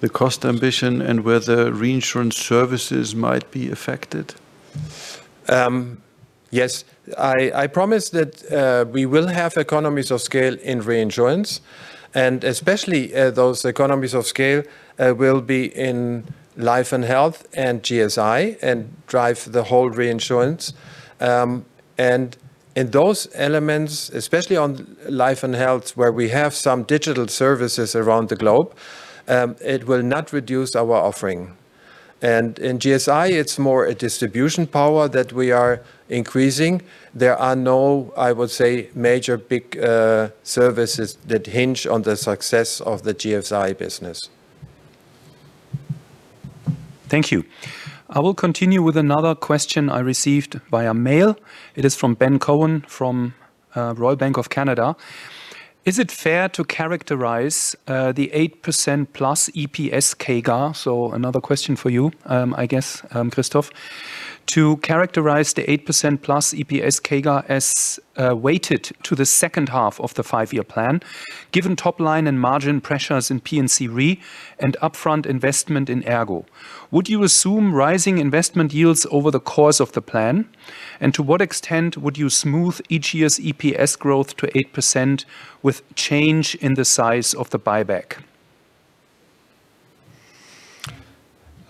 the cost ambition and whether reinsurance services might be affected? Yes. I promise that we will have economies of scale in reinsurance, and especially those economies of scale will be in Life & Health and GSI and drive the whole reinsurance. And in those elements, especially on Life & Health where we have some digital services around the globe, it will not reduce our offering. And in GSI, it's more a distribution power that we are increasing. There are no, I would say, major big services that hinge on the success of the GSI business. Thank you. I will continue with another question I received via mail. It is from Ben Cohen from Royal Bank of Canada. Is it fair to characterize the 8%+ EPS CAGR? So another question for you, I guess, Christoph. To characterize the 8%+ EPS CAGR as weighted to the second half of the five-year plan, given top line and margin pressures in P&C Re and upfront investment in ERGO, would you assume rising investment yields over the course of the plan? And to what extent would you smooth each year's EPS growth to 8% with change in the size of the buyback?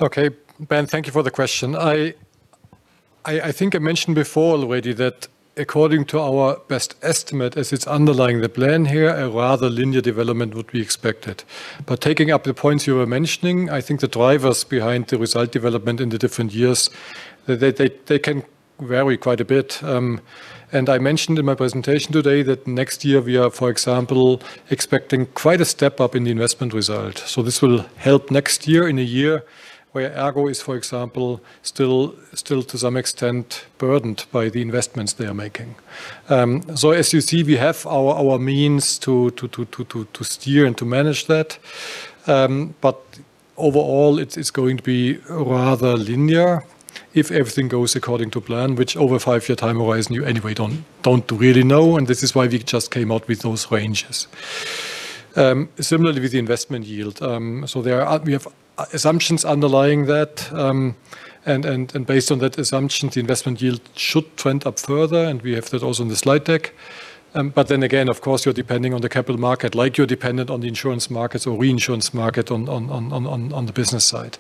Okay, Ben, thank you for the question. I think I mentioned before already that according to our best estimate, as it's underlying the plan here, a rather linear development would be expected. But taking up the points you were mentioning, I think the drivers behind the result development in the different years, they can vary quite a bit. And I mentioned in my presentation today that next year we are, for example, expecting quite a step up in the investment result. So this will help next year in a year where ERGO is, for example, still to some extent burdened by the investments they are making. So as you see, we have our means to steer and to manage that. But overall, it's going to be rather linear if everything goes according to plan, which over a five-year time horizon, you anyway don't really know. And this is why we just came out with those ranges. Similarly with the investment yield. So we have assumptions underlying that. Based on that assumption, the investment yield should trend up further, and we have that also in the slide deck. But then again, of course, you're depending on the capital market, like you're dependent on the insurance market or reinsurance market on the business side.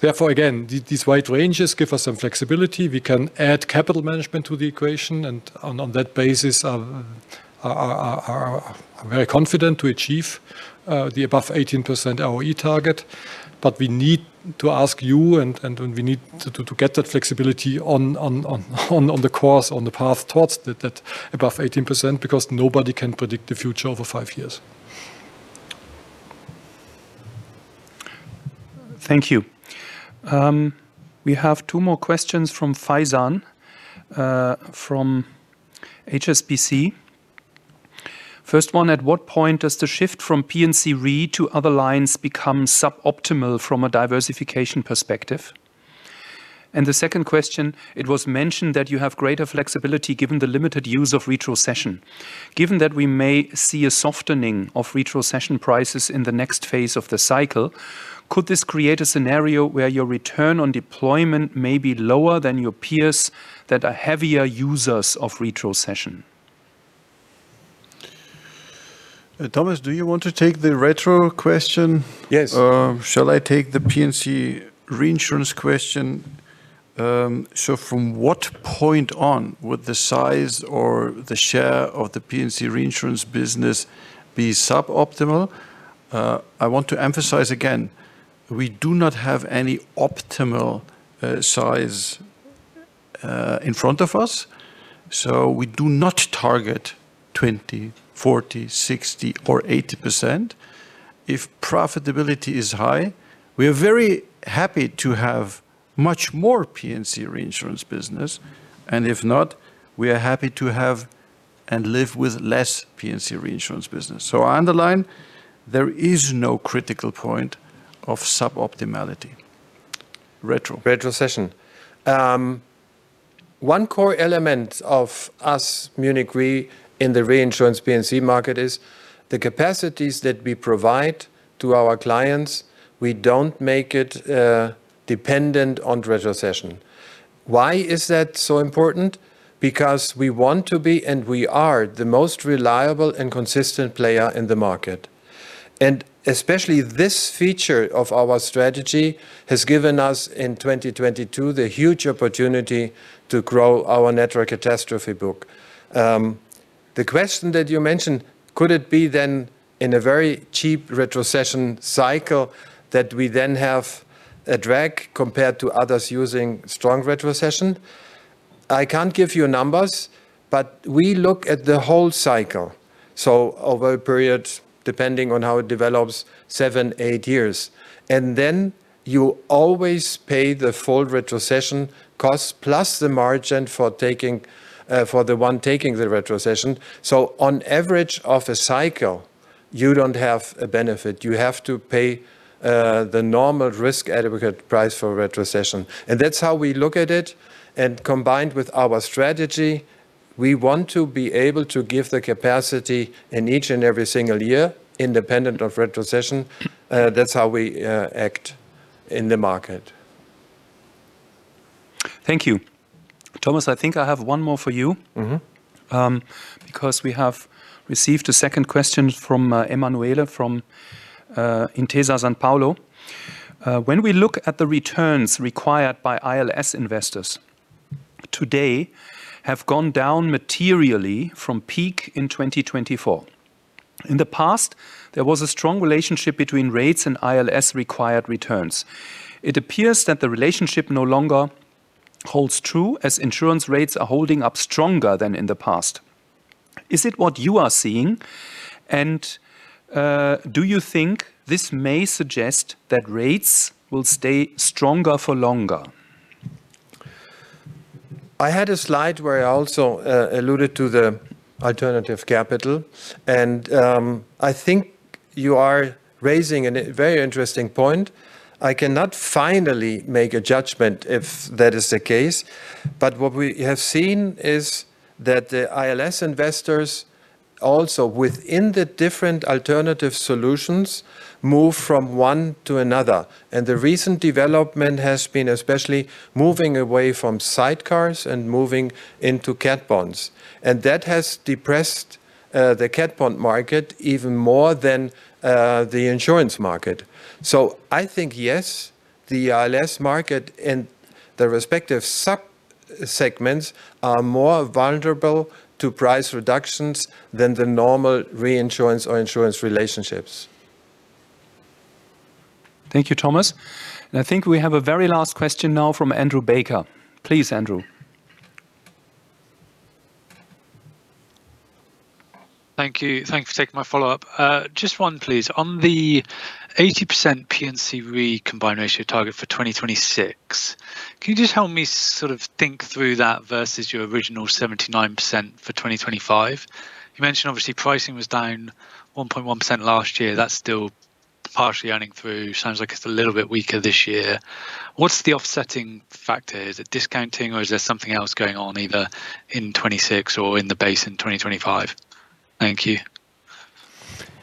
Therefore, again, these wide ranges give us some flexibility. We can add capital management to the equation, and on that basis, I'm very confident to achieve the above 18% ROE target. But we need to ask you, and we need to get that flexibility on the course, on the path towards that above 18% because nobody can predict the future over five years. Thank you. We have two more questions from Faizan from HSBC. First one, at what point does the shift from P&C Re to other lines become suboptimal from a diversification perspective? The second question, it was mentioned that you have greater flexibility given the limited use of retrocession. Given that we may see a softening of retrocession prices in the next phase of the cycle, could this create a scenario where your return on deployment may be lower than your peers that are heavier users of retrocession? Thomas, do you want to take the retro question? Yes. Shall I take the P&C reinsurance question? So from what point on would the size or the share of the P&C reinsurance business be suboptimal? I want to emphasize again, we do not have any optimal size in front of us. So we do not target 20%, 40%, 60%, or 80%. If profitability is high, we are very happy to have much more P&C reinsurance business. And if not, we are happy to have and live with less P&C reinsurance business. So I underline there is no critical point of suboptimality. Retro. Retrocession. One core element of us, Munich Re, in the reinsurance P&C market is the capacities that we provide to our clients. We don't make it dependent on retrocession. Why is that so important? Because we want to be, and we are, the most reliable and consistent player in the market, and especially this feature of our strategy has given us in 2022 the huge opportunity to grow our network catastrophe book. The question that you mentioned, could it be then in a very cheap retrocession cycle that we then have a drag compared to others using strong retrocession? I can't give you numbers, but we look at the whole cycle, so over a period, depending on how it develops, seven, eight years, and then you always pay the full retrocession cost plus the margin for the one taking the retrocession. So on average of a cycle, you don't have a benefit. You have to pay the normal risk-adequate price for retrocession. And that's how we look at it. And combined with our strategy, we want to be able to give the capacity in each and every single year independent of retrocession. That's how we act in the market. Thank you. Thomas, I think I have one more for you because we have received a second question from Emanuele from Intesa Sanpaolo. When we look at the returns required by ILS investors today, they have gone down materially from peak in 2024. In the past, there was a strong relationship between rates and ILS required returns. It appears that the relationship no longer holds true as insurance rates are holding up stronger than in the past. Is it what you are seeing? And do you think this may suggest that rates will stay stronger for longer? I had a slide where I also alluded to the alternative capital. And I think you are raising a very interesting point. I cannot finally make a judgment if that is the case. But what we have seen is that the ILS investors also within the different alternative solutions move from one to another. And the recent development has been especially moving away from sidecars and moving into cat bonds. And that has depressed the cat bond market even more than the insurance market. So I think, yes, the ILS market and the respective sub-segments are more vulnerable to price reductions than the normal reinsurance or insurance relationships. Thank you, Thomas. And I think we have a very last question now from Andrew Baker. Please, Andrew. Thank you. Thank you for taking my follow-up. Just one, please. On the 80% P&C Re combined ratio target for 2026, can you just help me sort of think through that versus your original 79% for 2025? You mentioned obviously pricing was down 1.1% last year. That's still partially earning through. Sounds like it's a little bit weaker this year. What's the offsetting factor? Is it discounting or is there something else going on either in 26 or in the base in 2025? Thank you.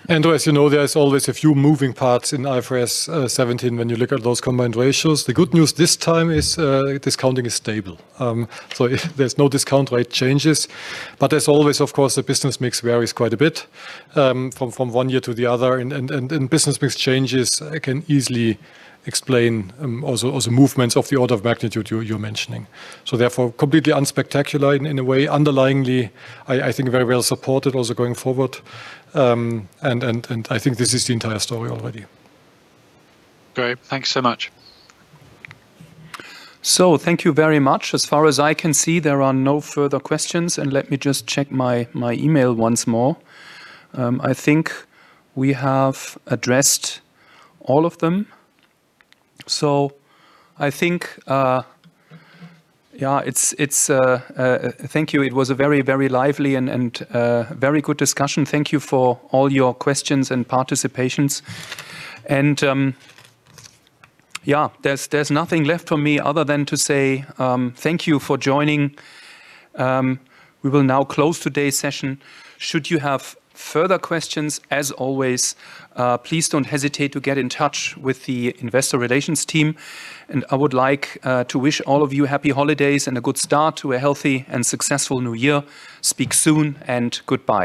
As you know, there's always a few moving parts in IFRS 17 when you look at those combined ratios. The good news this time is discounting is stable, so there's no discount rate changes. But there's always, of course, the business mix varies quite a bit from one year to the other. And business mix changes can easily explain also movements of the order of magnitude you're mentioning, so therefore, completely unspectacular in a way. Underlyingly, I think very well supported also going forward. I think this is the entire story already. Great. Thanks so much. Thank you very much. As far as I can see, there are no further questions. And let me just check my email once more. I think we have addressed all of them. So I think, yeah, it's thank you. It was a very, very lively and very good discussion. Thank you for all your questions and participations. And yeah, there's nothing left for me other than to say thank you for joining. We will now close today's session. Should you have further questions, as always, please don't hesitate to get in touch with the investor relations team. And I would like to wish all of you happy holidays and a good start to a healthy and successful new year. Speak soon and goodbye.